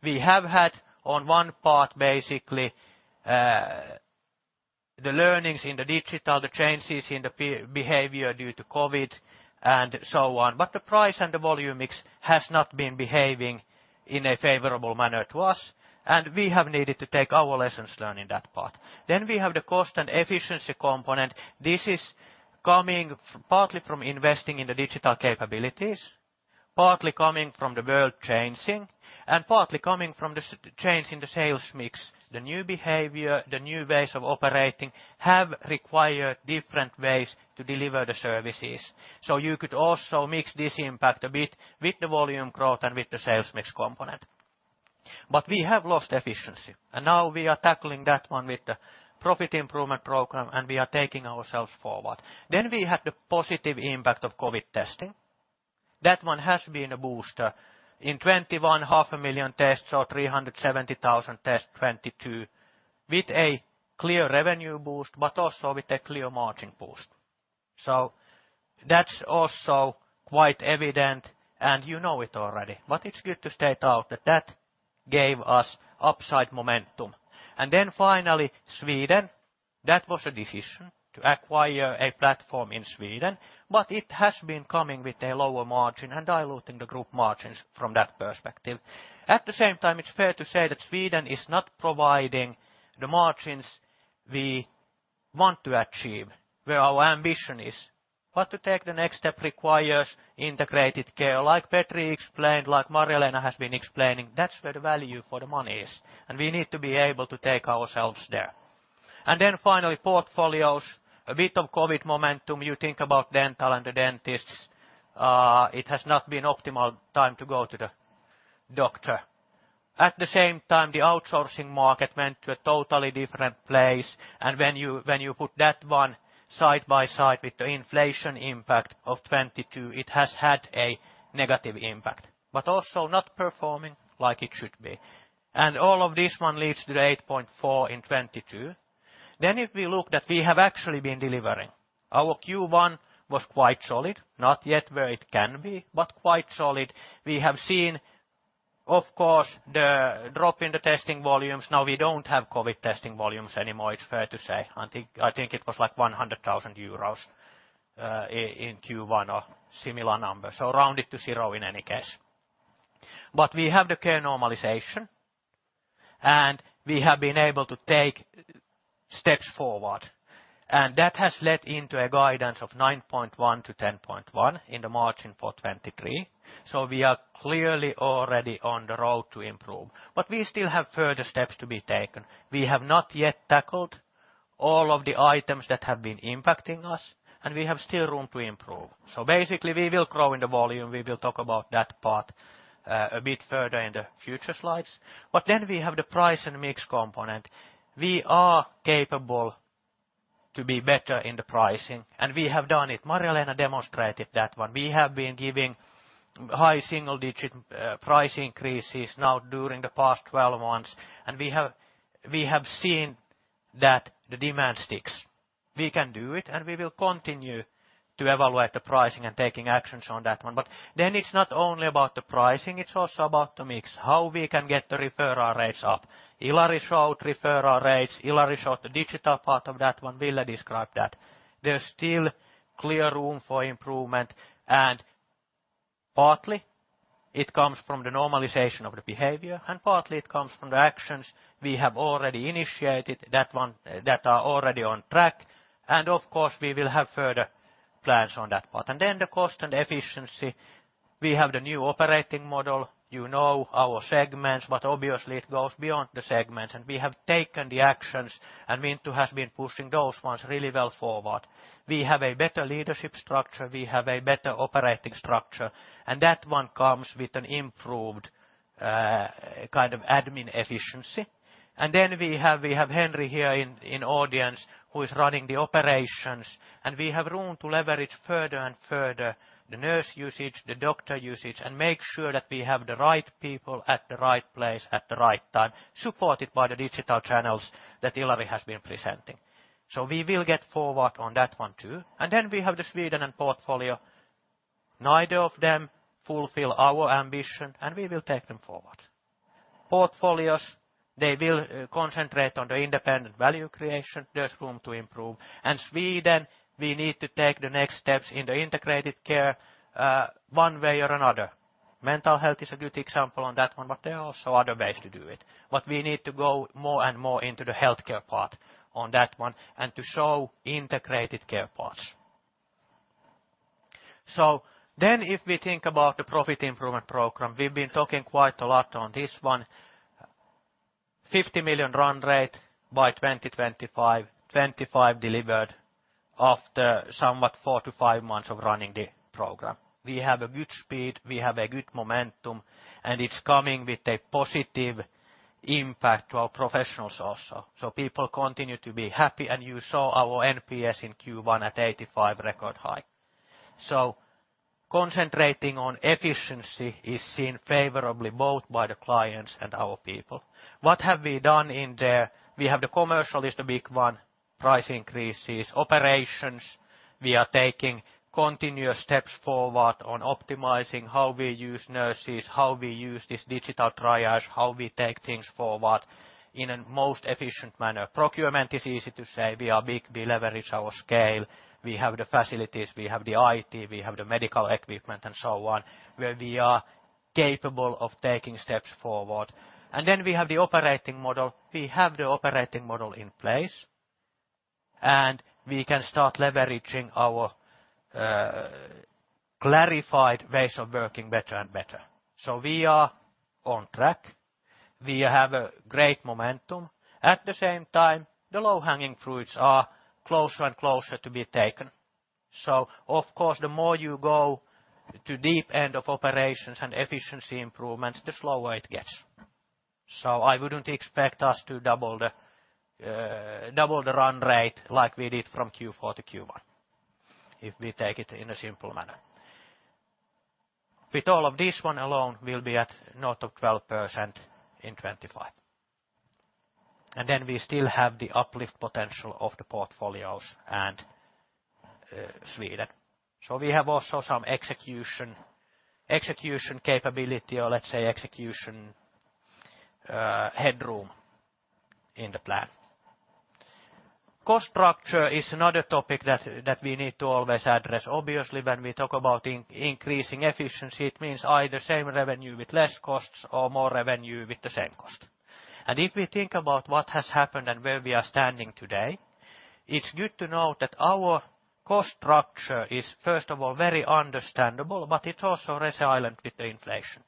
We have had on one part, basically, The learnings in the digital, the changes in the behavior due to COVID, and so on. The price and the volume mix has not been behaving in a favorable manner to us, and we have needed to take our lessons learned in that part. We have the cost and efficiency component. This is coming partly from investing in the digital capabilities, partly coming from the world changing, and partly coming from the change in the sales mix. The new behavior, the new ways of operating have required different ways to deliver the services. You could also mix this impact a bit with the volume growth and with the sales mix component. We have lost efficiency, and now we are tackling that one with the profit improvement program, and we are taking ourselves forward. We have the positive impact of COVID testing. That one has been a booster. In 21, half a million tests or 370,000 tests, 22, with a clear revenue boost, but also with a clear margin boost. That's also quite evident, and you know it already. It's good to state out that that gave us upside momentum. Finally, Sweden, that was a decision to acquire a platform in Sweden, but it has been coming with a lower margin and diluting the group margins from that perspective. At the same time, it's fair to say that Sweden is not providing the margins we want to achieve, where our ambition is. To take the next step requires integrated care. Like Petri explained, like Marjo-Leena has been explaining, that's where the value for the money is, and we need to be able to take ourselves there. Finally, portfolios, a bit of COVID momentum. You think about dental and the dentists, it has not been optimal time to go to the doctor. At the same time, the outsourcing market went to a totally different place, and when you put that one side by side with the inflation impact of 2022, it has had a negative impact, but also not performing like it should be. All of this one leads to the 8.4 in 2022. If we look that we have actually been delivering. Our Q1 was quite solid, not yet where it can be, but quite solid. We have seen, of course, the drop in the testing volumes. Now we don't have COVID testing volumes anymore, it's fair to say. I think it was like 100,000 euros in Q1 or similar numbers. Round it to 0 in any case. We have the care normalization, and we have been able to take steps forward. That has led into a guidance of 9.1%-10.1% in the margin for 2023. We are clearly already on the road to improve, but we still have further steps to be taken. We have not yet tackled all of the items that have been impacting us, and we have still room to improve. Basically, we will grow in the volume. We will talk about that part a bit further in the future slides. We have the price and mix component. We are capable to be better in the pricing, and we have done it. Marja-Leena demonstrated that one. We have been giving high single digit price increases now during the past 12 months, and we have seen that the demand sticks. We can do it, we will continue to evaluate the pricing and taking actions on that one. It's not only about the pricing, it's also about the mix, how we can get the referral rates up. Ilari showed referral rates, Ilari showed the digital part of that one, Ville described that. There's still clear room for improvement, partly it comes from the normalization of the behavior, and partly it comes from the actions we have already initiated, that one that are already on track. Of course, we will have further plans on that part. The cost and efficiency, we have the new operating model. You know our segments, but obviously it goes beyond the segments. We have taken the actions, and Minttu has been pushing those ones really well forward. We have a better leadership structure, we have a better operating structure, and that one comes with an improved, kind of admin efficiency. We have, we have Henri here in audience who is running the operations, and we have room to leverage further and further the nurse usage, the doctor usage, and make sure that we have the right people at the right place at the right time, supported by the digital channels that Ilari has been presenting. We will get forward on that one too. We have the Sweden and portfolio. Neither of them fulfill our ambition, and we will take them forward. Portfolios, they will concentrate on the independent value creation. There's room to improve. Sweden, we need to take the next steps in the integrated care, one way or another. Mental health is a good example on that one. There are also other ways to do it. We need to go more and more into the healthcare part on that one and to show integrated care parts. If we think about the profit improvement program, we've been talking quite a lot on this one. 50 million run rate by 2025. 25 million delivered after somewhat 4 to 5 months of running the program. We have a good speed, we have a good momentum, and it's coming with a positive impact to our professionals also. People continue to be happy, and you saw our NPS in Q1 at 85 record high. Concentrating on efficiency is seen favorably both by the clients and our people. What have we done in there? We have the commercial is the big one. Price increases. Operations, we are taking continuous steps forward on optimizing how we use nurses, how we use this digital triage, how we take things forward in a most efficient manner. Procurement is easy to say we are big, we leverage our scale, we have the facilities, we have the IT, we have the medical equipment, and so on, where we are capable of taking steps forward. We have the operating model. We have the operating model in place, we can start leveraging our clarified ways of working better and better. We are on track. We have a great momentum. At the same time, the low-hanging fruits are closer and closer to be taken. Of course, the more you go to deep end of operations and efficiency improvements, the slower it gets. I wouldn't expect us to double the double the run rate like we did from Q4 to Q1, if we take it in a simple manner. With all of this one along, we'll be at north of 12% in 2025. Then we still have the uplift potential of the portfolios and Sweden. We have also some execution capability or let's say execution headroom in the plan. Cost structure is another topic that we need to always address. Obviously, when we talk about increasing efficiency, it means either same revenue with less costs or more revenue with the same cost. If we think about what has happened and where we are standing today, it's good to note that our cost structure is, first of all, very understandable, but it's also resilient with the inflation.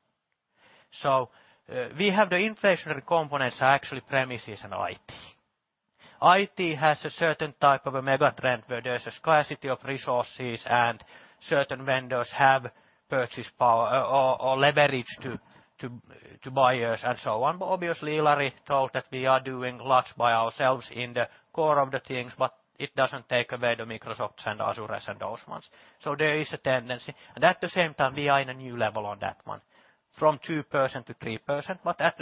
We have the inflationary components are actually premises and IT. IT has a certain type of a mega trend where there's a scarcity of resources and certain vendors have purchase power or leverage to buyers and so on. Obviously, Ilari told that we are doing lots by ourselves in the core of the things, but it doesn't take away the Microsofts and Azures and those ones. There is a tendency. At the same time, we are in a new level on that one, from 2% to 3%.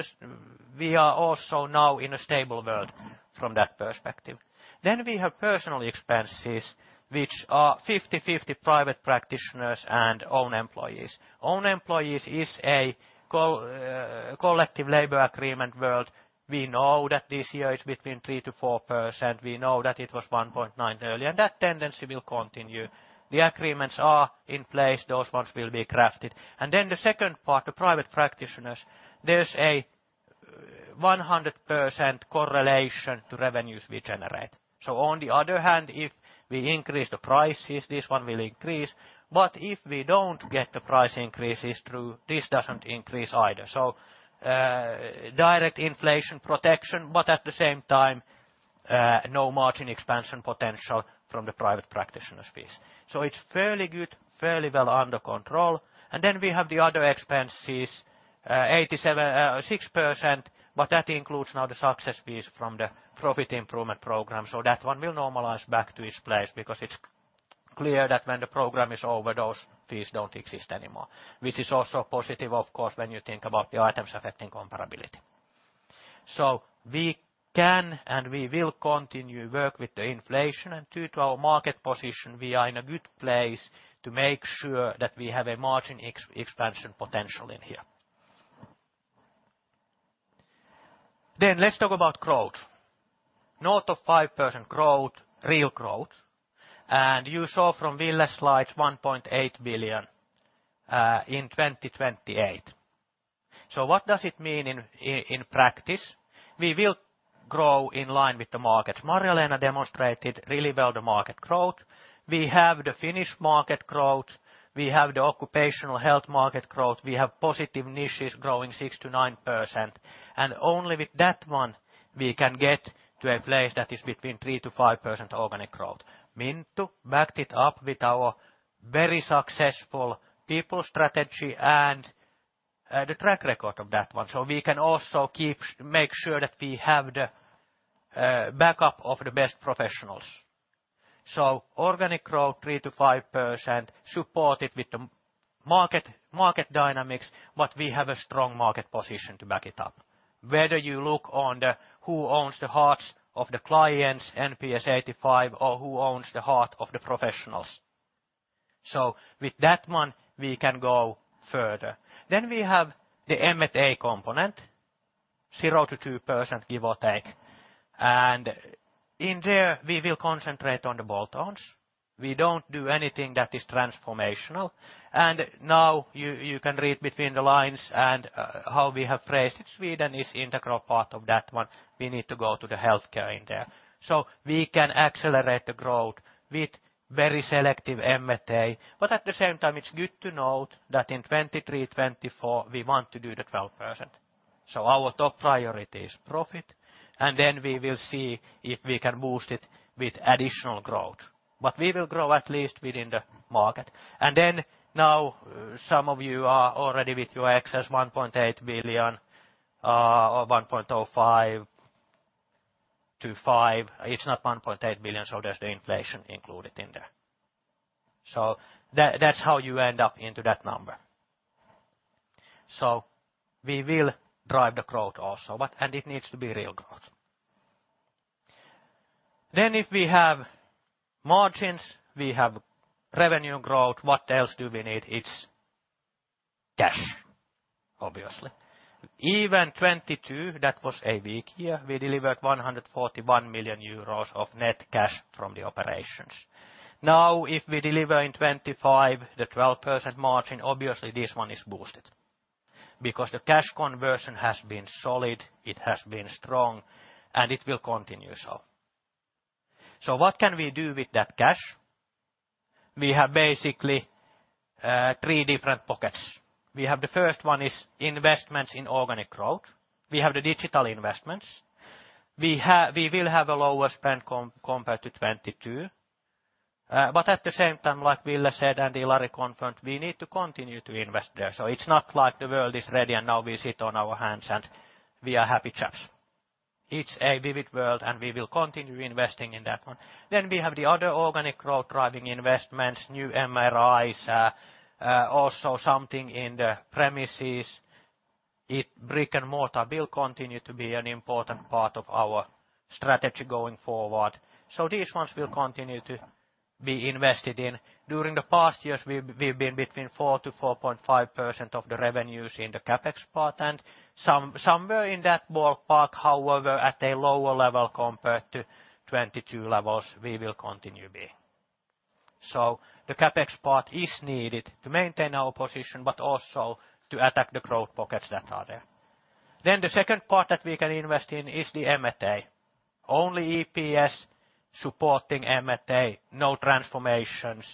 We are also now in a stable world from that perspective. We have personal expenses, which are 50/50 private practitioners and own employees. Own employees is a collective labor agreement world. We know that this year it's between 3% to 4%. We know that it was 1.9% earlier, that tendency will continue. The agreements are in place, those ones will be crafted. The second part, the private practitioners, there's a 100% correlation to revenues we generate. On the other hand, if we increase the prices, this one will increase. If we don't get the price increases through, this doesn't increase either. Direct inflation protection, at the same time, no margin expansion potential from the private practitioners piece. It's fairly good, fairly well under control. We have the other expenses, 87, 6%, that includes now the success fees from the profit improvement program. That one will normalize back to its place because it's clear that when the program is over, those fees don't exist anymore, which is also positive, of course, when you think about the items affecting comparability. We can and we will continue work with the inflation. Due to our market position, we are in a good place to make sure that we have a margin ex-expansion potential in here. Let's talk about growth. North of 5% growth, real growth. You saw from Ville's slide 1.8 billion in 2028. What does it mean in practice? We will grow in line with the markets. Marjolaine demonstrated really well the market growth. We have the Finnish market growth. We have the occupational health market growth. We have positive niches growing 6%-9%. Only with that one, we can get to a place that is between 3%-5% organic growth. Minttu backed it up with our very successful people strategy and the track record of that one. We can also make sure that we have the backup of the best professionals. Organic growth, 3%-5%, supported with the market dynamics, but we have a strong market position to back it up. Whether you look on the who owns the hearts of the clients, NPS 85, or who owns the heart of the professionals. With that one, we can go further. We have the M&A component, 0%-2%, give or take. In there, we will concentrate on the bolt-ons. We don't do anything that is transformational. Now you can read between the lines and how we have phrased it. Sweden is integral part of that one. We need to go to the healthcare in there. We can accelerate the growth with very selective M&A. At the same time, it's good to note that in 2023, 2024, we want to do the 12%. Our top priority is profit, and then we will see if we can boost it with additional growth. We will grow at least within the market. Now some of you are already with your excess 1.8 billion or 1.05 to 5. It's not 1.8 billion, there's the inflation included in there. That, that's how you end up into that number. We will drive the growth also, but and it needs to be real growth. If we have margins, we have revenue growth, what else do we need? It's cash, obviously. Even 2022, that was a big year. We delivered 141 million euros of net cash from the operations. If we deliver in 25 the 12% margin, obviously this one is boosted because the cash conversion has been solid, it has been strong, and it will continue so. What can we do with that cash? We have basically, three different pockets. We have the first one is investments in organic growth. We have the digital investments. We will have a lower spend compared to 2022. At the same time, like Ville said, and Ilari confirmed, we need to continue to invest there. It's not like the world is ready and now we sit on our hands and we are happy chaps. It's a vivid world. We will continue investing in that one. We have the other organic growth driving investments, new MRIs, also something in the premises. Brick-and-mortar will continue to be an important part of our strategy going forward. These ones will continue to be invested in. During the past years, we've been between 4%-4.5% of the revenues in the CapEx part and somewhere in that ballpark, however, at a lower level compared to 2022 levels we will continue being. The CapEx part is needed to maintain our position, but also to attack the growth pockets that are there. The second part that we can invest in is the M&A. Only EPS supporting M&A, no transformations.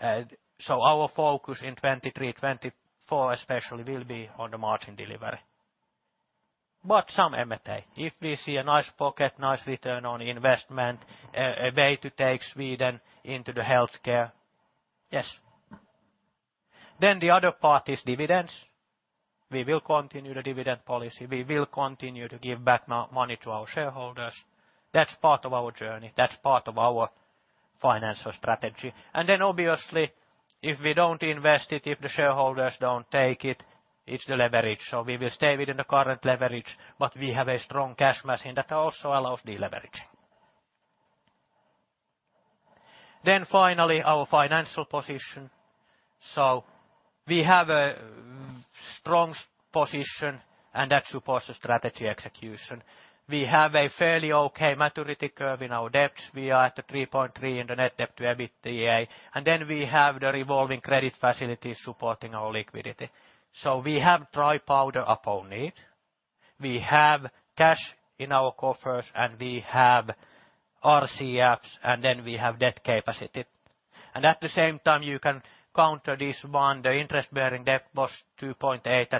Our focus in 2023, 2024 especially, will be on the margin delivery. Some M&A. If we see a nice pocket, nice return on investment, a way to take Sweden into the healthcare, yes. The other part is dividends. We will continue the dividend policy. We will continue to give back money to our shareholders. That's part of our journey. That's part of our financial strategy. Obviously, if we don't invest it, if the shareholders don't take it's the leverage. So we will stay within the current leverage, but we have a strong cash machine that also allows deleveraging. Finally, our financial position. We have a strong position, and that supports the strategy execution. We have a fairly okay maturity curve in our debts. We are at the 3.3 in the net debt to EBITDA. We have the revolving credit facilities supporting our liquidity. We have dry powder upon need, we have cash in our coffers, and we have RCFs, and then we have debt capacity. At the same time, you can counter this one, the interest bearing debt was 2.8%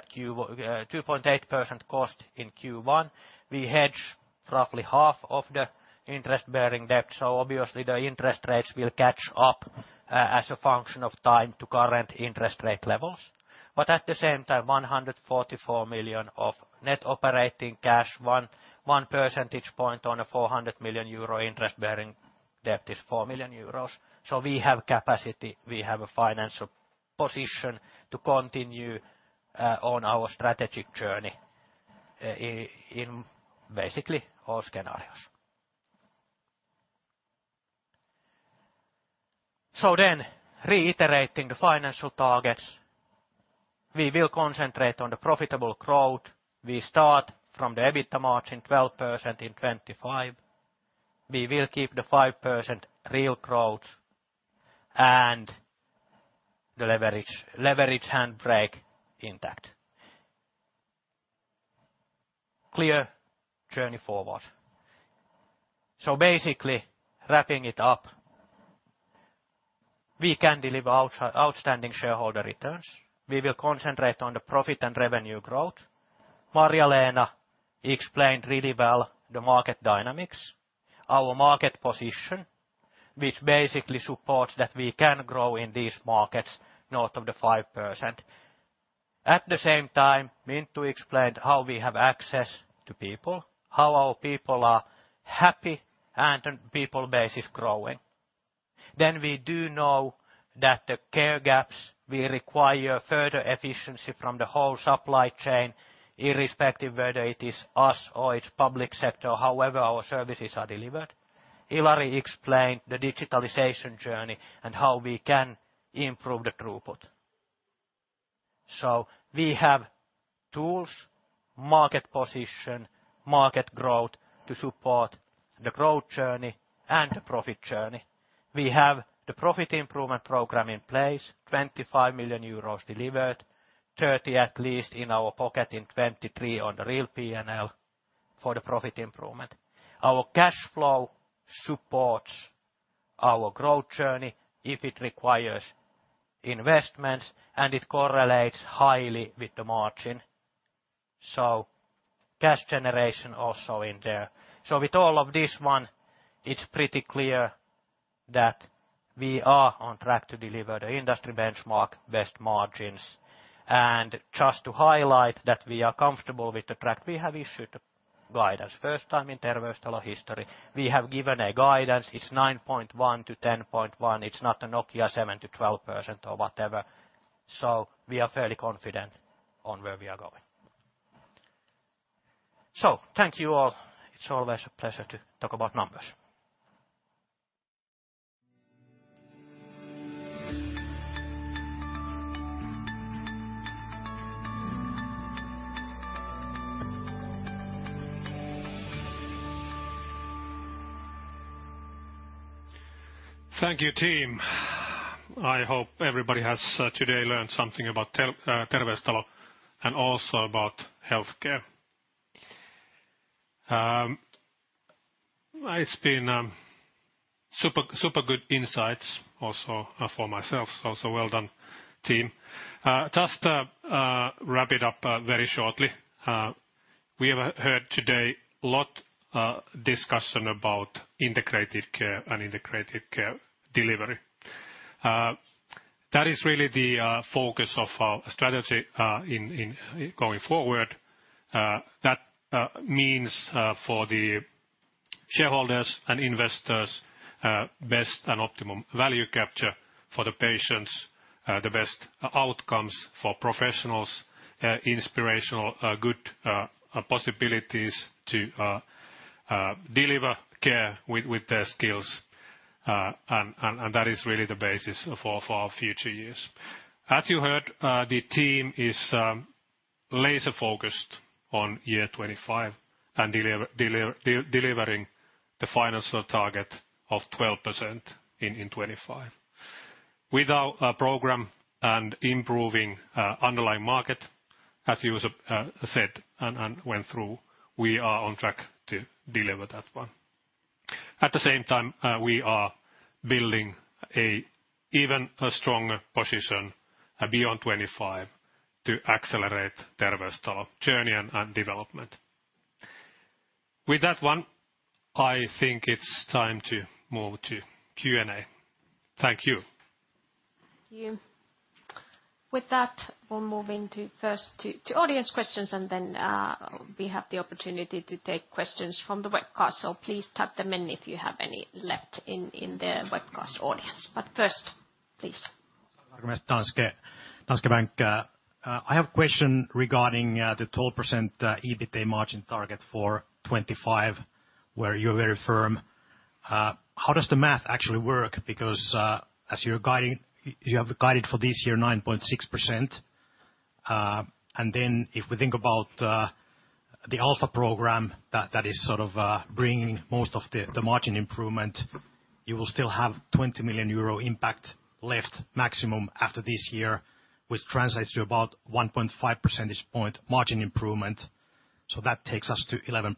cost in Q1. We hedge roughly half of the interest bearing debt, so obviously the interest rates will catch up as a function of time to current interest rate levels. At the same time, 144 million of net operating cash, 1 percentage point on a 400 million euro interest bearing debt is 4 million euros. We have capacity, we have a financial position to continue on our strategic journey in basically all scenarios. Reiterating the financial targets, we will concentrate on the profitable growth. We start from the EBITDA margin 12% in 2025. We will keep the 5% real growth and the leverage handbrake intact. Clear journey forward. Basically, wrapping it up, we can deliver outstanding shareholder returns. We will concentrate on the profit and revenue growth. Marja-Leena explained really well the market dynamics, our market position, which basically supports that we can grow in these markets north of the 5%. At the same time, Minttu explained how we have access to people, how our people are happy and the people base is growing. We do know that the care gaps will require further efficiency from the whole supply chain, irrespective whether it is us or it's public sector, however our services are delivered. Ilari explained the digitalization journey and how we can improve the throughput. We have tools, market position, market growth to support the growth journey and the profit journey. We have the profit improvement program in place, 25 million euros delivered, 30 at least in our pocket in 2023 on the real P&L for the profit improvement. Our cash flow supports our growth journey if it requires investments, and it correlates highly with the margin, so cash generation also in there. With all of this one, it's pretty clear that we are on track to deliver the industry benchmark best margins. Just to highlight that we are comfortable with the track, we have issued Guidance. First time in Terveystalo history, we have given a guidance. It's 9.1%-10.1%. It's not a Nokia 7%-12% or whatever. We are fairly confident on where we are going. Thank you all. It's always a pleasure to talk about numbers. Thank you, team. I hope everybody has today learned something about Terveystalo and also about healthcare. It's been super good insights also for myself, so well done, team. Just to wrap it up very shortly, we have heard today lot discussion about integrated care and integrated care delivery. That is really the focus of our strategy in going forward. That means for the shareholders and investors, best and optimum value capture for the patients, the best outcomes for professionals, inspirational, good possibilities to deliver care with their skills. That is really the basis of, for our future years. As you heard, the team is laser-focused on year 25 and delivering the financial target of 12% in 25. With our program and improving underlying market, as you said and went through, we are on track to deliver that one. At the same time, we are building a even a stronger position beyond 25 to accelerate Terveystalo journey and development. With that one, I think it's time to move to Q&A. Thank you. Thank you. With that, we'll move into first to audience questions. Then, we have the opportunity to take questions from the webcast. Please type them in if you have any left in the webcast audience. First, please. Danske Bank. I have a question regarding the 12% EBITA margin target for 2025, where you're very firm. How does the math actually work? As you have guided for this year 9.6%, and then if we think about the Alpha program that is sort of bringing most of the margin improvement, you will still have 20 million euro impact left maximum after this year, which translates to about 1.5 percentage point margin improvement. That takes us to 11%.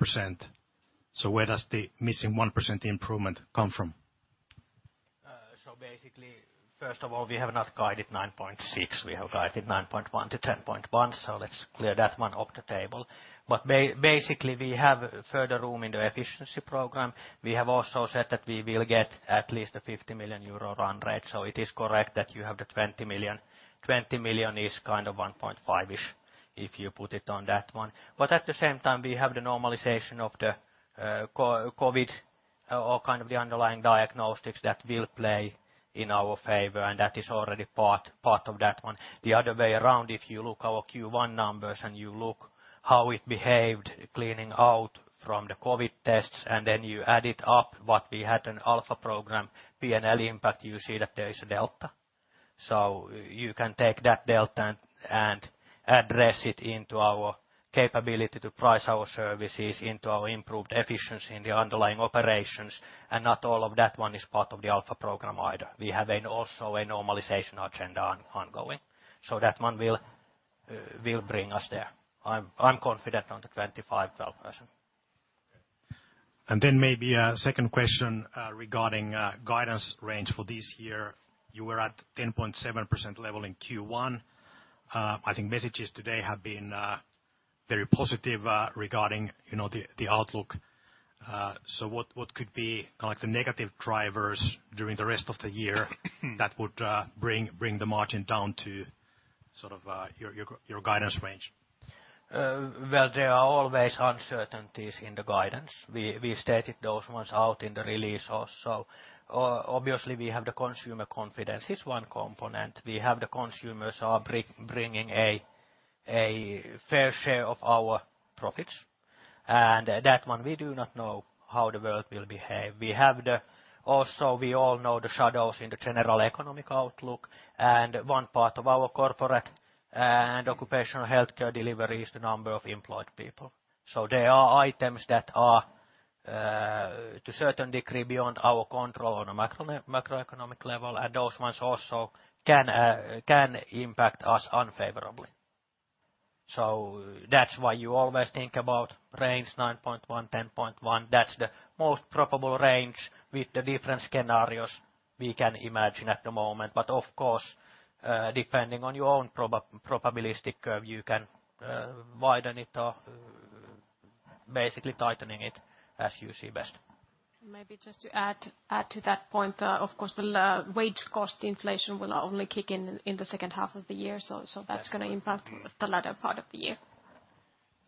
Where does the missing 1% improvement come from? Basically, first of all, we have not guided 9.6, we have guided 9.1-10.1, so let's clear that one off the table. Basically, we have further room in the efficiency program. We have also said that we will get at least a 50 million euro run rate. It is correct that you have the 20 million. 20 million is kind of 1.5-ish if you put it on that one. At the same time, we have the normalization of the COVID-19 or kind of the underlying diagnostics that will play in our favor, and that is already part of that one. The other way around, if you look our Q1 numbers and you look how it behaved cleaning out from the COVID-19 tests, and then you add it up what we had in Alpha program P&L impact, you see that there is a delta. You can take that delta and address it into our capability to price our services into our improved efficiency in the underlying operations. Not all of that one is part of the Alpha program either. We have an also a normalization agenda ongoing. That one will bring us there. I'm confident on the 25%, 12%. Maybe a second question regarding guidance range for this year. You were at 10.7% level in Q1. I think messages today have been very positive regarding, you know, the outlook. What could be kind of like the negative drivers during the rest of the year that would bring the margin down to sort of your guidance range? Well, there are always uncertainties in the guidance. We stated those ones out in the release also. Obviously we have the consumer confidence is one component. We have the consumers are bringing a fair share of our profits, and that one we do not know how the world will behave. We all know the shadows in the general economic outlook, and one part of our corporate and occupational healthcare delivery is the number of employed people. There are items that are to a certain degree beyond our control on a macroeconomic level, and those ones also can impact us unfavorably. That's why you always think about range 9.1-10.1. That's the most probable range with the different scenarios we can imagine at the moment. Of course, depending on your own probabilistic curve, you can widen it or basically tightening it as you see best. Maybe just to add to that point, of course, the wage cost inflation will only kick in the second half of the year. That's gonna impact the latter part of the year.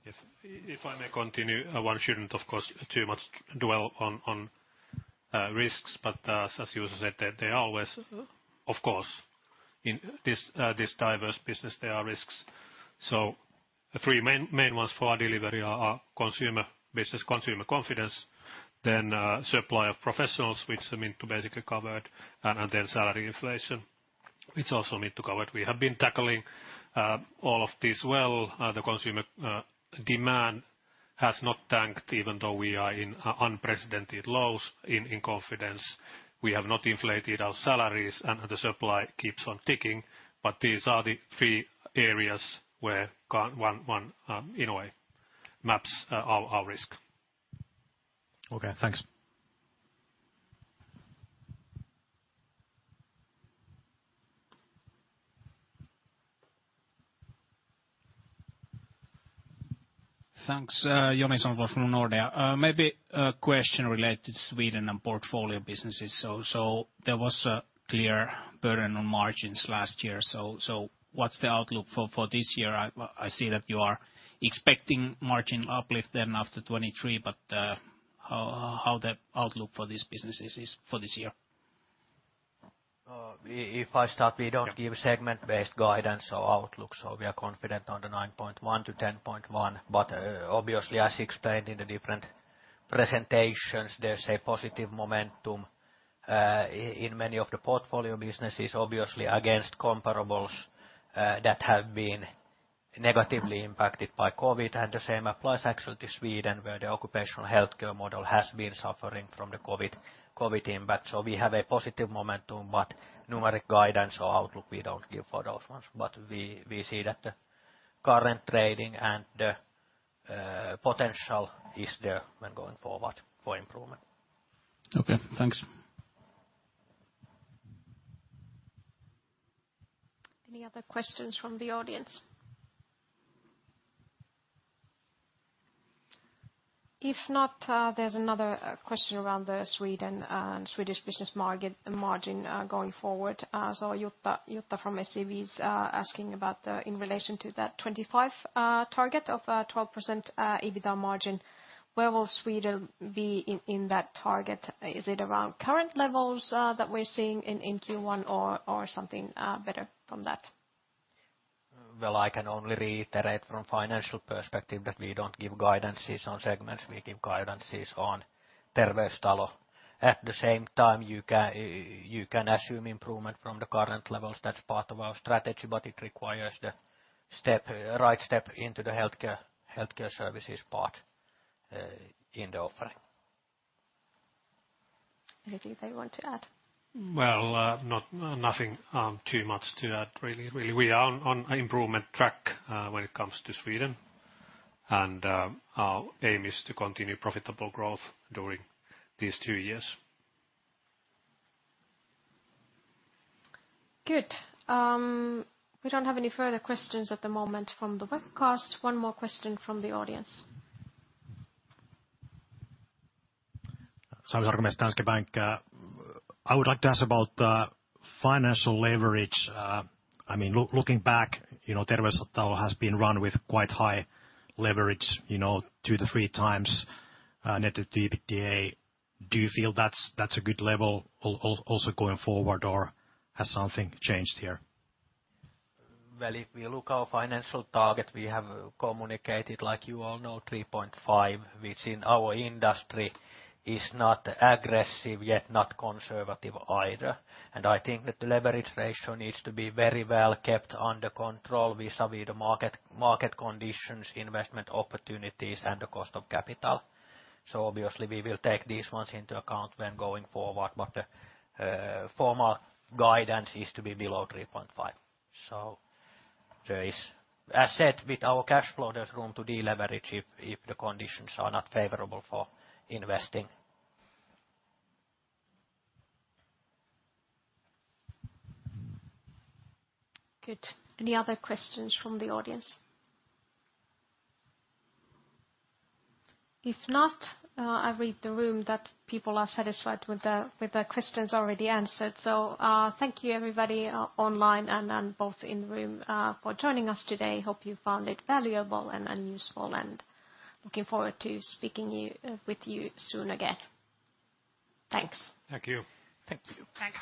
Yes. If I may continue, one shouldn't of course too much dwell on risks, as Juuso said, they are always of course, in this diverse business, there are risks. The three main ones for our delivery are consumer business, consumer confidence, then supply of professionals, which Minttu basically covered, and then salary inflation, which also Minttu covered. We have been tackling all of this well. The consumer demand has not tanked, even though we are in unprecedented lows in confidence. We have not inflated our salaries, the supply keeps on ticking. These are the three areas where one in a way maps our risk. Okay, thanks. Thanks. Joni Sonn from Nordea. Maybe a question related to Sweden and portfolio businesses. There was a clear burden on margins last year. What's the outlook for this year? I see that you are expecting margin uplift then after 2023, how the outlook for these businesses is for this year? If I start, we don't give segment-based guidance or outlook, we are confident on the 9.1 to 10.1. Obviously, as explained in the different presentations, there's a positive momentum in many of the portfolio businesses, obviously against comparables that have been negatively impacted by COVID. The same applies actually to Sweden, where the occupational healthcare model has been suffering from the COVID impact. We have a positive momentum, numeric guidance or outlook we don't give for those ones. We see that the current trading and the potential is there when going forward for improvement. Okay, thanks. Any other questions from the audience? If not, there's another question around the Sweden and Swedish business margin going forward. Jutta from SEB is asking about in relation to that 25 target of 12% EBITDA margin, where will Sweden be in that target? Is it around current levels that we're seeing in Q1 or something better from that? Well, I can only reiterate from financial perspective that we don't give guidances on segments. We give guidances on Terveystalo. At the same time, you can assume improvement from the current levels. That's part of our strategy, but it requires the right step into the healthcare services part in the offering. Any of you that want to add? Well, nothing too much to add really. Really, we are on improvement track when it comes to Sweden. Our aim is to continue profitable growth during these two years. Good. We don't have any further questions at the moment from the webcast. One more question from the audience. Sami Sarkamies, Danske Bank. I would like to ask about financial leverage. Looking back, Terveystalo has been run with quite high leverage, two to three times net EBITDA. Do you feel that's a good level also going forward, or has something changed here? Well, if we look our financial target, we have communicated, like you all know, 3.5, which in our industry is not aggressive, yet not conservative either. I think that the leverage ratio needs to be very well kept under control vis-à-vis the market conditions, investment opportunities, and the cost of capital. Obviously we will take these ones into account when going forward, but formal guidance is to be below 3.5. There is asset with our cash flow, there's room to deleverage if the conditions are not favorable for investing. Good. Any other questions from the audience? If not, I read the room that people are satisfied with the questions already answered. Thank you everybody online and both in room for joining us today. Hope you found it valuable and useful, and looking forward to speaking you with you soon again. Thanks. Thank you. Thank you. Thanks.